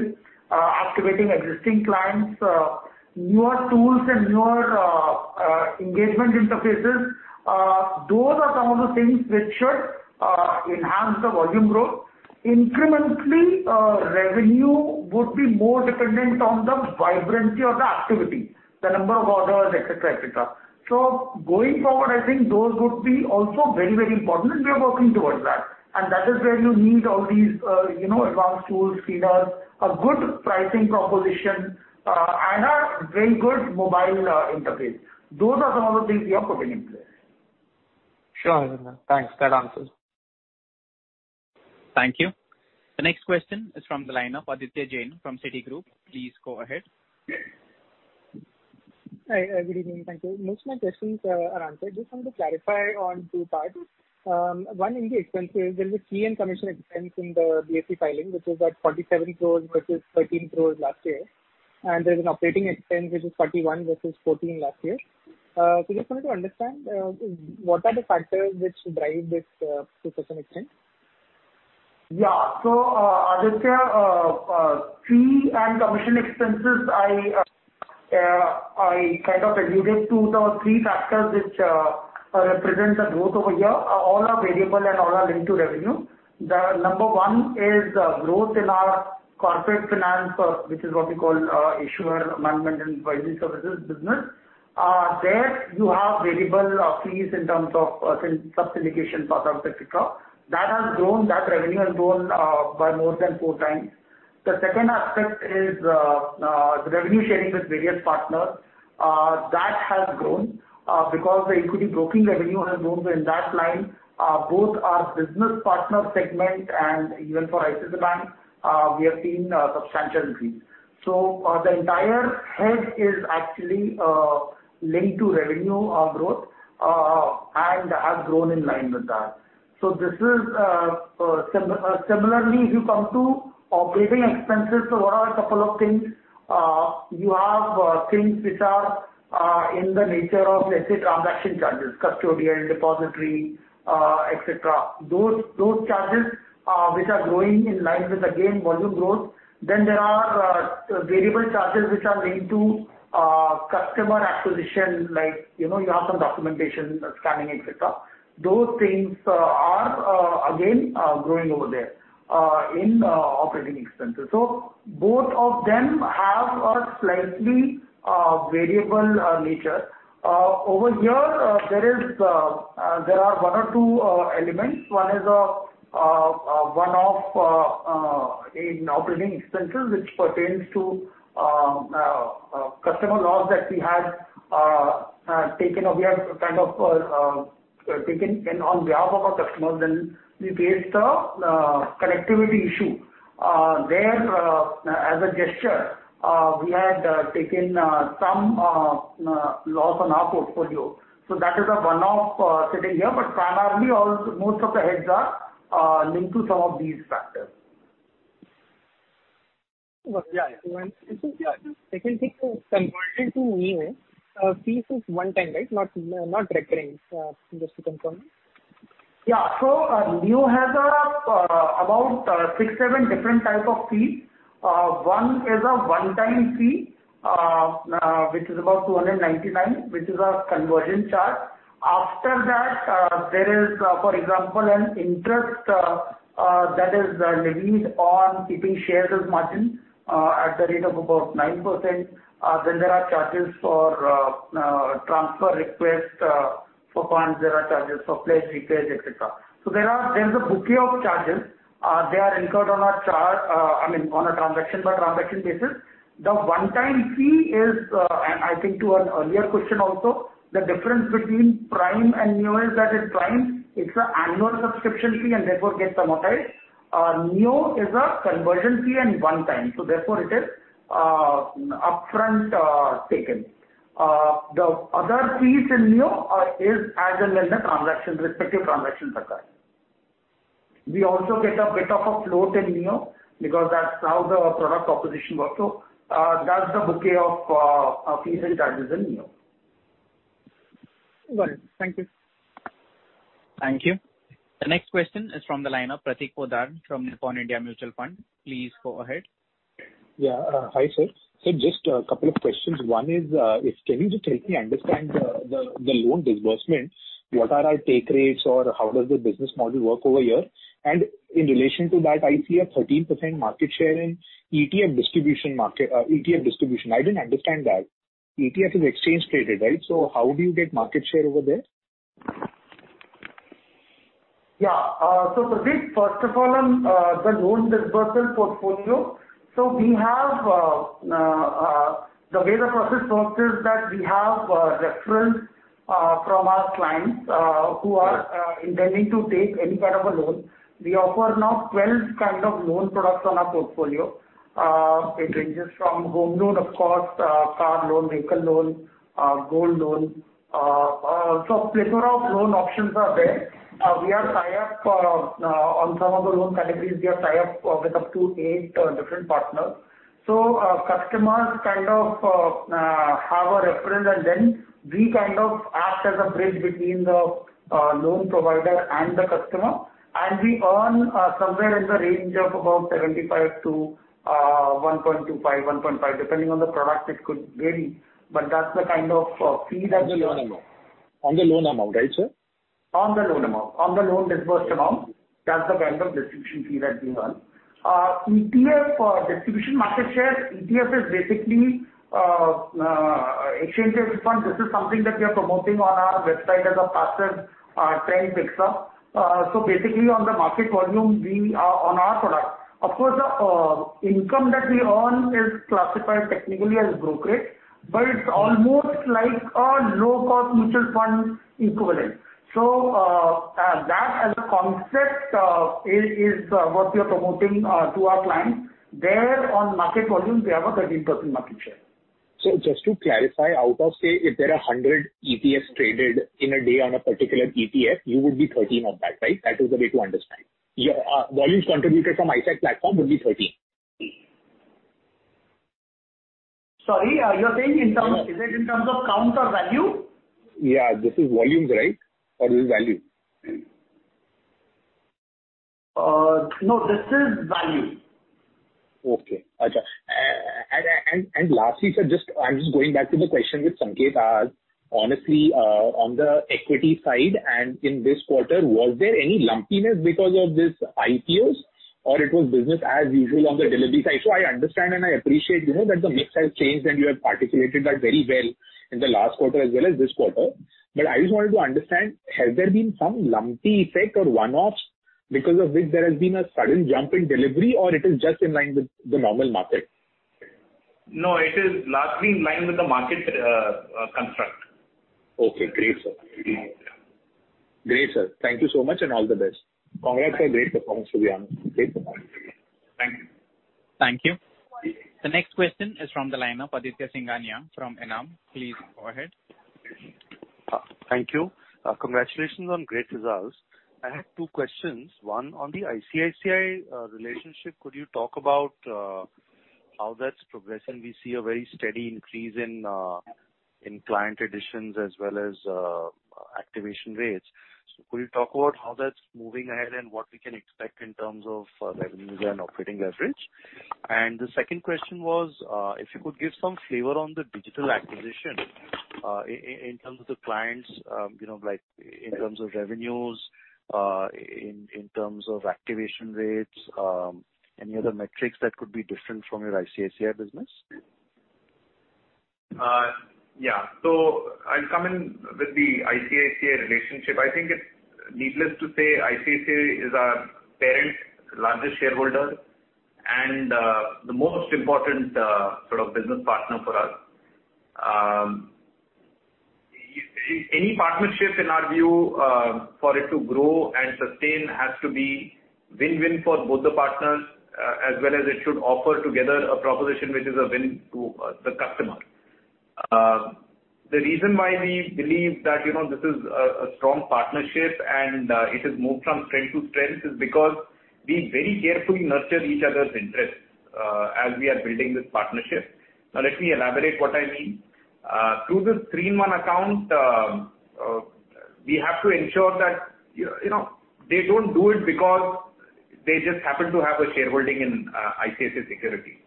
activating existing clients, newer tools and newer engagement interfaces. Those are some of the things which should enhance the volume growth. Incrementally, revenue would be more dependent on the vibrancy or the activity, the number of orders, et cetera. Going forward, I think those would be also very important and we are working towards that. That is where you need all these advanced tools, feeders, a good pricing proposition, and a very good mobile interface. Those are some of the things we are putting in place. Sure, Harvinder. Thanks, that answers. Thank you. The next question is from the line of Aditya Jain from Citigroup. Please go ahead. Hi, good evening. Thank you. Most of my questions are answered. Just want to clarify on two parts. One in the expenses, there is a fee and commission expense in the BSE filing, which is at 47 crore versus 13 crore last year. There is an operating expense which is 41 crore versus 14 last year. Just wanted to understand, what are the factors which drive this expense? Aditya, fee and commission expenses, I kind of alluded to the three factors which represent the growth over here. All are variable and all are linked to revenue. The number one is growth in our corporate finance, which is what we call issuer management and advisory services business. There you have variable fees in terms of sub-syndication, et cetera. That revenue has grown by more than four times. The second aspect is revenue sharing with various partners. That has grown because the equity broking revenue has grown. In that line, both our business partner segment and even for ICICI Bank, we have seen substantial fees. The entire head is actually linked to revenue growth and has grown in line with that. Similarly, if you come to operating expenses, what are a couple of things? You have things which are in the nature of, let's say, transaction charges, custodian, depository, et cetera. Those charges which are growing in line with, again, volume growth. There are variable charges which are linked to customer acquisition, like you have some documentation, scanning, et cetera. Those things are again growing over there in operating expenses. Both of them have a slightly variable nature. Over here, there are one or two elements. One is a one-off in operating expenses, which pertains to customer loss that we had taken on behalf of our customers when we faced a connectivity issue. There, as a gesture, we had taken some loss on our portfolio. That is a one-off sitting here, but primarily, most of the heads are linked to some of these factors. Got you. Since we are just converted to Neo, fees is one time, right? Not recurring, just to confirm. Neo has about six, seven different type of fees. One is a one-time fee, which is about 299, which is a conversion charge. After that, there is, for example, an interest that is levied on keeping shares as margin at the rate of about 9%. There are charges for transfer request for funds, there are charges for pledge repairs, et cetera. There is a bouquet of charges. They are incurred on a transaction-by-transaction basis. The one-time fee is, and I think to an earlier question also, the difference between Prime and Neo is that in Prime it's an annual subscription fee and therefore gets amortized. Neo is a conversion fee and one-time, therefore it is upfront taken. The other fees in Neo is as and when the respective transactions occur. We also get a bit of a float in Neo because that's how the product proposition works. That's the bouquet of fees and charges in Neo. Got it. Thank you. Thank you. The next question is from the line of Prateek Poddar from Nippon India Mutual Fund. Please go ahead. Yeah. Hi, sir. Sir, just a couple of questions. One is, can you just help me understand the loan disbursement? What are our take rates, or how does the business model work over here? In relation to that, I see a 13% market share in ETF distribution. I didn't understand that. ETF is exchange-traded, right? How do you get market share over there? Yeah. Prateek, first of all, on the loan disbursement portfolio. The way the process works is that we have reference from our clients who are intending to take any kind of a loan. We offer now 12 kind of loan products on our portfolio. It ranges from home loan, of course, car loan, vehicle loan, gold loan. A plethora of loan options are there. On some of the loan categories, we have tie-ups with up to 8 different partners. Customers kind of have a reference, and then we kind of act as a bridge between the loan provider and the customer. We earn somewhere in the range of about 75 to 1.25, 1.5, depending on the product, it could vary, but that's the kind of fee that we earn. On the loan amount, right, sir? On the loan amount. On the loan disbursed amount, that's the kind of distribution fee that we earn. ETF distribution market shares. ETF is basically exchange-traded fund. This is something that we are promoting on our website as a passive trend picks up. Basically, on the market volume on our product. Of course, the income that we earn is classified technically as brokerage, but it's almost like a low-cost mutual fund equivalent. That, as a concept, is what we are promoting to our clients. There on market volume, we have a 13% market share. Just to clarify, out of, say, if there are 100 ETFs traded in a day on a particular ETF, you would be 13% of that, right? That is the way to understand. Volumes contributed from IIFL platform would be 13%`. Sorry. Is it in terms of count or value? Yeah. This is volumes, right? Is it value? No, this is value. Okay. Lastly, sir, I'm just going back to the question which Sanketh asked. Honestly, on the equity side, and in this quarter, was there any lumpiness because of these IPOs, or it was business as usual on the delivery side? I understand and I appreciate that the mix has changed, and you have articulated that very well in the last quarter as well as this quarter. I just wanted to understand, has there been some lumpy effect or one-offs because of which there has been a sudden jump in delivery, or it is just in line with the normal market? No, it is largely in line with the market construct. Okay. Great, sir. Thank you so much, and all the best. Congrats on great performance, to be honest. Great performance. Thank you. Thank you. The next question is from the line of Aditya Singhania from ENAM. Please go ahead. Thank you. Congratulations on great results. I have two questions. One on the ICICI relationship. Could you talk about how that's progressing? We see a very steady increase in client additions as well as activation rates. Could you talk about how that's moving ahead and what we can expect in terms of revenues and operating leverage? The second question was, if you could give some flavor on the digital acquisition in terms of the clients, like in terms of revenues, in terms of activation rates, any other metrics that could be different from your ICICI business? Yeah. I'll come in with the ICICI relationship. I think it's needless to say, ICICI is our parent, largest shareholder, and the most important sort of business partner for us. Any partnership, in our view, for it to grow and sustain has to be win-win for both the partners, as well as it should offer together a proposition which is a win to the customer. The reason why we believe that this is a strong partnership and it has moved from strength to strength is because we very carefully nurture each other's interests as we are building this partnership. Let me elaborate what I mean. Through this three-in-one account, we have to ensure that they don't do it because they just happen to have a shareholding in ICICI Securities.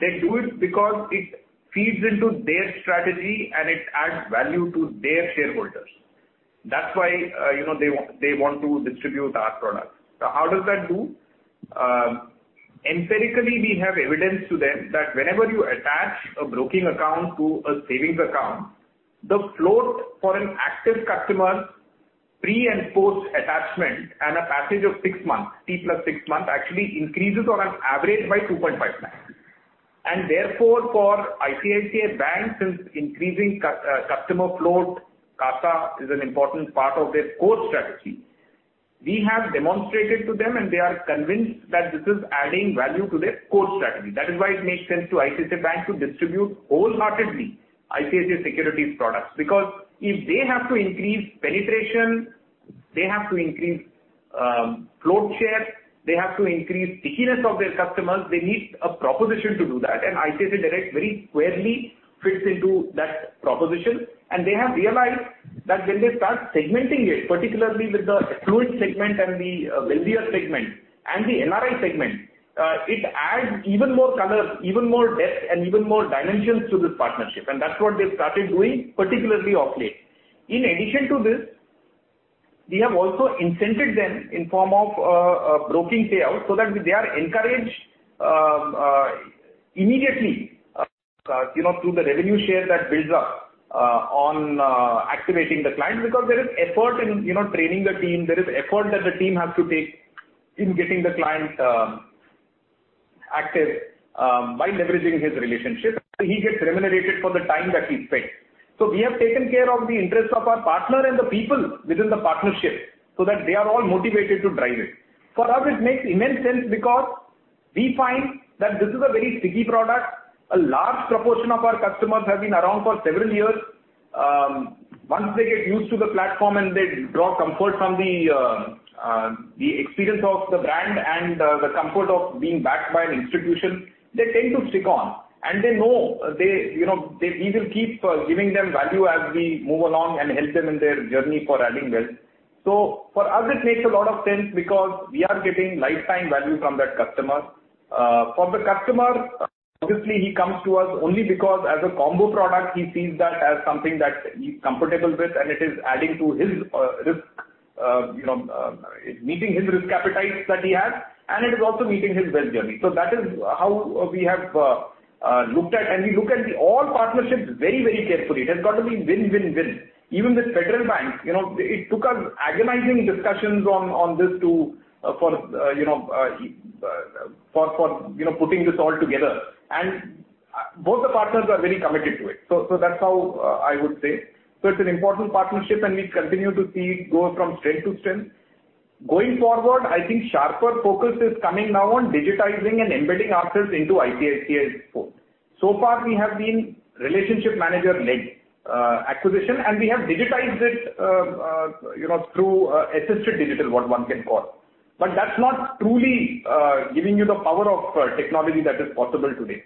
They do it because it feeds into their strategy and it adds value to their shareholders. That's why they want to distribute our product. How does that do? Empirically, we have evidence to them that whenever you attach a broking account to a savings account, the float for an active customer, pre and post-attachment and a passage of six months, T+ six months, actually increases on an average by 2.5 lakh. Therefore, for ICICI Bank, since increasing customer float CASA is an important part of their core strategy. We have demonstrated to them and they are convinced that this is adding value to their core strategy. That is why it makes sense to ICICI Bank to distribute wholeheartedly ICICI Securities products, because if they have to increase penetration, they have to increase float share, they have to increase stickiness of their customers. They need a proposition to do that. ICICIdirect Money very squarely fits into that proposition. They have realized that when they start segmenting it, particularly with the affluent segment and the wealthier segment and the NRI segment, it adds even more color, even more depth, and even more dimensions to this partnership. That's what they've started doing, particularly of late. In addition to this, we have also incented them in form of a broking payout so that they are encouraged immediately through the revenue share that builds up on activating the client because there is effort in training the team, there is effort that the team has to take in getting the client active by leveraging his relationship. So he gets remunerated for the time that he spends. So we have taken care of the interest of our partner and the people within the partnership so that they are all motivated to drive it. For us, it makes immense sense because we find that this is a very sticky product. A large proportion of our customers have been around for several years. Once they get used to the platform and they draw comfort from the experience of the brand and the comfort of being backed by an institution, they tend to stick on. They know we will keep giving them value as we move along and help them in their journey for adding wealth. For us, it makes a lot of sense because we are getting lifetime value from that customer. For the customer, obviously, he comes to us only because as a combo product, he sees that as something that he's comfortable with, and it is meeting his risk appetite that he has, and it is also meeting his wealth journey. That is how we have looked at, and we look at all partnerships very carefully. It has got to be win-win-win. Even with Federal Bank, it took us agonizing discussions on this for putting this all together. Both the partners are very committed to it. That's how I would say. It's an important partnership, and we continue to see it go from strength to strength. Going forward, I think sharper focus is coming now on digitizing and embedding ourselves into ICICI's portal. Far we have been relationship manager-led acquisition, and we have digitized it through assisted digital, what one can call. That's not truly giving you the power of technology that is possible today.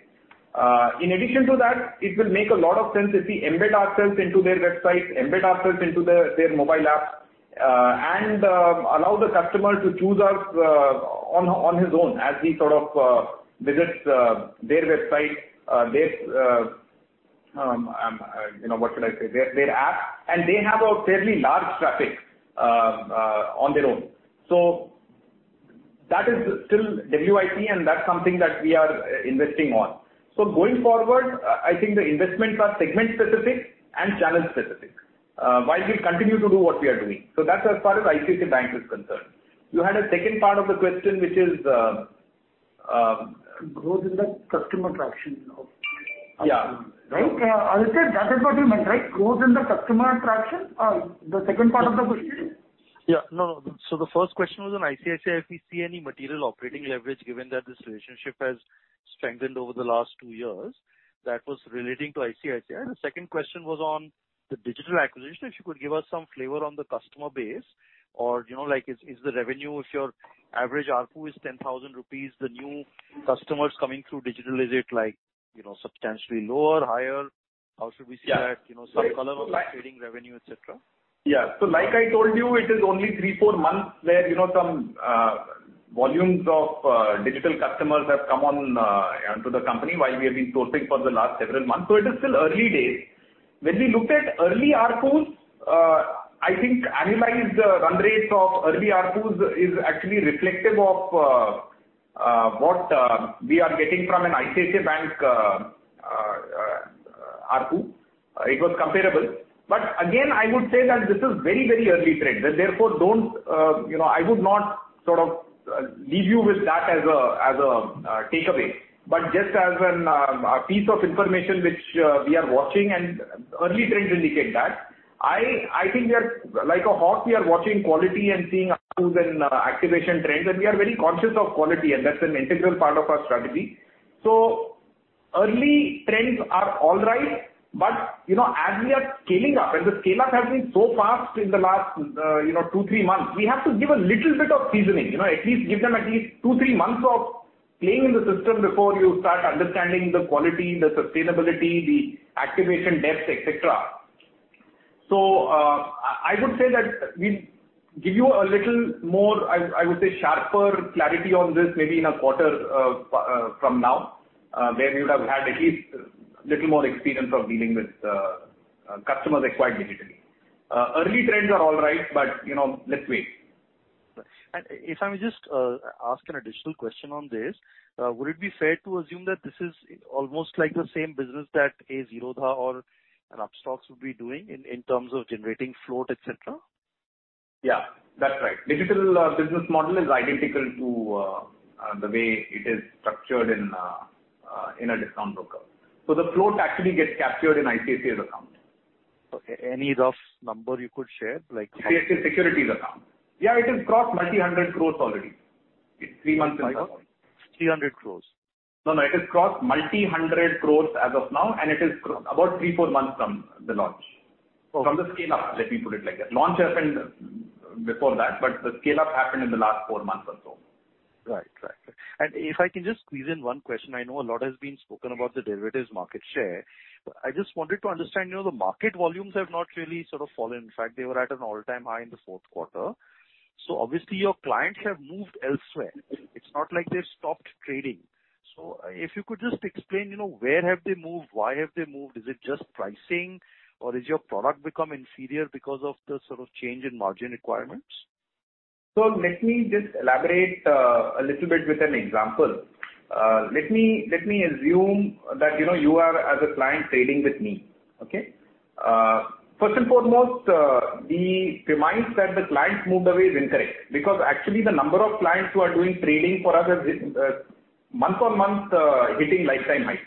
In addition to that, it will make a lot of sense if we embed ourselves into their website, embed ourselves into their mobile app, and allow the customer to choose us on his own as he sort of visits their website, their app. They have a fairly large traffic on their own. That is still WIP and that's something that we are investing on. Going forward, I think the investments are segment-specific and channel-specific, while we continue to do what we are doing. That's as far as ICICI Bank is concerned. You had a second part of the question which is. Growth in the customer traction. Yeah. Right? Aditya, that is what he meant, right? Growth in the customer traction? The second part of the question. The first question was on ICICI, if we see any material operating leverage given that this relationship has strengthened over the last two years. That was relating to ICICI. The second question was on the digital acquisition, if you could give us some flavor on the customer base or is the revenue, if your average ARPU is 10,000 rupees, the new customers coming through digital, is it substantially lower, higher? How should we see that? Some color on the trading revenue, et cetera? Like I told you, it is only three, four months where some volumes of digital customers have come on to the company while we have been sourcing for the last several months. It is still early days. When we looked at early ARPUs, I think annualized run rate of early ARPUs is actually reflective of what we are getting from an ICICI Bank ARPU. It was comparable. Again, I would say that this is very early trend. I would not sort of leave you with that as a takeaway, but just as a piece of information which we are watching and early trends indicate that. I think like a hawk we are watching quality and seeing ARPUs and activation trends and we are very conscious of quality and that's an integral part of our strategy. Early trends are all right, but as we are scaling up, and the scale-up has been so fast in the last two, three months, we have to give a little bit of seasoning. At least give them at least two, three months of playing in the system before you start understanding the quality, the sustainability, the activation depth, et cetera. I would say that we'll give you a little more, I would say, sharper clarity on this maybe in a quarter from now, where we would have had at least a little more experience of dealing with customers acquired digitally. Early trends are all right, but let's wait. If I may just ask an additional question on this. Would it be fair to assume that this is almost like the same business that a Zerodha or an Upstox would be doing in terms of generating float, et cetera? Yeah, that's right. Digital business model is identical to the way it is structured in a discount broker. The float actually gets captured in ICICI's account. Okay. Any rough number you could share? ICICI Securities account. Yeah, it has crossed multi-hundred crores already. It is three months in now. 300 crores? No, no. It has crossed multi-hundred crores as of now, and it is about three, four months from the launch. From the scale-up, let me put it like that. Launch happened before that, but the scale-up happened in the last four months or so. Right. If I can just squeeze in one question, I know a lot has been spoken about the derivatives market share. I just wanted to understand, the market volumes have not really fallen. In fact, they were at an all-time high in the fourth quarter. Obviously your clients have moved elsewhere. It's not like they've stopped trading. If you could just explain, where have they moved? Why have they moved? Is it just pricing or has your product become inferior because of the change in margin requirements? Let me just elaborate a little bit with an example. Let me assume that you are, as a client, trading with me. Okay? First and foremost, the premise that the clients moved away is incorrect, because actually the number of clients who are doing trading for us are month-on-month hitting lifetime highs.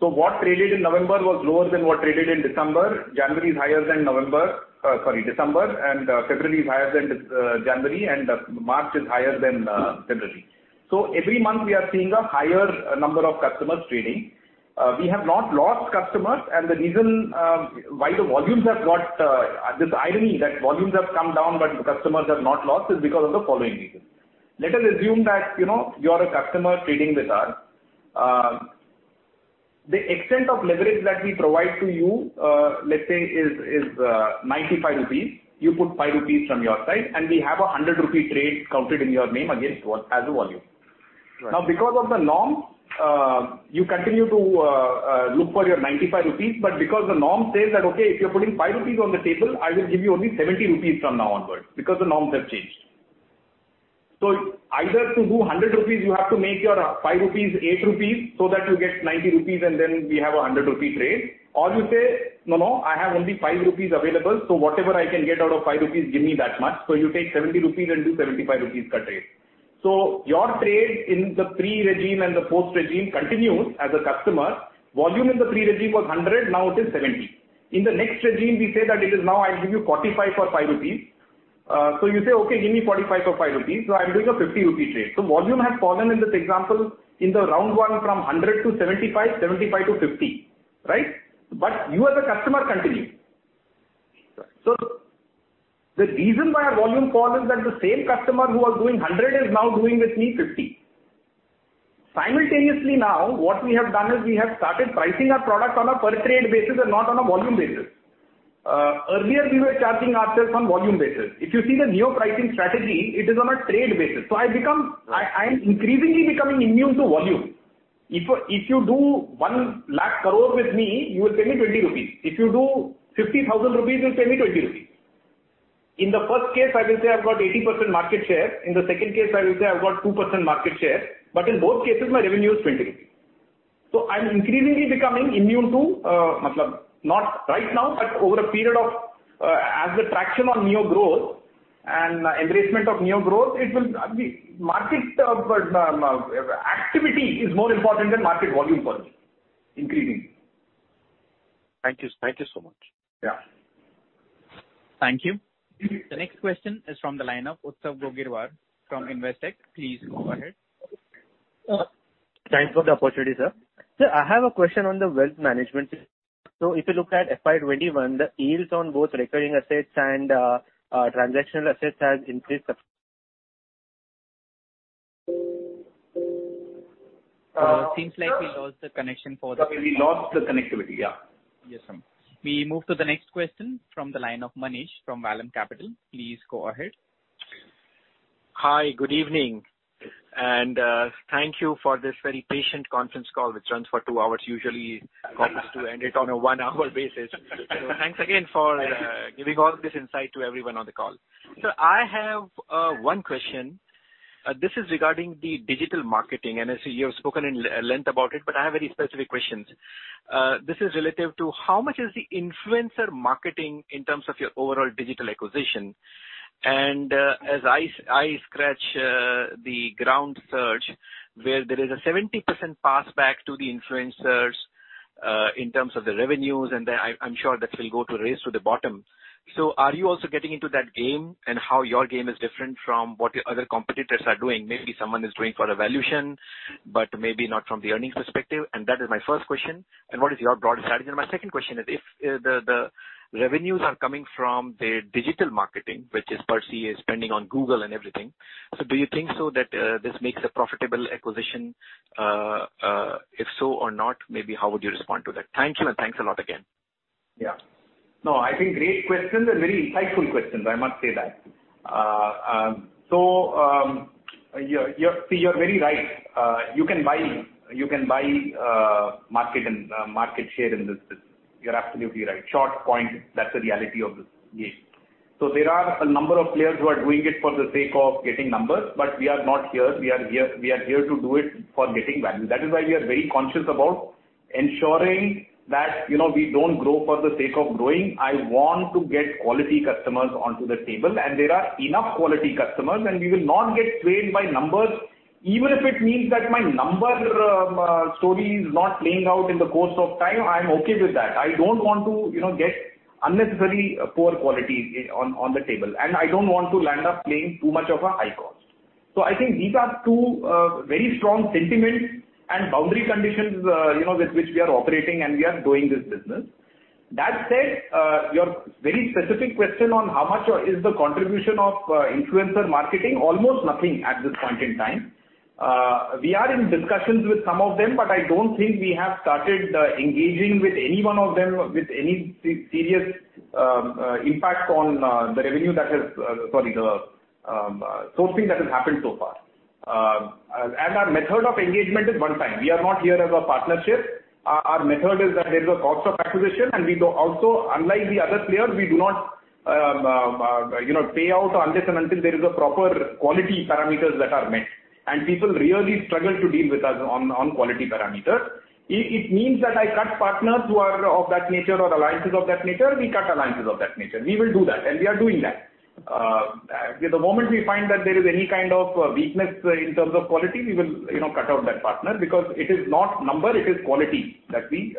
What traded in November was lower than what traded in December. January is higher than November. Sorry, December, February is higher than January, March is higher than February. Every month we are seeing a higher number of customers trading. We have not lost customers and the reason why the volumes have come down but customers have not lost is because of the following reasons. Let us assume that you are a customer trading with us. The extent of leverage that we provide to you, let's say, is 95 rupees. You put five INR from your side, and we have an 100 rupee trade counted in your name against as a volume. Right. Because of the norm, you continue to look for your 95 rupees, but because the norm says that, okay, if you're putting 5 rupees on the table, I will give you only 70 rupees from now onwards, because the norms have changed. Either to do 100 rupees you have to make your 5 rupees 8 rupees so that you get 90 rupees and then we have a 100 rupee trade. You say, "No, no, I have only 5 rupees available, whatever I can get out of 5 rupees, give me that much." You take 70 rupees and do a 75 rupees trade. Your trade in the pre-regime and the post-regime continues as a customer. Volume in the pre-regime was 100, now it is 70. In the next regime, we say that it is now I give you 45 for 5 rupees. You say, Okay, give me 45 for 5 rupees. I'm doing a 50 rupee trade. Volume has fallen in this example in the round 1 from 100 to 75 to 50. Right? You as the customer continue. Right. The reason why our volume fall is that the same customer who was doing 100 is now doing with me 50. Simultaneously now, what we have done is we have started pricing our product on a per trade basis and not on a volume basis. Earlier we were charging ourselves on volume basis. If you see the new pricing strategy, it is on a trade basis. I am increasingly becoming immune to volume. If you do 1 lakh crore with me, you will pay me 20 rupees. If you do 50,000 rupees, you'll pay me 20 rupees. In the first case, I will say I've got 80% market share. In the second case, I will say I've got 2% market share. In both cases my revenue is INR 20. I'm increasingly becoming immune to, not right now, but over a period of as the traction on Neo growth and embracement of Neo growth, activity is more important than market volume for me, increasingly. Thank you so much. Yeah. Thank you. The next question is from the line of Utsav Gogirwar from Investec. Please go ahead. Thanks for the opportunity, sir. Sir, I have a question on the wealth management. If you look at FY 2021, the yields on both recurring assets and transactional assets has increased. Seems like we lost the connection for that. Sorry, we lost the connectivity. Yeah. Yes, sir. We move to the next question from the line of Manish from Vallum Capital. Please go ahead. Hi. Good evening. Thank you for this very patient conference call, which runs for two hours. Usually conference do end it on a one-hour basis. Thanks again for giving all of this insight to everyone on the call. Sir, I have one question. This is regarding the digital marketing, and I see you have spoken in length about it, but I have very specific questions. This is relative to how much is the influencer marketing in terms of your overall digital acquisition? As I scratch the ground search where there is a 70% passback to the influencers in terms of the revenues, and I'm sure that will go to race to the bottom. Are you also getting into that game, and how your game is different from what your other competitors are doing? Maybe someone is doing for a valuation, but maybe not from the earnings perspective. That is my first question, and what is your broader strategy? My second question is, if the revenues are coming from the digital marketing, which is per se spending on Google and everything, so do you think so that this makes a profitable acquisition? If so or not, maybe how would you respond to that? Thank you, and thanks a lot again. I think great questions and very insightful questions, I must say that. You're very right. You can buy market share in this business. You're absolutely right. Short point, that's the reality of this game. There are a number of players who are doing it for the sake of getting numbers, but we are not here. We are here to do it for getting value. That is why we are very conscious about ensuring that we don't grow for the sake of growing. I want to get quality customers onto the table, and there are enough quality customers, and we will not get swayed by numbers, even if it means that my number story is not playing out in the course of time, I'm okay with that. I don't want to get unnecessary poor quality on the table, and I don't want to land up paying too much of a high cost. I think these are two very strong sentiments and boundary conditions with which we are operating and we are doing this business. That said, your very specific question on how much is the contribution of influencer marketing, almost nothing at this point in time. We are in discussions with some of them, but I don't think we have started engaging with any one of them with any serious impact on the sourcing that has happened so far. Our method of engagement is one time. We are not here as a partnership. Our method is that there is a cost of acquisition, and also, unlike the other players, we do not pay out unless and until there is a proper quality parameters that are met. People really struggle to deal with us on quality parameters. If it means that I cut partners who are of that nature or alliances of that nature, we cut alliances of that nature. We will do that, and we are doing that. The moment we find that there is any kind of weakness in terms of quality, we will cut out that partner because it is not number, it is quality that we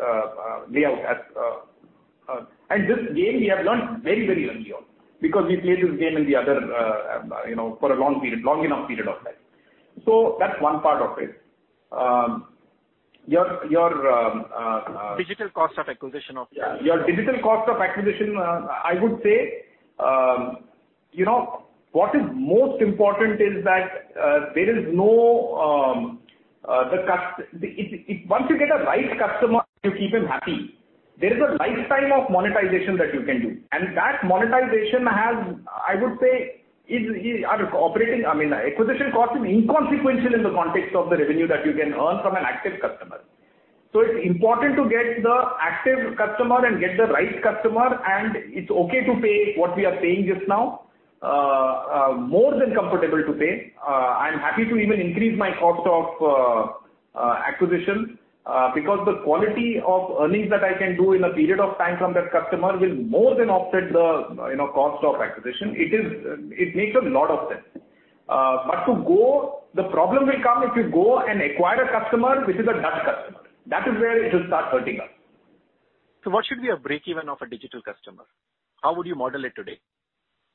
lay out. This game we have learnt very early on, because we played this game for a long enough period of time. That's one part of it. Your digital cost of acquisition, I would say, what is most important is that once you get a right customer, you keep him happy. There is a lifetime of monetization that you can do. That monetization, I would say, acquisition cost is inconsequential in the context of the revenue that you can earn from an active customer. It's important to get the active customer and get the right customer, and it's okay to pay what we are paying just now. More than comfortable to pay. I'm happy to even increase my cost of acquisition, because the quality of earnings that I can do in a period of time from that customer will more than offset the cost of acquisition. It needs a lot of them. The problem will come if you go and acquire a customer which is a dud customer. That is where it will start hurting us. What should be a break even of a digital customer? How would you model it today?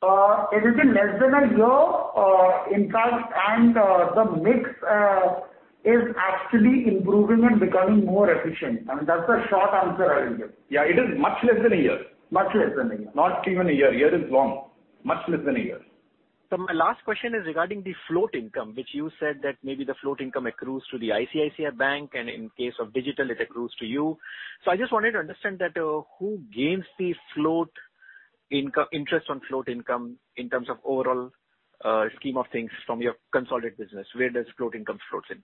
It is in less than a year, in fact, and the mix is actually improving and becoming more efficient. I mean, that's the short answer I will give. Yeah, it is much less than a year. Much less than a year. Not even a year. A year is long. Much less than a year. My last question is regarding the float income, which you said that maybe the float income accrues to the ICICI Bank, and in case of digital, it accrues to you. I just wanted to understand that who gains the interest on float income in terms of overall scheme of things from your consolidated business, where does float income floats in?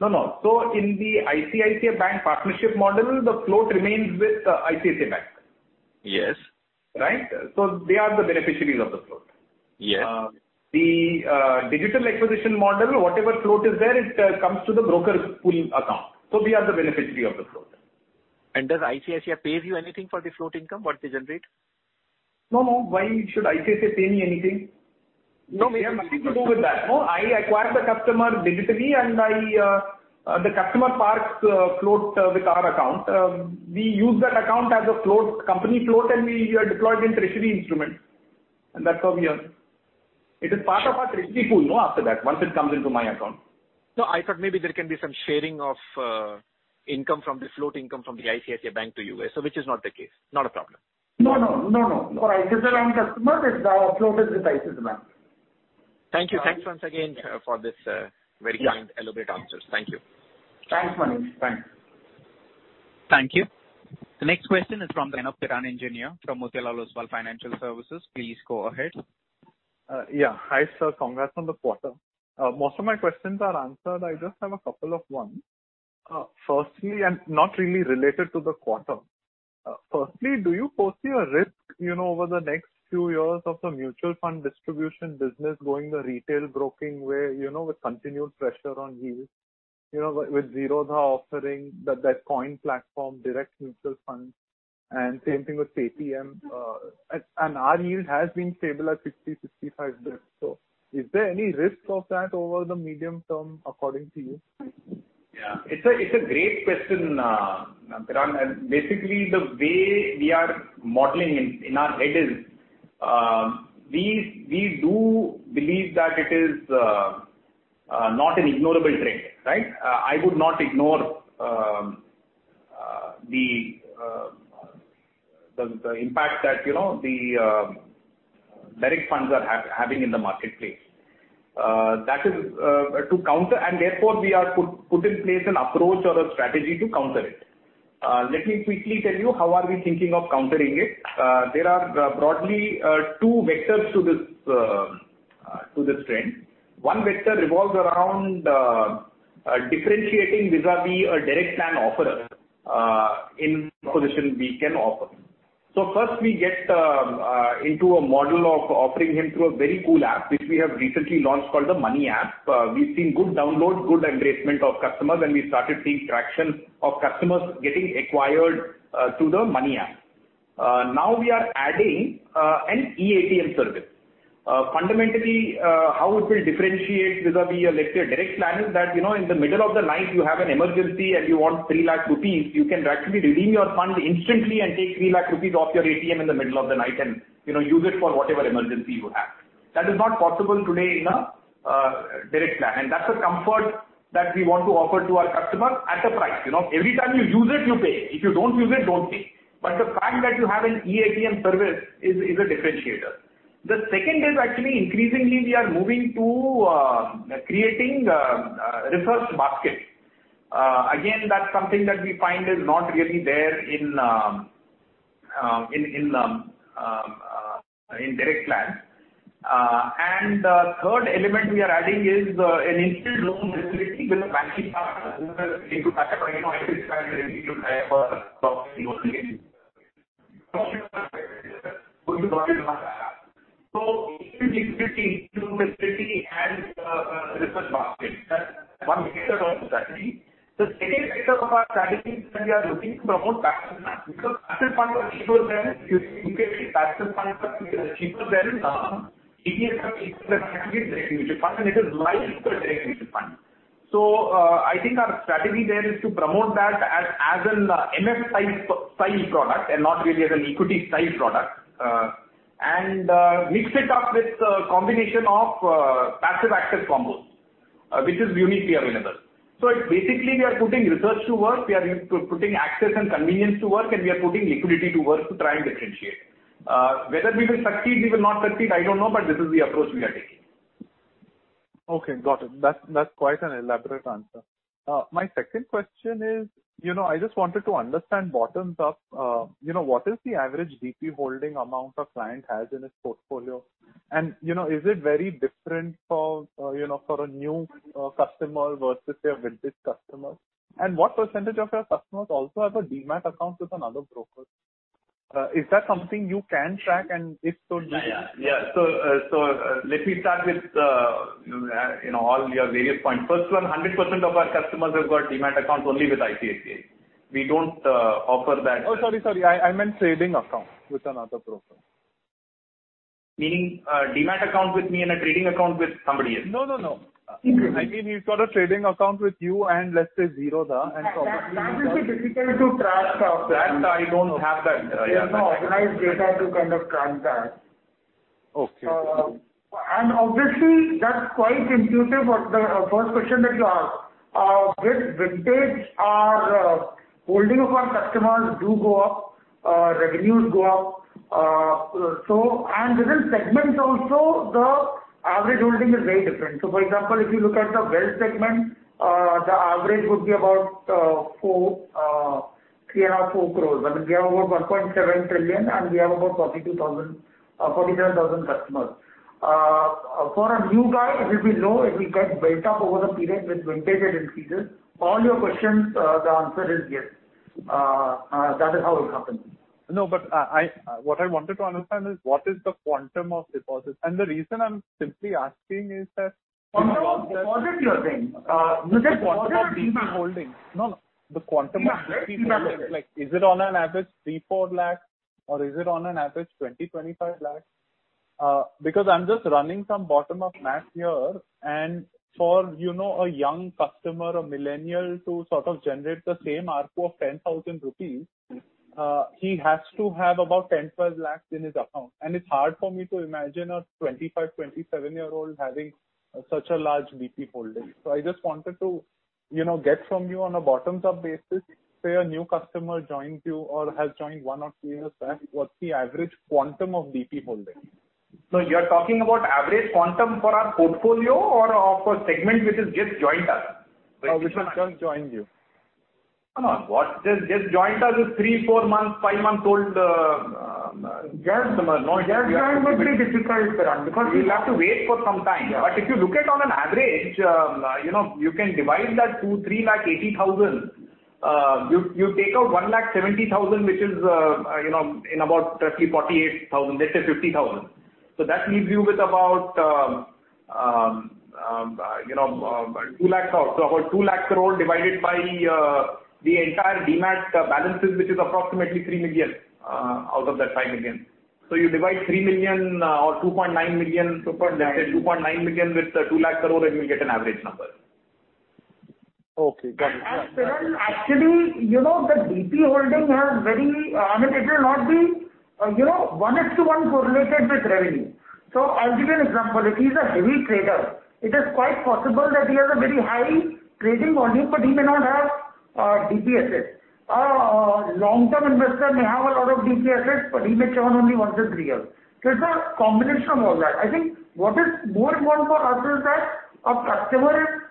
No. In the ICICI Bank partnership model, the float remains with ICICI Bank. Yes. Right? They are the beneficiaries of the float. Yes. The digital acquisition model, whatever float is there, it comes to the broker's pool account. We are the beneficiary of the float. Does ICICI pay you anything for the float income, what they generate? No. Why should ICICI pay me anything? No, we have nothing to do with that. No, I acquire the customer digitally, and the customer parks float with our account. We use that account as a company float, and we are deployed in treasury instruments. That's how we earn. It is part of our treasury pool after that, once it comes into my account. No, I thought maybe there can be some sharing of income from the float income from the ICICI Bank to you, which is not the case. Not a problem. No. For ICICI Bank customer, its float is with ICICI Bank. Thank you. Thanks once again for this very kind, elaborate answers. Thank you. Thanks, Manish. Thanks. Thank you. The next question is from Piran Engineer from Motilal Oswal Financial Services. Please go ahead. Yeah. Hi, sir. Congrats on the quarter. Most of my questions are answered. I just have a couple of ones. Firstly, not really related to the quarter. Firstly, do you foresee a risk over the next few years of the mutual fund distribution business going the retail broking way, with continued pressure on yields? With Zerodha offering that Coin platform, direct mutual funds, and same thing with Paytm. Our yield has been stable at 60, 65 basis points. Is there any risk of that over the medium term, according to you? Yeah. It's a great question, Piran. Basically, the way we are modeling in our head is, we do believe that it is not an ignorable trend. I would not ignore the impact that the direct funds are having in the marketplace. Therefore, we have put in place an approach or a strategy to counter it. Let me quickly tell you how are we thinking of countering it. There are broadly two vectors to this trend. One vector revolves around differentiating vis-à-vis a direct plan offeror in proposition we can offer. First, we get into a model of offering him through a very cool app, which we have recently launched, called the Money App. We've seen good downloads, good engagement of customers, and we started seeing traction of customers getting acquired to the Money App. Now we are adding an eATM service. Fundamentally, how it will differentiate vis-a-vis, let's say, a direct plan is that in the middle of the night, you have an emergency and you want 300,000 rupees, you can actually redeem your funds instantly and take 300,000 rupees off your ATM in the middle of the night and use it for whatever emergency you have. That is not possible today in a direct plan. That's a comfort that we want to offer to our customers at a price. Every time you use it, you pay. If you don't use it, don't pay. The fact that you have an eATM service is a differentiator. The second is actually, increasingly, we are moving to creating a research basket. That's something that we find is not really there in direct plans. The third element we are adding is an instant loan facility with a banking partner who will, if the customer faces an emergency, he could ever use it. Instant liquidity and a research basket. That's one major strategy. The second leg of our strategy is that we are looking to promote passive funds because you can get passive funds that are cheaper than ETF, Exchange Traded Fund, and it is linked to a distribution fund. I think our strategy there is to promote that as an MF-style product and not really as an equity-style product. Mix it up with a combination of passive-active combos which is uniquely available. Basically, we are putting research to work, we are putting access and convenience to work, and we are putting liquidity to work to try and differentiate. Whether we will succeed, we will not succeed, I don't know, but this is the approach we are taking. Okay, got it. That's quite an elaborate answer. My second question is, I just wanted to understand bottom-up, what is the average DP holding amount a client has in his portfolio? Is it very different for a new customer versus your vintage customers? What percentage of your customers also have a Demat account with another broker? Is that something you can track, and if so? Yeah. Let me start with all your various points. First one, 100% of our customers have got Demat accounts only with ICICI. We don't offer that. Oh, sorry. I meant trading account with another broker. Meaning a Demat account with me and a trading account with somebody else? No. Okay. I mean, he's got a trading account with you and, let's say, Zerodha. That will be difficult to track, Piran. That I don't have that data. We have not organized data to kind of track that. Okay. Obviously, that's quite intuitive of the first question that you asked. With vintage, our holding of our customers do go up, revenues go up. Within segments also, the average holding is very different. For example, if you look at the wealth segment, the average would be about 3.5-4 crores. I mean, we have over 1.7 trillion and we have about 47,000 customers. For a new guy, it will be low. It will get built up over the period with vintage, it increases. All your questions, the answer is yes. That is how it happens. No, what I wanted to understand is what is the quantum of deposits. The reason I'm simply asking. Quantum of deposit you're saying? You said quantum of Demat. No. The quantum of DP holdings. Demat, yes. Is it on an average 3 lakh, 4 lakh or is it on an average 20 lakh, 25 lakh? I'm just running some bottom-up math here and for a young customer, a millennial to sort of generate the same ARPU of 10,000 rupees, he has to have about 10 lakh, 12 lakh in his account. It's hard for me to imagine a 25, 27-year-old having such a large DP holding. I just wanted to get from you on a bottom-up basis, say a new customer joins you or has joined one or two years back, what's the average quantum of DP holding? You're talking about average quantum for our portfolio or of a segment which has just joined us? Which has just joined you. No. Just joined us is three, four months, five months old customer. No. Yes. That will be difficult, Piran because- We'll have to wait for some time. Yeah. If you look at on an average, you can divide that to 380,000. You take out 170,000 which is in about roughly 48,000. Let's say 50,000. That leaves you with about 2 lakh crores. About 2 lakh crores divided by the entire Demat balances, which is approximately 3 million out of that 5 million. You divide 3 million or 2.9 million. 2.9 million let's say 2.9 million with 200,000 crore and you will get an average number. Okay, got it. Piran, actually, the DP holding has, I mean, it will not be one is to one correlated with revenue. I'll give you an example. If he's a heavy trader, it is quite possible that he has a very high trading volume but he may not have DP assets. A long-term investor may have a lot of DP assets but he may churn only once in three years. It's a combination of all that. I think what is more important for us is that a customer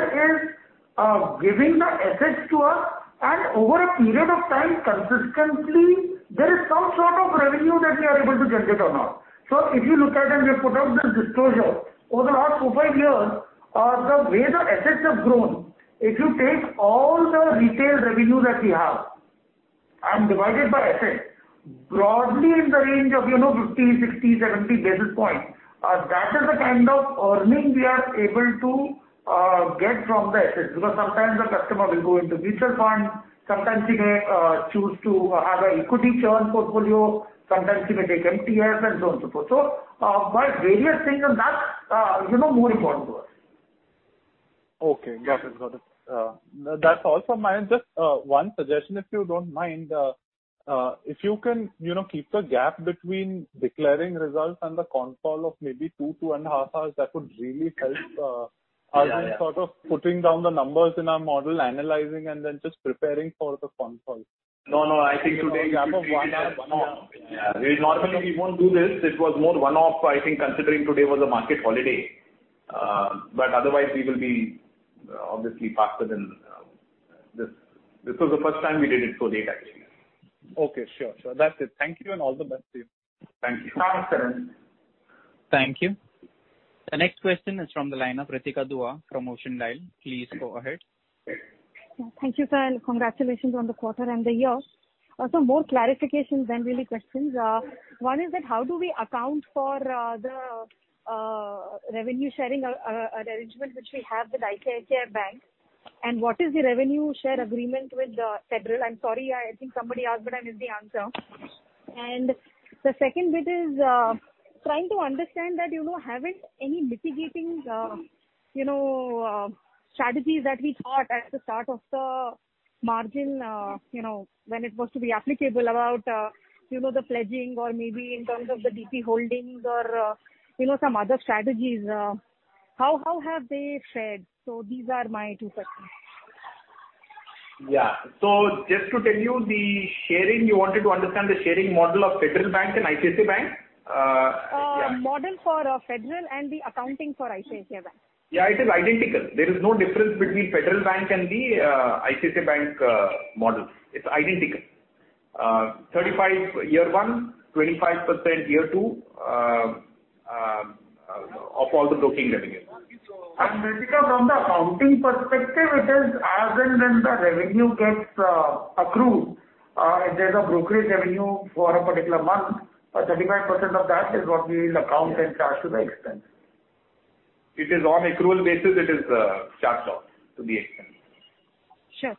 is giving the assets to us and over a period of time consistently. There is some sort of revenue that we are able to generate or not. If you look at and we have put out the disclosure, over the last four, five years, the way the assets have grown, if you take all the retail revenue that we have and divide it by assets, broadly in the range of 50, 60, 70 basis points, that is the kind of earning we are able to get from the assets. Sometimes the customer will go into mutual funds, sometimes he may choose to have an equity churn portfolio, sometimes he may take MTF and so on, so forth. By various things and that's more important to us. Okay. Got it. That's all from my end. Just one suggestion, if you don't mind. If you can keep the gap between declaring results and the con call of maybe two and a half hours, that would really help. Yeah us in sort of putting down the numbers in our model, analyzing and then just preparing for the con call. No, I think today. I think the gap of one hour is enough. Normally we won't do this. It was more one-off, I think, considering today was a market holiday. Otherwise, we will be obviously faster than this. This was the first time we did it so late, actually. Okay, sure. That's it. Thank you, and all the best to you. Thank you. Thank you. The next question is from the line of Ritika Dua from Ocean Dial. Please go ahead. Thank you, sir, and congratulations on the quarter and the year. Sir, more clarifications than really questions. One is that how do we account for the revenue sharing arrangement which we have with ICICI Bank, and what is the revenue share agreement with Federal? I'm sorry, I think somebody asked, but I missed the answer. The second bit is trying to understand that haven't any mitigating strategies that we thought at the start of the margin when it was to be applicable about the pledging or maybe in terms of the DP holdings or some other strategies. How have they fared? These are my two questions. Yeah. Just to tell you wanted to understand the sharing model of Federal Bank and ICICI Bank? Yeah. Model for Federal and the accounting for ICICI Bank. Yeah, it is identical. There is no difference between Federal Bank and the ICICI Bank model. It's identical. 35 year one, 25% year two of all the broking revenue. Ritika, from the accounting perspective, it is as and when the revenue gets accrued. If there's a brokerage revenue for a particular month, 35% of that is what we will account and charge to the expense. It is on accrual basis it is charged off to the expense. Sure.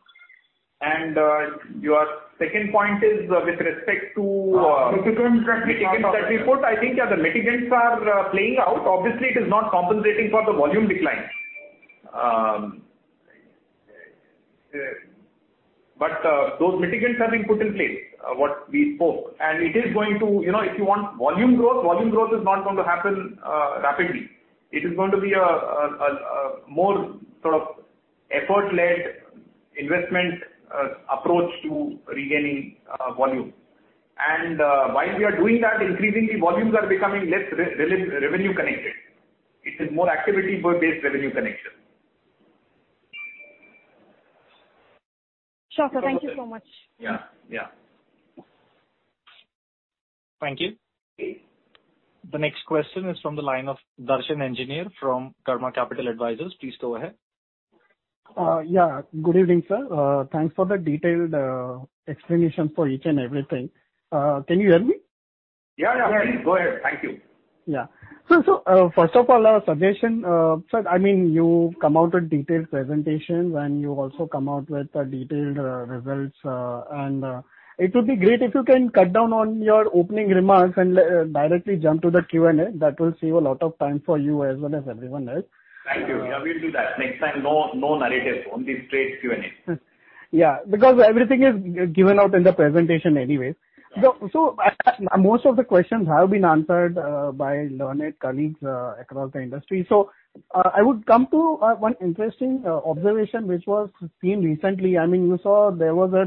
Your second point is with respect to. Mitigants that we put. mitigants that we put, I think, yeah, the mitigants are playing out. Obviously, it is not compensating for the volume decline. Those mitigants have been put in place, what we spoke. If you want volume growth, volume growth is not going to happen rapidly. It is going to be a more sort of effort-led investment approach to regaining volume. While we are doing that, increasingly, volumes are becoming less revenue connected. It is more activity-based revenue connected. Sure, sir. Thank you so much. Yeah. Thank you. The next question is from the line of Darshan Engineer from Karma Capital Advisors. Please go ahead. Yeah, good evening, sir. Thanks for the detailed explanation for each and everything. Can you hear me? Yeah. Please go ahead. Thank you. Yeah. First of all, a suggestion. Sir, you come out with detailed presentations and you also come out with detailed results. It would be great if you can cut down on your opening remarks and directly jump to the Q&A. That will save a lot of time for you as well as everyone else. Thank you. Yeah, we'll do that. Next time, no narratives, only straight Q&A. Yeah, because everything is given out in the presentation anyway. Yeah. Most of the questions have been answered by learned colleagues across the industry. I would come to one interesting observation, which was seen recently. You saw there was a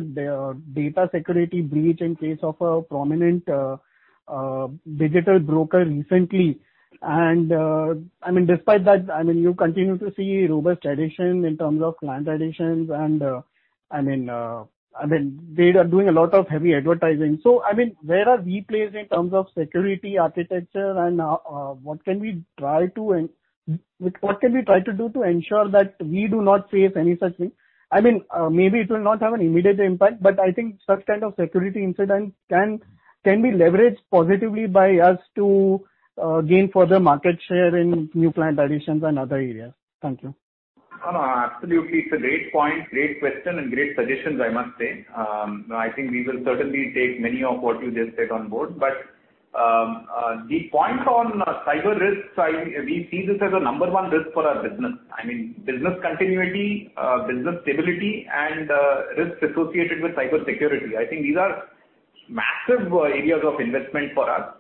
data security breach in case of a prominent digital broker recently. Despite that, you continue to see robust addition in terms of client additions and they are doing a lot of heavy advertising. Where are we placed in terms of security architecture and what can we try to do to ensure that we do not face any such thing? Maybe it will not have an immediate impact, but I think such kind of security incident can be leveraged positively by us to gain further market share in new client additions and other areas. Thank you. Absolutely. It's a great point, great question, and great suggestions, I must say. I think we will certainly take many of what you just said on board. The point on cyber risks, we see this as a number one risk for our business. Business continuity, business stability, and risks associated with cyber security. I think these are massive areas of investment for us.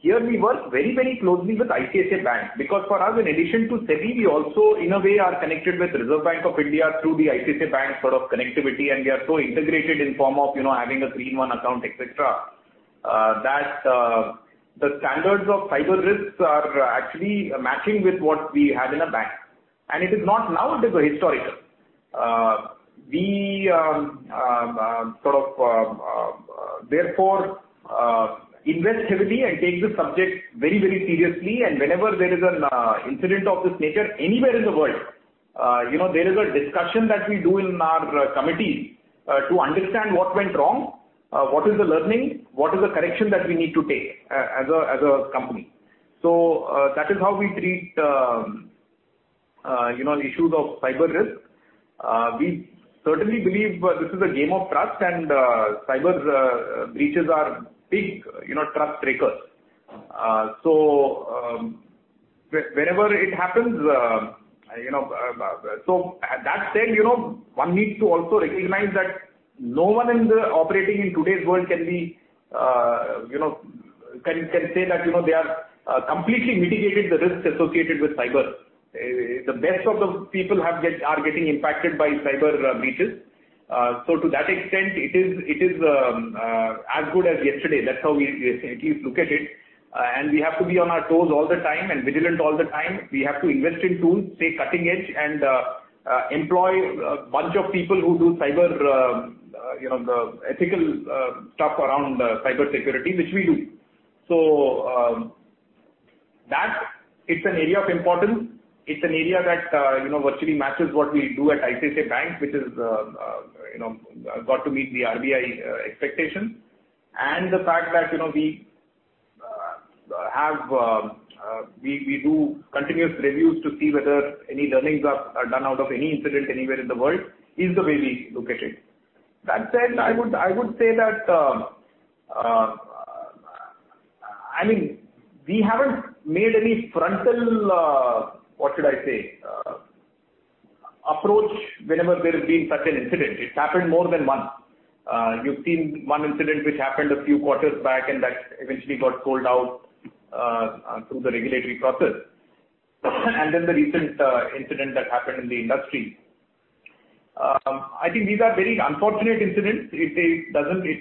Here we work very closely with ICICI Bank because for us, in addition to SEBI, we also in a way are connected with Reserve Bank of India through the ICICI Bank sort of connectivity, and we are so integrated in form of having a 3-in-1 Account, et cetera, that the standards of cyber risks are actually matching with what we have in a bank. It is not now, it is historical. We therefore invest heavily and take the subject very seriously. Whenever there is an incident of this nature anywhere in the world, there is a discussion that we do in our committee to understand what went wrong, what is the learning, what is the correction that we need to take as a company. That is how we treat issues of cyber risk. We certainly believe this is a game of trust and cyber breaches are big trust breakers. That said, one needs to also recognize that no one operating in today's world can say that they have completely mitigated the risks associated with cyber. The best of the people are getting impacted by cyber breaches. To that extent, it is as good as yesterday. That's how we at least look at it, and we have to be on our toes all the time and vigilant all the time. We have to invest in tools, stay cutting edge, and employ a bunch of people who do the ethical stuff around cybersecurity, which we do. That is an area of importance. It's an area that virtually matches what we do at ICICI Bank, which has got to meet the RBI expectations. The fact that we do continuous reviews to see whether any learnings are done out of any incident anywhere in the world is the way we look at it. That said, I would say that we haven't made any frontal, what should I say, approach whenever there has been such an incident. It's happened more than once. You've seen one incident which happened a few quarters back, that eventually got rolled out through the regulatory process, then the recent incident that happened in the industry. I think these are very unfortunate incidents.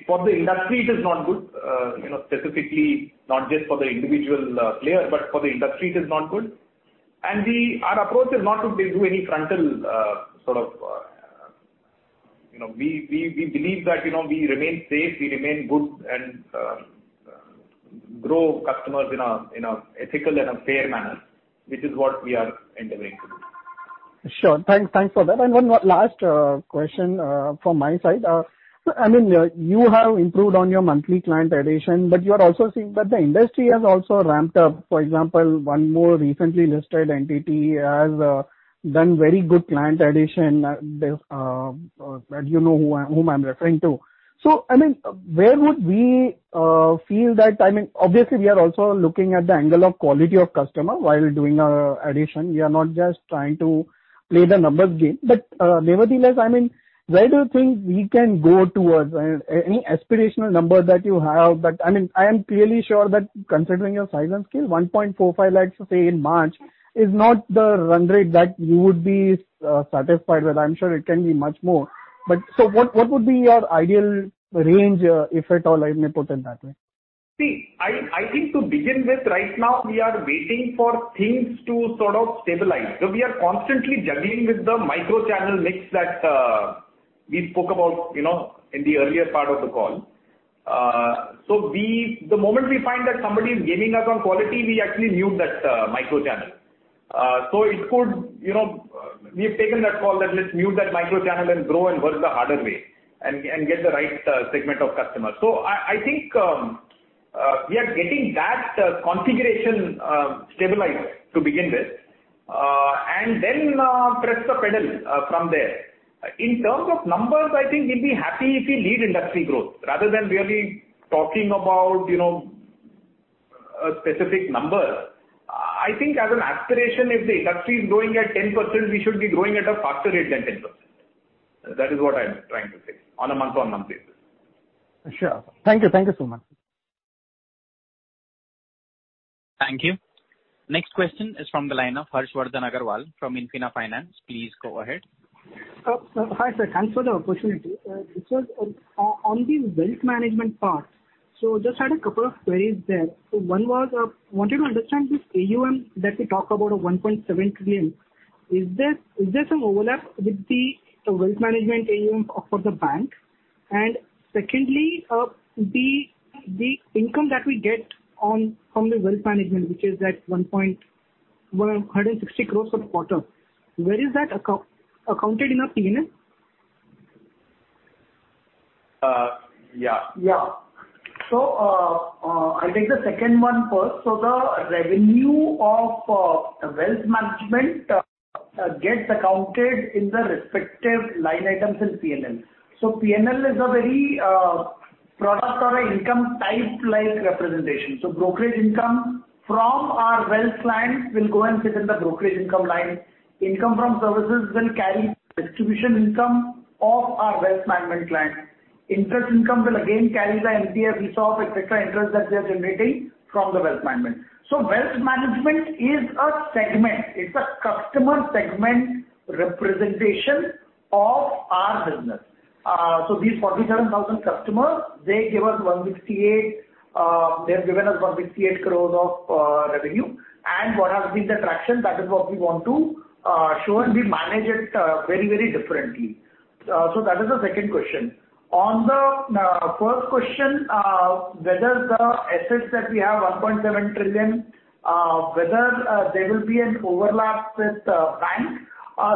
For the industry, it is not good. Specifically not just for the individual player, but for the industry it is not good. Our approach is not to do any frontal sort of. We believe that we remain safe, we remain good, and grow customers in an ethical and a fair manner, which is what we are endeavoring to do. Sure. Thanks for that. One last question from my side. You have improved on your monthly client addition, the industry has also ramped up. For example, one more recently listed entity has done very good client addition. You know whom I'm referring to. Obviously we are also looking at the angle of quality of customer while doing our addition. We are not just trying to play the numbers game. Nevertheless, where do you think we can go towards any aspirational number that you have? I am clearly sure that considering your size and scale, 1.45 lakhs, say in March, is not the run rate that you would be satisfied with. I'm sure it can be much more. What would be your ideal range, if at all, I may put it that way? I think to begin with right now, we are waiting for things to sort of stabilize. We are constantly juggling with the micro channel mix that we spoke about in the earlier part of the call. The moment we find that somebody is gaining us on quality, we actually mute that micro channel. We have taken that call that let's mute that micro channel and grow and work the harder way and get the right segment of customers. I think we are getting that configuration stabilized to begin with and then press the pedal from there. In terms of numbers, I think we'll be happy if we lead industry growth rather than really talking about a specific number. I think as an aspiration, if the industry is growing at 10%, we should be growing at a faster rate than 10%. That is what I'm trying to say on a month-on-month basis. Sure. Thank you so much. Thank you. Next question is from the line of Harshvardhan Agrawal from Infina Finance. Please go ahead. Hi, sir. Thanks for the opportunity. On the wealth management part, just had a couple of queries there. One was, I wanted to understand this AUM that we talk about of 1.7 trillion, is there some overlap with the wealth management AUM for the bank? Secondly, the income that we get from the wealth management, which is that 160 crore per quarter, where is that accounted in our P&L? Yeah. Yeah. I'll take the second one first. The revenue of wealth management gets accounted in the respective line items in P&L. P&L is a very product or an income type like representation. Brokerage income from our wealth clients will go and sit in the brokerage income line. Income from services will carry distribution income of our wealth management clients. Interest income will again carry the MTF, ESOP, et cetera, interest that they're generating from the wealth management. Wealth management is a segment. It's a customer segment representation of our business. These 47,000 customers, they have given us 168 crores of revenue, and what has been the traction, that is what we want to show, and we manage it very differently. That is the second question. On the first question, whether the assets that we have, 1.7 trillion, whether there will be an overlap with bank.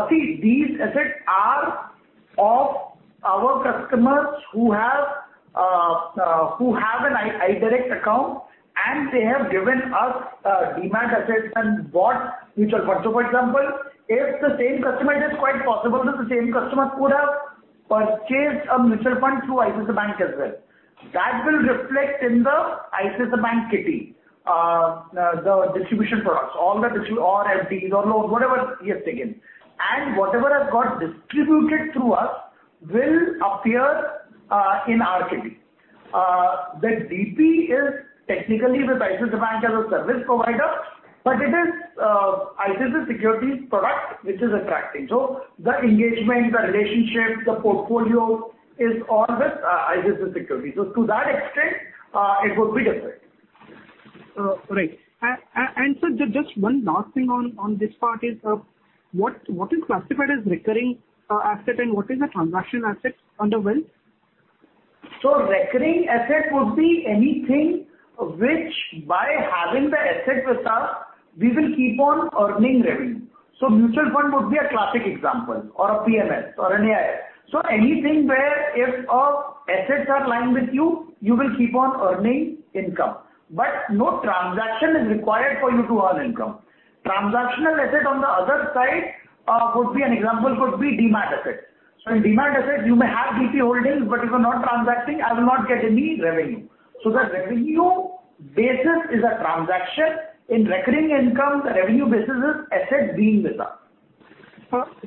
See, these assets are of our customers who have an ICICIdirect account, and they have given us Demat assets and bought mutual funds. For example, it is quite possible that the same customer could have purchased a mutual fund through ICICI Bank as well. That will reflect in the ICICI Bank kitty, the distribution products, all the FDs or loans, whatever he has taken. Whatever has got distributed through us will appear in our kitty. The DP is technically with ICICI Bank as a service provider, but it is ICICI Securities product which is attracting. The engagement, the relationship, the portfolio is all with ICICI Securities. To that extent, it would be different. Right. Sir, just one last thing on this part is, what is classified as recurring asset and what is a transaction asset under wealth? Recurring asset would be anything which by having the asset with us, we will keep on earning revenue. Mutual fund would be a classic example, or a PMS or an AIF. Anything where if assets are lying with you will keep on earning income, but no transaction is required for you to earn income. Transactional asset on the other side, an example could be Demat asset. In Demat asset, you may have DP holdings, but if you are not transacting, I will not get any revenue. The revenue basis is a transaction. In recurring income, the revenue basis is asset being with us.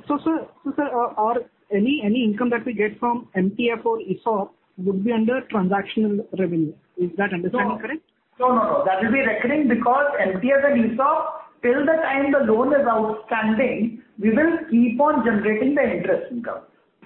sir, any income that we get from MTF or ESOP would be under transactional revenue. Is that understanding correct? No. That will be recurring because MTF and ESOP, till the time the loan is outstanding, we will keep on generating the interest income.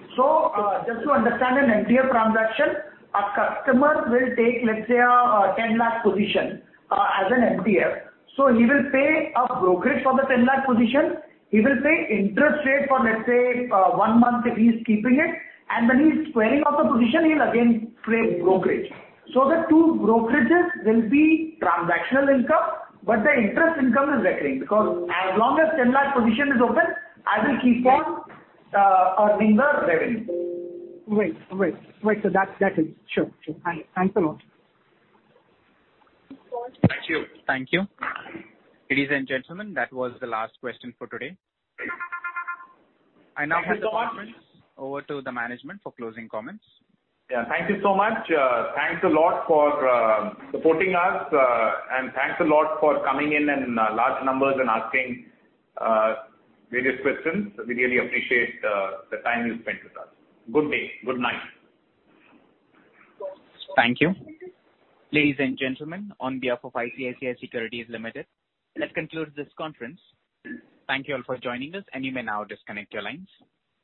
Just to understand an MTF transaction, a customer will take, let's say, an 10 lakh position as an MTF. He will pay a brokerage for the 10 lakh position. He will pay interest rate for, let's say, one month if he's keeping it, and when he's squaring off the position, he'll again pay brokerage. The two brokerages will be transactional income, but the interest income is recurring, because as long as 10 lakh position is open, I will keep on earning the revenue. Right, sir. That is it. Sure. Thanks a lot. Thank you. Thank you. Ladies and gentlemen, that was the last question for today. Thank you so much. I now hand the conference over to the management for closing comments. Yeah. Thank you so much. Thanks a lot for supporting us. Thanks a lot for coming in in large numbers and asking various questions. We really appreciate the time you spent with us. Good day, good night. Thank you. Ladies and gentlemen, on behalf of ICICI Securities Limited, that concludes this conference. Thank you all for joining us, and you may now disconnect your lines.